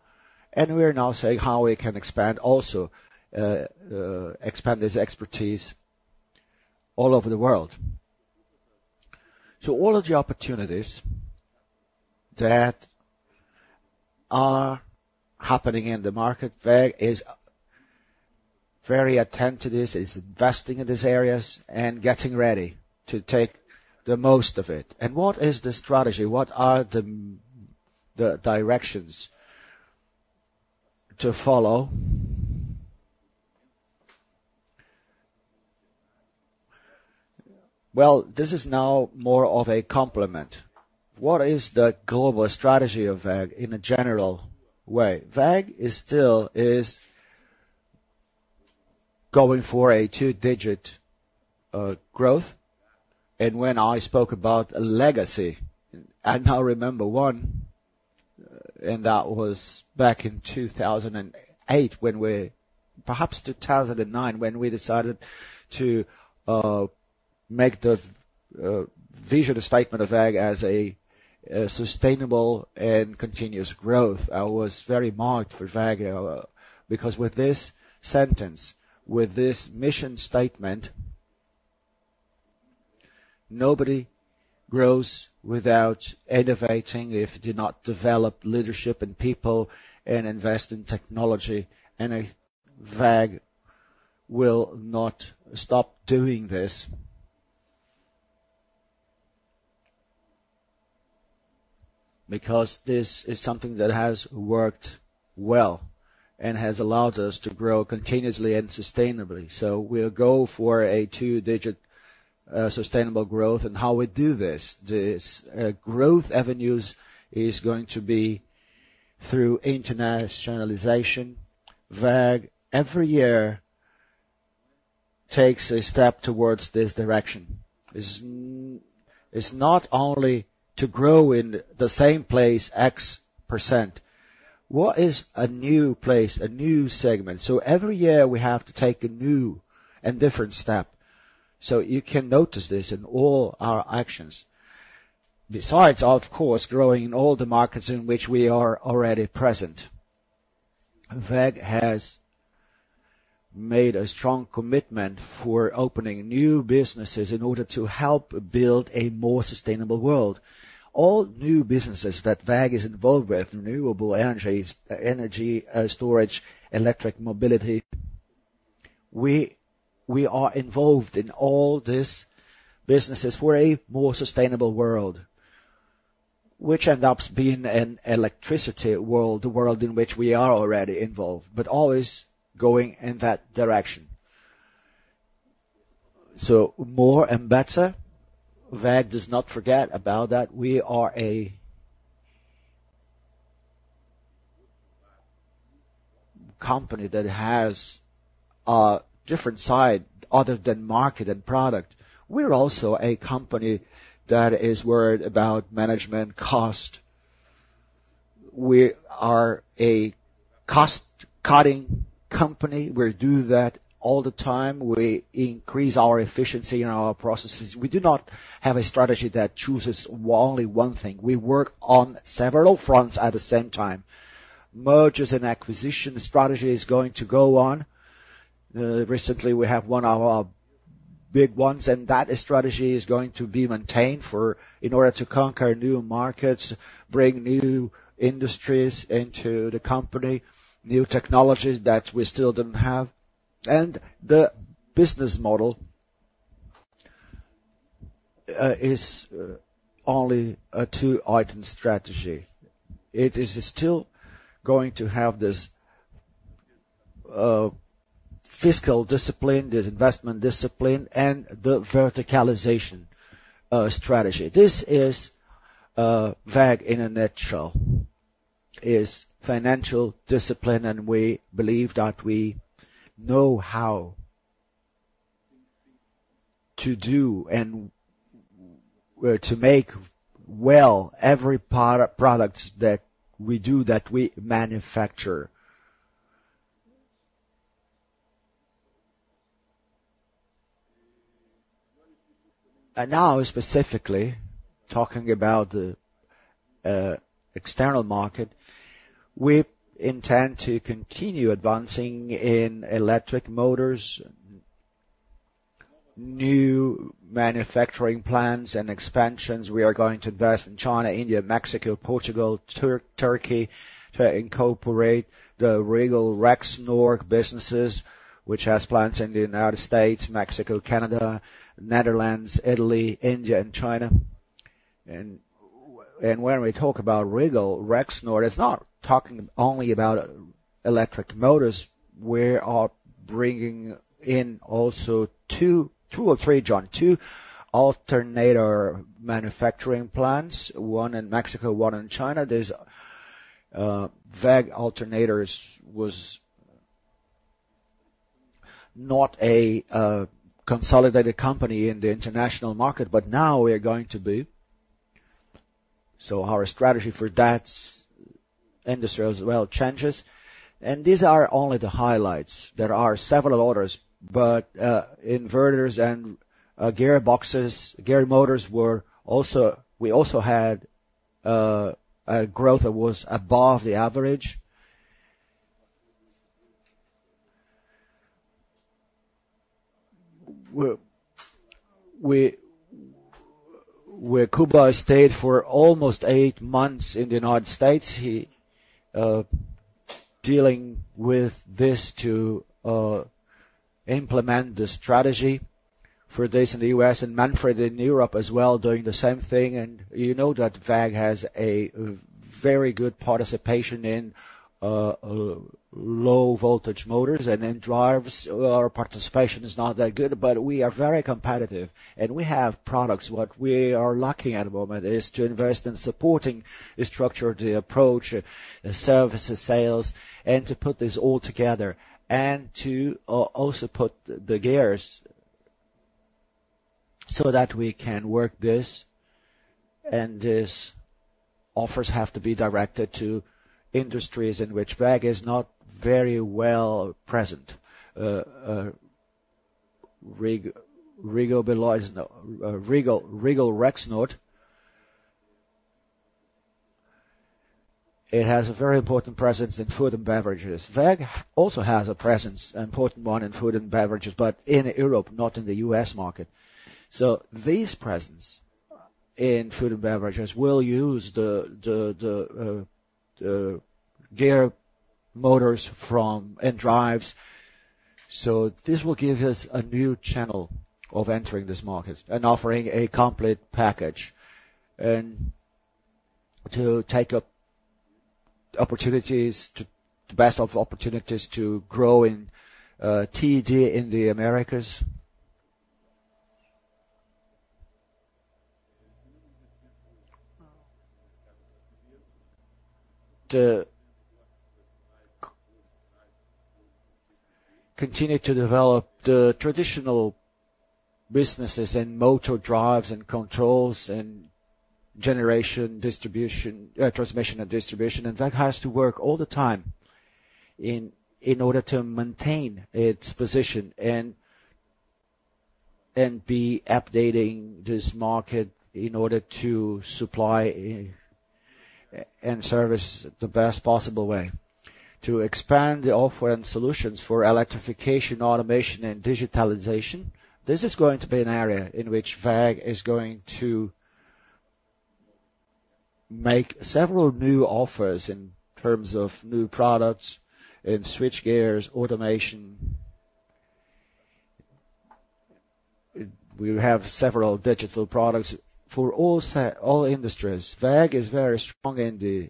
and we're now seeing how we can expand also, expand this expertise all over the world. So all of the opportunities that are happening in the market, WEG is very attentive to this, is investing in these areas and getting ready to make the most of it. What is the strategy? What are the directions to follow? Well, this is now more of a complement. What is the global strategy of WEG in a general way? WEG is still, is going for a two-digit growth. And when I spoke about legacy, I now remember one, and that was back in 2008, when we... Perhaps 2009, when we decided to make the vision, the statement of WEG as a sustainable and continuous growth. I was very marked for WEG, because with this sentence, with this mission statement, nobody grows without innovating if do not develop leadership and people and invest in technology. And I, WEG will not stop doing this. Because this is something that has worked well and has allowed us to grow continuously and sustainably. So we'll go for a two-digit sustainable growth. And how we do this? This growth avenues is going to be through internationalization. WEG, every year, takes a step towards this direction. It's not only to grow in the same place X%. What is a new place, a new segment? So every year we have to take a new and different step, so you can notice this in all our actions. Besides, of course, growing in all the markets in which we are already present. WEG has made a strong commitment for opening new businesses in order to help build a more sustainable world. All new businesses that WEG is involved with, renewable energies, energy, storage, electric mobility, we, we are involved in all these businesses for a more sustainable world, which ends up being an electricity world, the world in which we are already involved, but always going in that direction. So more and better, WEG does not forget about that. We are a company that has a different side other than market and product. We're also a company that is worried about management cost. We are a cost-cutting company. We do that all the time. We increase our efficiency in our processes. We do not have a strategy that chooses only one thing. We work on several fronts at the same time. Mergers and acquisition strategy is going to go on. Recently, we have one of our big ones, and that strategy is going to be maintained in order to conquer new markets, bring new industries into the company, new technologies that we still didn't have. And the business model is only a two-item strategy. It is still going to have this fiscal discipline, this investment discipline, and the verticalization strategy. This is WEG in a nutshell, is financial discipline, and we believe that we know how to do and where to make well every product that we do, that we manufacture. And now, specifically, talking about the external market, we intend to continue advancing in electric motors, new manufacturing plans and expansions. We are going to invest in China, India, Mexico, Portugal, Turkey, to incorporate the Regal Rexnord businesses, which has plants in the United States, Mexico, Canada, Netherlands, Italy, India, and China. And when we talk about Regal Rexnord, it's not talking only about electric motors. We are bringing in also two, two or three, João, two alternator manufacturing plants, one in Mexico, one in China. There's WEG Alternators was not a consolidated company in the international market, but now we are going to be. So our strategy for that industry as well changes, and these are only the highlights. There are several others, but inverters and gearboxes, gear motors were also. We also had a growth that was above the average. We, we... Where Kuba stayed for almost eight months in the United States, he dealing with this to implement the strategy for this in the US, and Manfred in Europe as well, doing the same thing. You know that WEG has a very good participation in low-voltage motors, and in drives, our participation is not that good, but we are very competitive, and we have products. What we are lacking at the moment is to invest in supporting the structure, the approach, the services, sales, and to put this all together, and to also put the gears so that we can work this... and these offers have to be directed to industries in which WEG is not very well present. Regal Rexnord has a very important presence in food and beverages. WEG also has a presence, important one in food and beverages, but in Europe, not in the U.S. market. So these presence in food and beverages will use the gear motors from end drives. So this will give us a new channel of entering this market and offering a complete package, and to take up opportunities, to best of opportunities to grow in T&D in the Americas. To continue to develop the traditional businesses and motor drives, and controls, and generation, distribution, transmission, and distribution, and that has to work all the time in order to maintain its position and be updating this market in order to supply and service the best possible way. To expand the offering solutions for electrification, automation, and digitalization, this is going to be an area in which WEG is going to make several new offers in terms of new products, in switch gears, automation. We have several digital products for all industries. WEG is very strong in the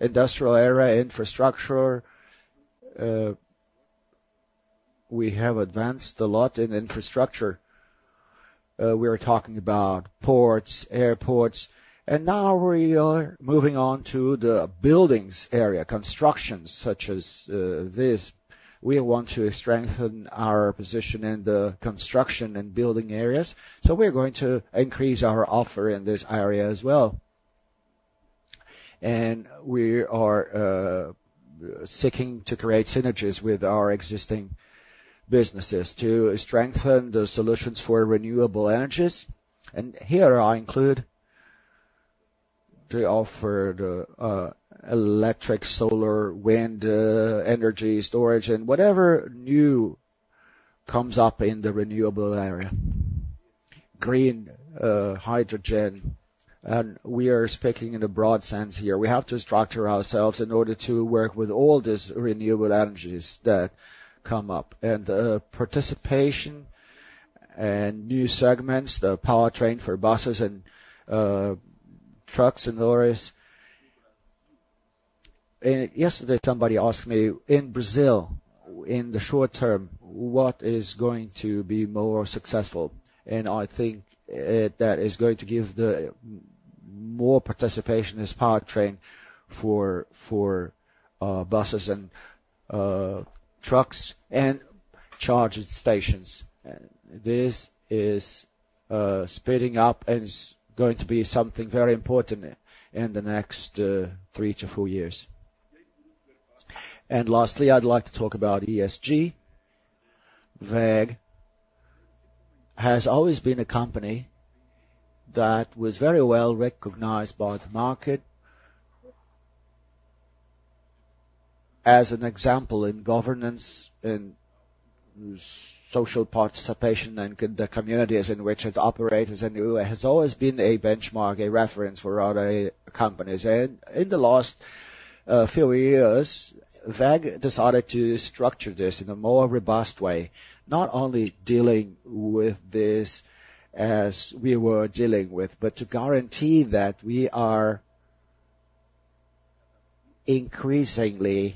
industrial area, infrastructure. We have advanced a lot in infrastructure. We are talking about ports, airports, and now we are moving on to the buildings area, construction, such as this. We want to strengthen our position in the construction and building areas, so we're going to increase our offer in this area as well. We are seeking to create synergies with our existing businesses to strengthen the solutions for renewable energies. And here I include to offer the electric, solar, wind, energy storage, and whatever new comes up in the renewable area. Green hydrogen, and we are speaking in a broad sense here. We have to structure ourselves in order to work with all these renewable energies that come up. And participation and new segments, the powertrain for buses and trucks and lorries. And yesterday, somebody asked me, in Brazil, in the short term, what is going to be more successful? And I think that is going to give the more participation is powertrain for buses and trucks and charging stations. And this is speeding up, and it's going to be something very important in the next three to four years. And lastly, I'd like to talk about ESG. WEG has always been a company that was very well recognized by the market. As an example, in governance, in social participation, and the communities in which it operates, and it has always been a benchmark, a reference for other companies. In the last few years, WEG decided to structure this in a more robust way, not only dealing with this as we were dealing with, but to guarantee that we are increasingly,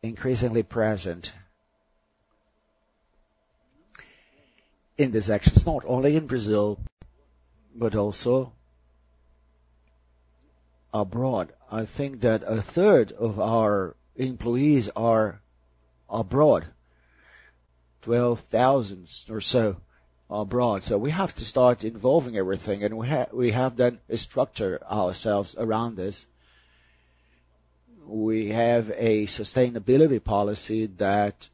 increasingly present in these actions, not only in Brazil, but also abroad. I think that a third of our employees are abroad, 12,000 or so abroad. So we have to start involving everything, and we have then structure ourselves around this. We have a sustainability policy that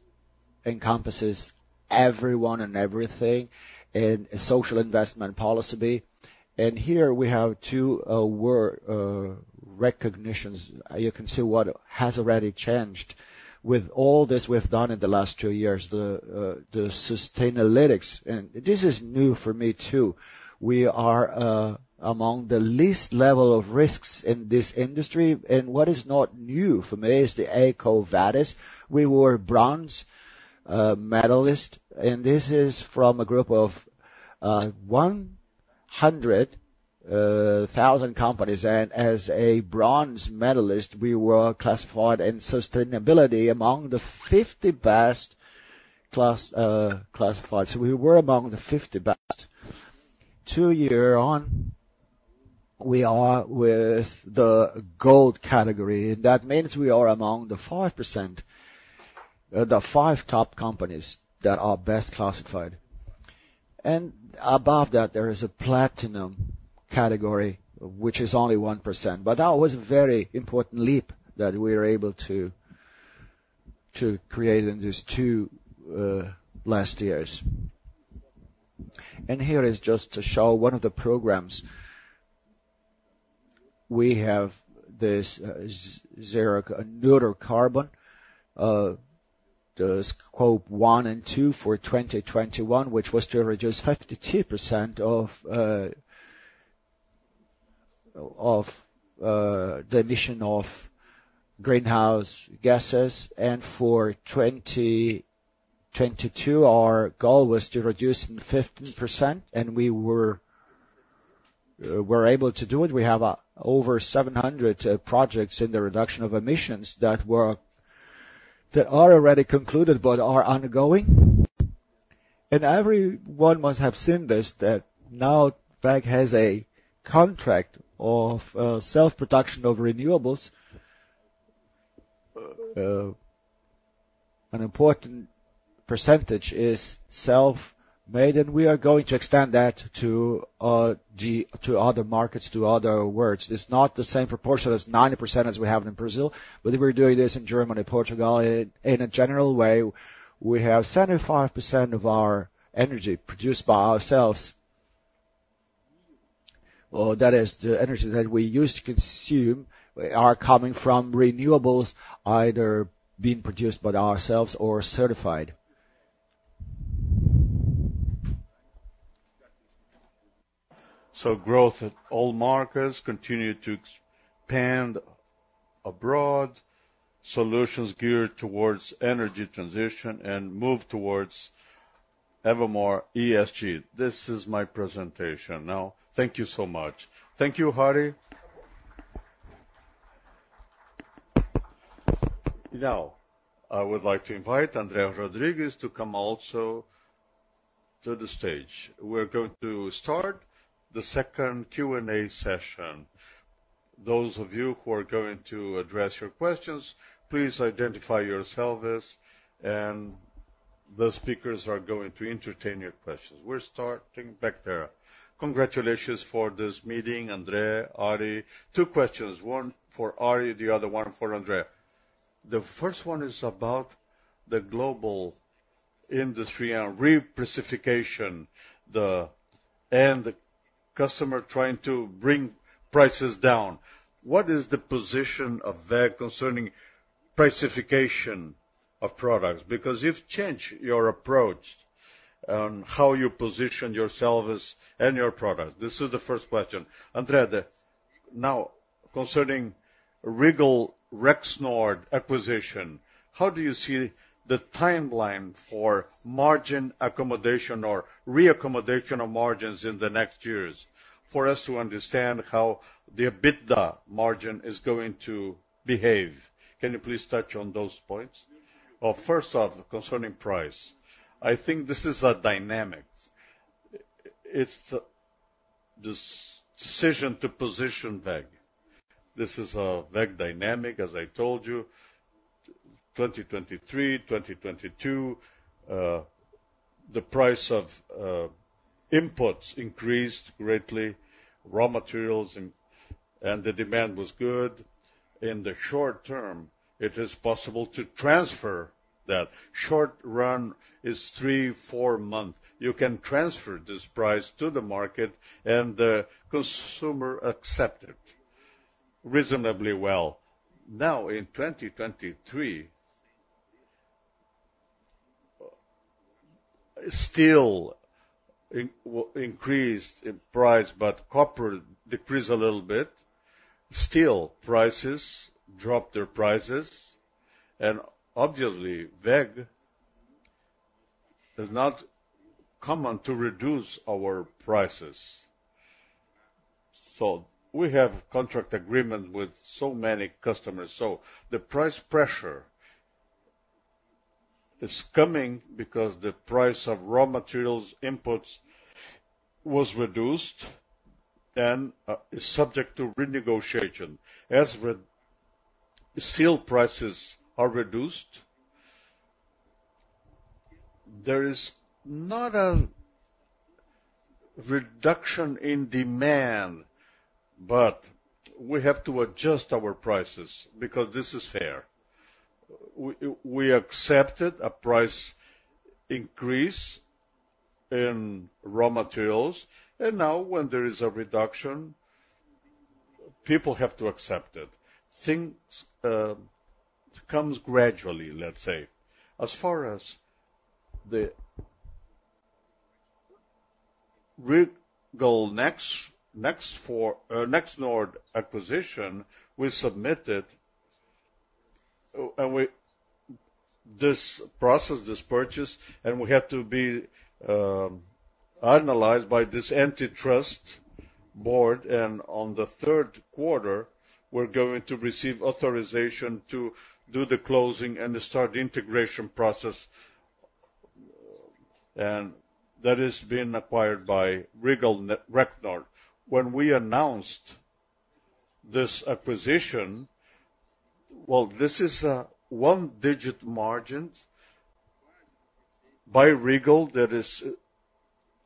encompasses everyone and everything, and a social investment policy. Here we have two work recognitions. You can see what has already changed. With all this we've done in the last two years, the Sustainalytics, and this is new for me, too. We are among the least level of risks in this industry, and what is not new for me is the EcoVadis. We were bronze medalist, and this is from a group of 100,000 companies, and as a bronze medalist, we were classified in sustainability among the 50 best class classified. So we were among the 50 best. Two years on, we are with the gold category. That means we are among the 5%, the five top companies that are best classified. And above that, there is a platinum category, which is only 1%, but that was a very important leap that we are able to create in these two last years. Here is just to show one of the programs. We have this, zero neutral carbon, the Scope 1 and 2 for 2021, which was to reduce 52% of the emission of greenhouse gases, and for 2022, our goal was to reduce in 15%, and we were, we're able to do it. We have over 700 projects in the reduction of emissions that were- that are already concluded but are ongoing. Everyone must have seen this, that now, WEG has a contract of self-production of renewables. An important percentage is self-made, and we are going to extend that to the, to other markets, to other worlds. It's not the same proportion as 90% as we have in Brazil, but we're doing this in Germany, Portugal. In a general way, we have 75% of our energy produced by ourselves. Well, that is the energy that we use to consume, are coming from renewables, either being produced by ourselves or certified. So growth at all markets continue to expand abroad, solutions geared towards energy transition and move towards evermore ESG. This is my presentation. Now, thank you so much. Thank you, Harry. Now, I would like to invite Andrea Rodriguez to come also to the stage. We're going to start the second Q&A session. Those of you who are going to address your questions, please identify yourselves, and the speakers are going to entertain your questions. We're starting back there. Congratulations for this meeting, Andrea, Harry. Two questions, one for Harry, the other one for Andrea. The first one is about the global industry and repricification, the... and the customer trying to bring prices down. What is the position of WEG concerning pricification of products? Because you've changed your approach on how you position yourselves and your products. This is the first question. Andrea, now, concerning Regal Rexnord acquisition, how do you see the timeline for margin accommodation or reaccommodation of margins in the next years, for us to understand how the EBITDA margin is going to behave? Can you please touch on those points? First off, concerning price, I think this is a dynamic. It's the, this decision to position WEG. This is a WEG dynamic, as I told you, 2023, 2022, the price of, inputs increased greatly, raw materials, and, and the demand was good. In the short term, it is possible to transfer that. Short run is three-four months. You can transfer this price to the market, and the consumer accept it reasonably well. Now, in 2023, increased in price, but copper decreased a little bit. Steel prices dropped their prices, and obviously, WEG does not come on to reduce our prices. So we have contract agreement with so many customers. So the price pressure is coming because the price of raw materials, inputs, was reduced and is subject to renegotiation. As with steel prices are reduced, there is not a reduction in demand, but we have to adjust our prices because this is fair. We accepted a price increase in raw materials, and now when there is a reduction, people have to accept it. Things comes gradually, let's say. As far as the Regal Rexnord acquisition, we submitted and we this process, this purchase, and we have to be analyzed by this antitrust board, and on the third quarter, we're going to receive authorization to do the closing and start the integration process. And that is being acquired by Regal Rexnord. When we announced this acquisition, well, this is a one-digit margins by Regal that is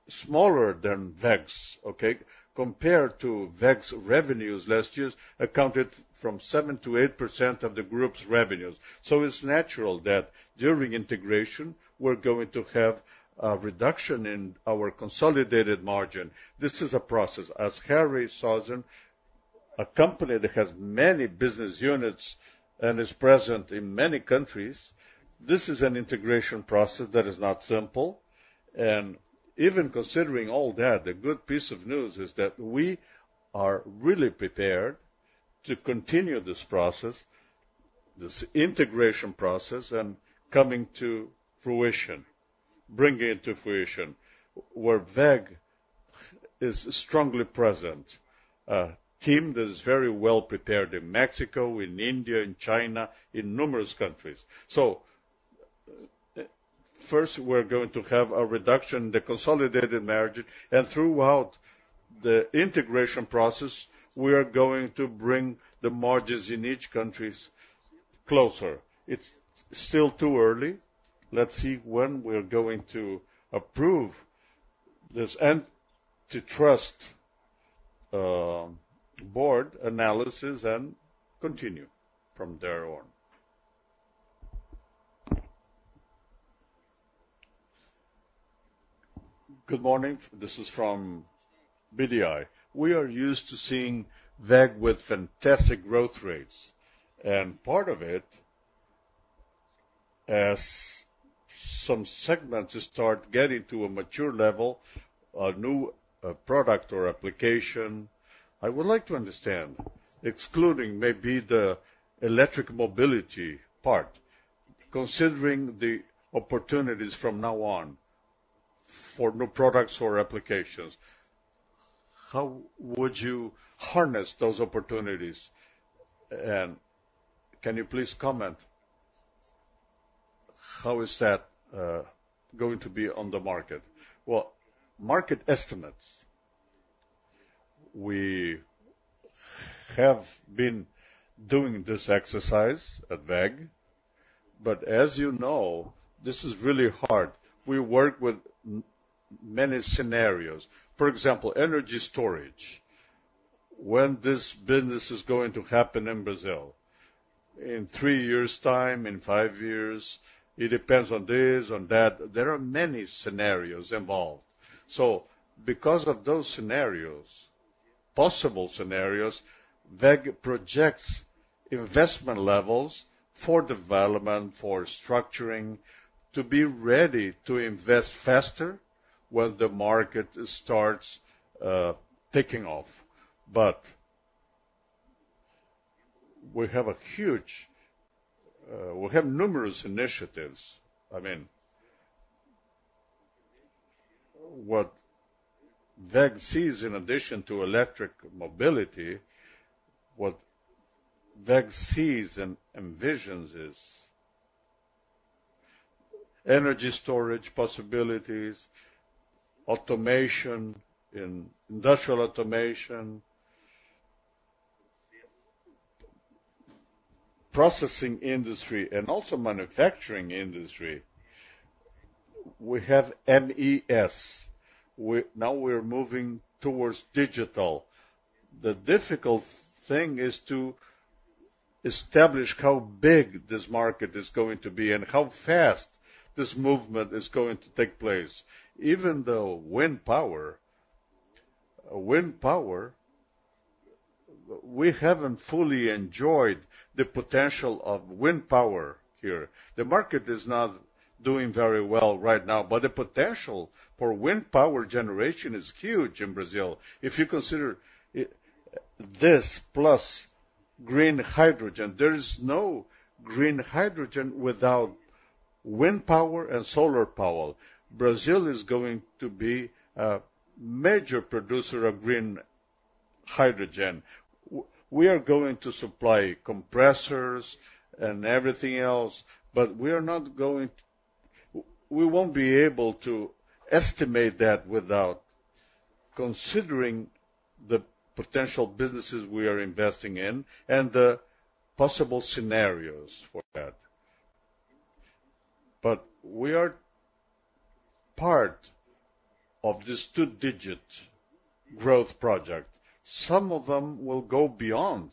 smaller than WEG's, okay? Compared to WEG's revenues last year, accounted for 7%-8% of the group's revenues. So it's natural that during integration, we're going to have a reduction in our consolidated margin. This is a process. As WEG S.A. is a company that has many business units and is present in many countries, this is an integration process that is not simple. And even considering all that, a good piece of news is that we are really prepared to continue this process, this integration process, and coming to fruition, bringing it to fruition, where WEG is strongly present. A team that is very well prepared in Mexico, in India, in China, in numerous countries. So, first, we're going to have a reduction in the consolidated margin, and throughout the integration process, we are going to bring the margins in each countries closer. It's still too early. Let's see when we're going to approve this antitrust board analysis and continue from there on. Good morning, this is from BBI. We are used to seeing WEG with fantastic growth rates, and part of it, as some segments start getting to a mature level, a new product or application. I would like to understand, excluding maybe the electric mobility part, considering the opportunities from now on for new products or applications, how would you harness those opportunities? And can you please comment, how is that going to be on the market? Well, market estimates, we have been doing this exercise at WEG, but as you know, this is really hard. We work with many scenHarryos. For example, energy storage. When this business is going to happen in Brazil, in three years' time, in five years, it depends on this, on that. There are many scenHarryos involved. So because of those scenHarryos, possible scenHarryos, WEG projects investment levels for development, for structuring, to be ready to invest faster when the market starts taking off. But we have a huge, we have numerous initiatives. I mean, what WEG sees in addition to electric mobility, what WEG sees and envisions is energy storage possibilities, automation, in industrial automation, processing industry, and also manufacturing industry. We have MES, now we're moving towards digital. The difficult thing is to establish how big this market is going to be and how fast this movement is going to take place. Even though wind power, wind power, we haven't fully enjoyed the potential of wind power here. The market is not doing very well right now, but the potential for wind power generation is huge in Brazil. If you consider this plus green hydrogen, there is no green hydrogen without wind power and solar power. Brazil is going to be a major producer of green hydrogen. We are going to supply compressors and everything else, but we are not going—we won't be able to estimate that without considering the potential businesses we are investing in and the possible scenHarryos for that. But we are part of this two-digit growth project. Some of them will go beyond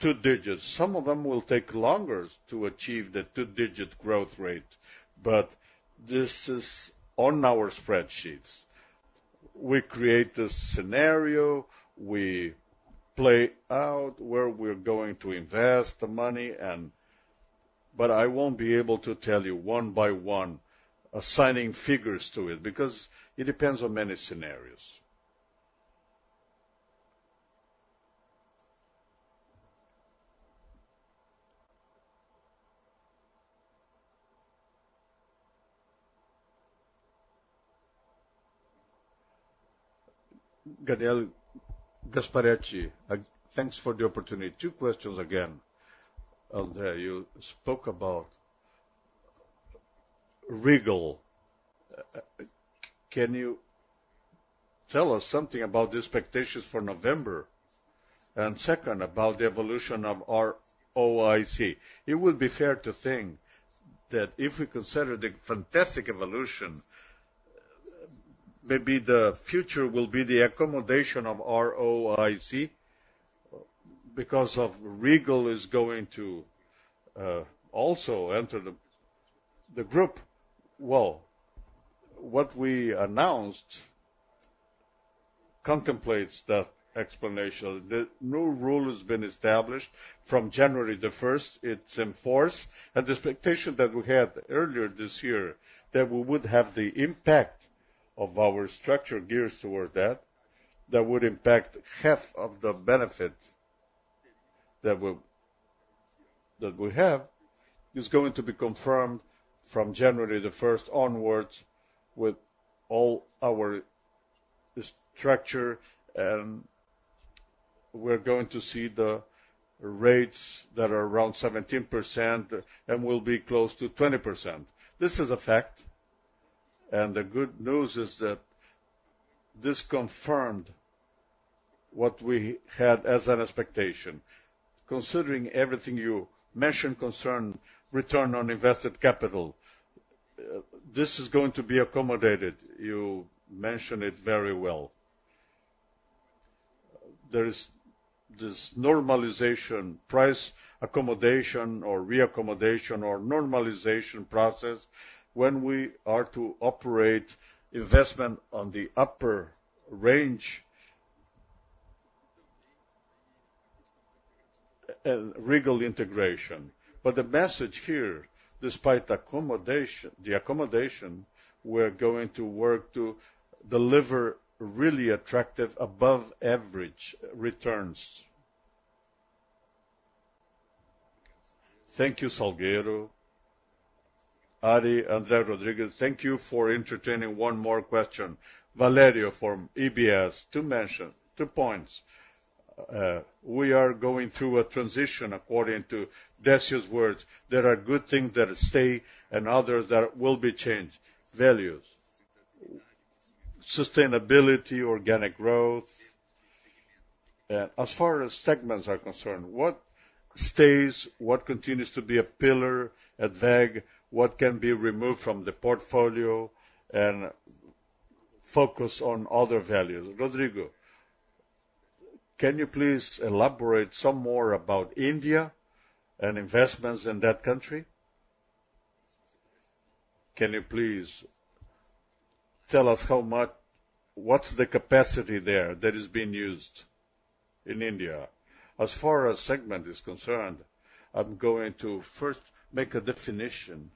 two digits. Some of them will take longer to achieve the two-digit growth rate, but this is on our spreadsheets. We create a scenHarryo, we play out where we're going to invest the money, and... But I won't be able to tell you one by one, assigning figures to it, because it depends on many scenarios.... Gadiel Gasparetti, thanks for the opportunity. Two questions again. There you spoke about Regal. Can you tell us something about the expectations for November? And second, about the evolution of our ROIC. It would be fair to think that if we consider the fantastic evolution, maybe the future will be the accommodation of ROIC, because of Regal is going to also enter the group. Well, what we announced contemplates that explanation. The new rule has been established from January the first; it's in force, and the expectation that we had earlier this year, that we would have the impact of our structure geared toward that, that would impact half of the benefit that we, that we have, is going to be confirmed from January the first onwards, with all our structure, and we're going to see the rates that are around 17%, and will be close to 20%. This is a fact, and the good news is that this confirmed what we had as an expectation. Considering everything you mentioned concerning return on invested capital, this is going to be accommodated. You mentioned it very well. There is this normalization, price accommodation or re-accommodation, or normalization process when we are to operate investment on the upper range. Regal integration. But the message here, despite accommodation, the accommodation, we're going to work to deliver really attractive, above average returns. Thank you, Salgueiro. Harry, André Rodrigues, thank you for entertaining one more question. Valerio, from UBS, two points. We are going through a transition according to Décio's words. There are good things that stay and others that will be changed. Values, sustainability, organic growth. As far as segments are concerned, what stays, what continues to be a pillar at WEG? What can be removed from the portfolio and focus on other values? Rodrigo, can you please elaborate some more about India and investments in that country? Can you please tell us what's the capacity there that is being used in India? As far as segment is concerned, I'm going to first make a definition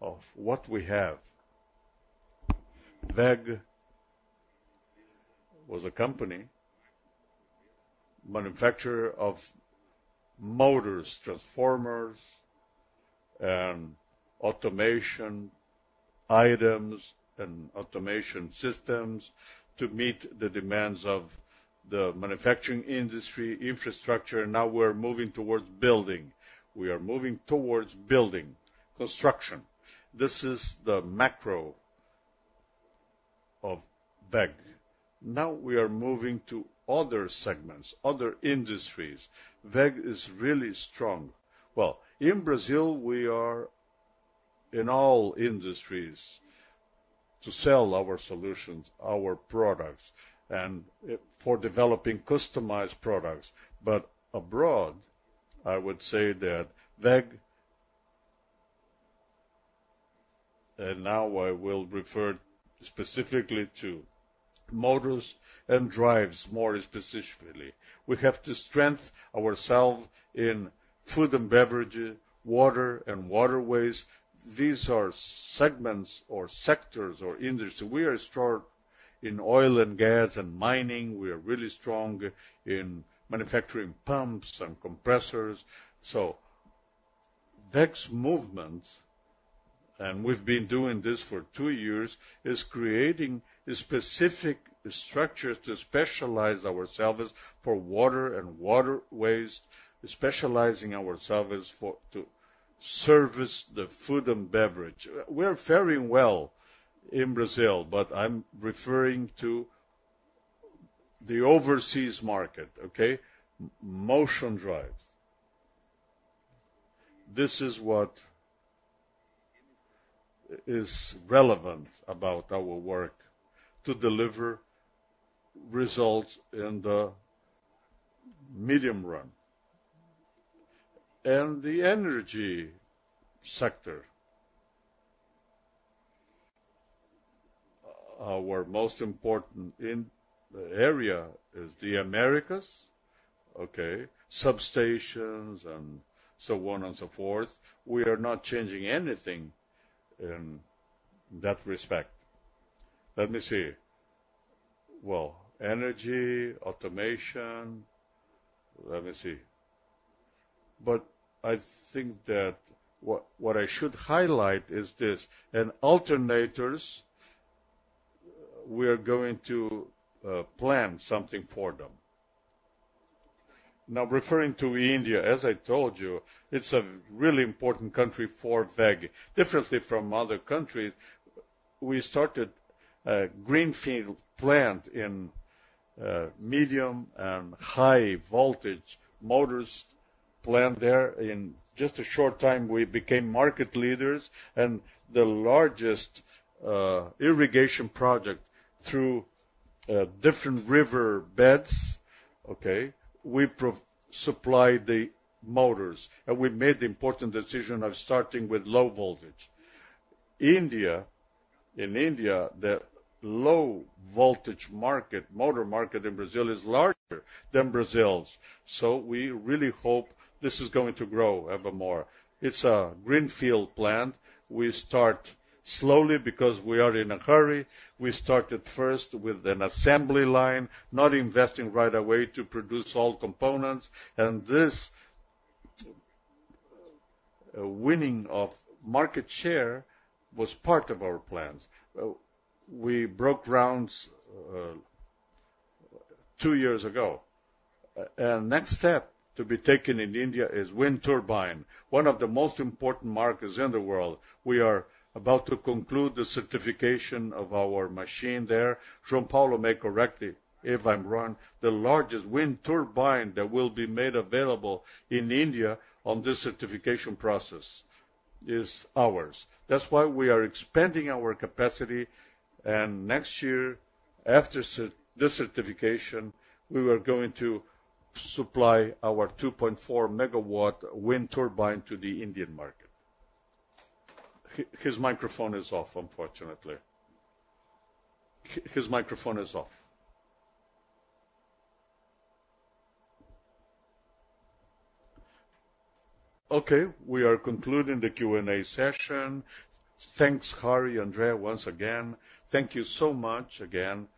of what we have. WEG was a company, manufacturer of motors, transformers, and automation items, and automation systems to meet the demands of the manufacturing industry, infrastructure. Now we're moving towards building. We are moving towards building, construction. This is the macro of WEG. Now we are moving to other segments, other industries. WEG is really strong. Well, in Brazil, we are in all industries to sell our solutions, our products, and for developing customized products. But abroad, I would say that WEG... And now I will refer specifically to motors and drives, more specifically. We have to strengthen ourselves in food and beverage, water and waterways. These are segments or sectors or industry. We are strong in oil and gas and mining. We are really strong in manufacturing pumps and compressors. So WEG's movement, and we've been doing this for two years, is creating a specific structure to specialize ourselves for water and waterways, specializing ourselves for to service the food and beverage. We're fHarryng well in Brazil, but I'm referring to the overseas market, okay? Motion drives. This is what is relevant about our work to deliver results in the medium run. And the energy sector, our most important area is the Americas, okay? Substations and so on and so forth. We are not changing anything in that respect. Let me see. Well, energy, automation, let me see... But I think that what, what I should highlight is this: in alternators, we are going to plan something for them. Now, referring to India, as I told you, it's a really important country for WEG. Differently from other countries, we started a greenfield plant in medium and high voltage motors plant there. In just a short time, we became market leaders and the largest irrigation project through different river beds, okay? We supplied the motors, and we made the important decision of starting with low voltage. In India, the low voltage market, motor market in Brazil is larger than Brazil's, so we really hope this is going to grow evermore. It's a greenfield plant. We start slowly because we are in a hurry. We started first with an assembly line, not investing right away to produce all components, and this winning of market share was part of our plans. We broke grounds two years ago. And next step to be taken in India is wind turbine, one of the most important markets in the world. We are about to conclude the certification of our machine there. João Paulo may correct me if I'm wrong, the largest wind turbine that will be made available in India on this certification process is ours. That's why we are expanding our capacity, and next year, after this certification, we are going to supply our 2.4 MW wind turbine to the Indian market. His microphone is off, unfortunately. Okay, we are concluding the Q&A session. Thanks, Harry, André, once again. Thank you so much again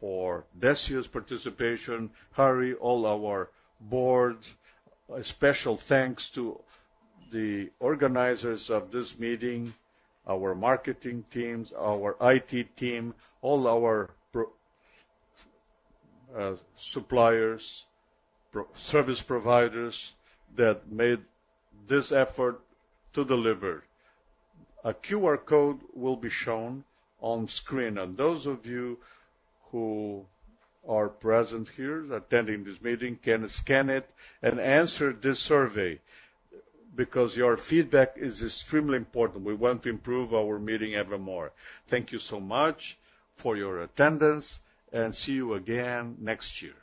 for Décio's participation, Harry, all our board. A special thanks to the organizers of this meeting, our marketing teams, our IT team, all our suppliers, service providers that made this effort to deliver. A QR code will be shown on screen, and those of you who are present here, attending this meeting, can scan it and answer this survey, because your feedback is extremely important. We want to improve our meeting evermore. Thank you so much for your attendance, and see you again next year.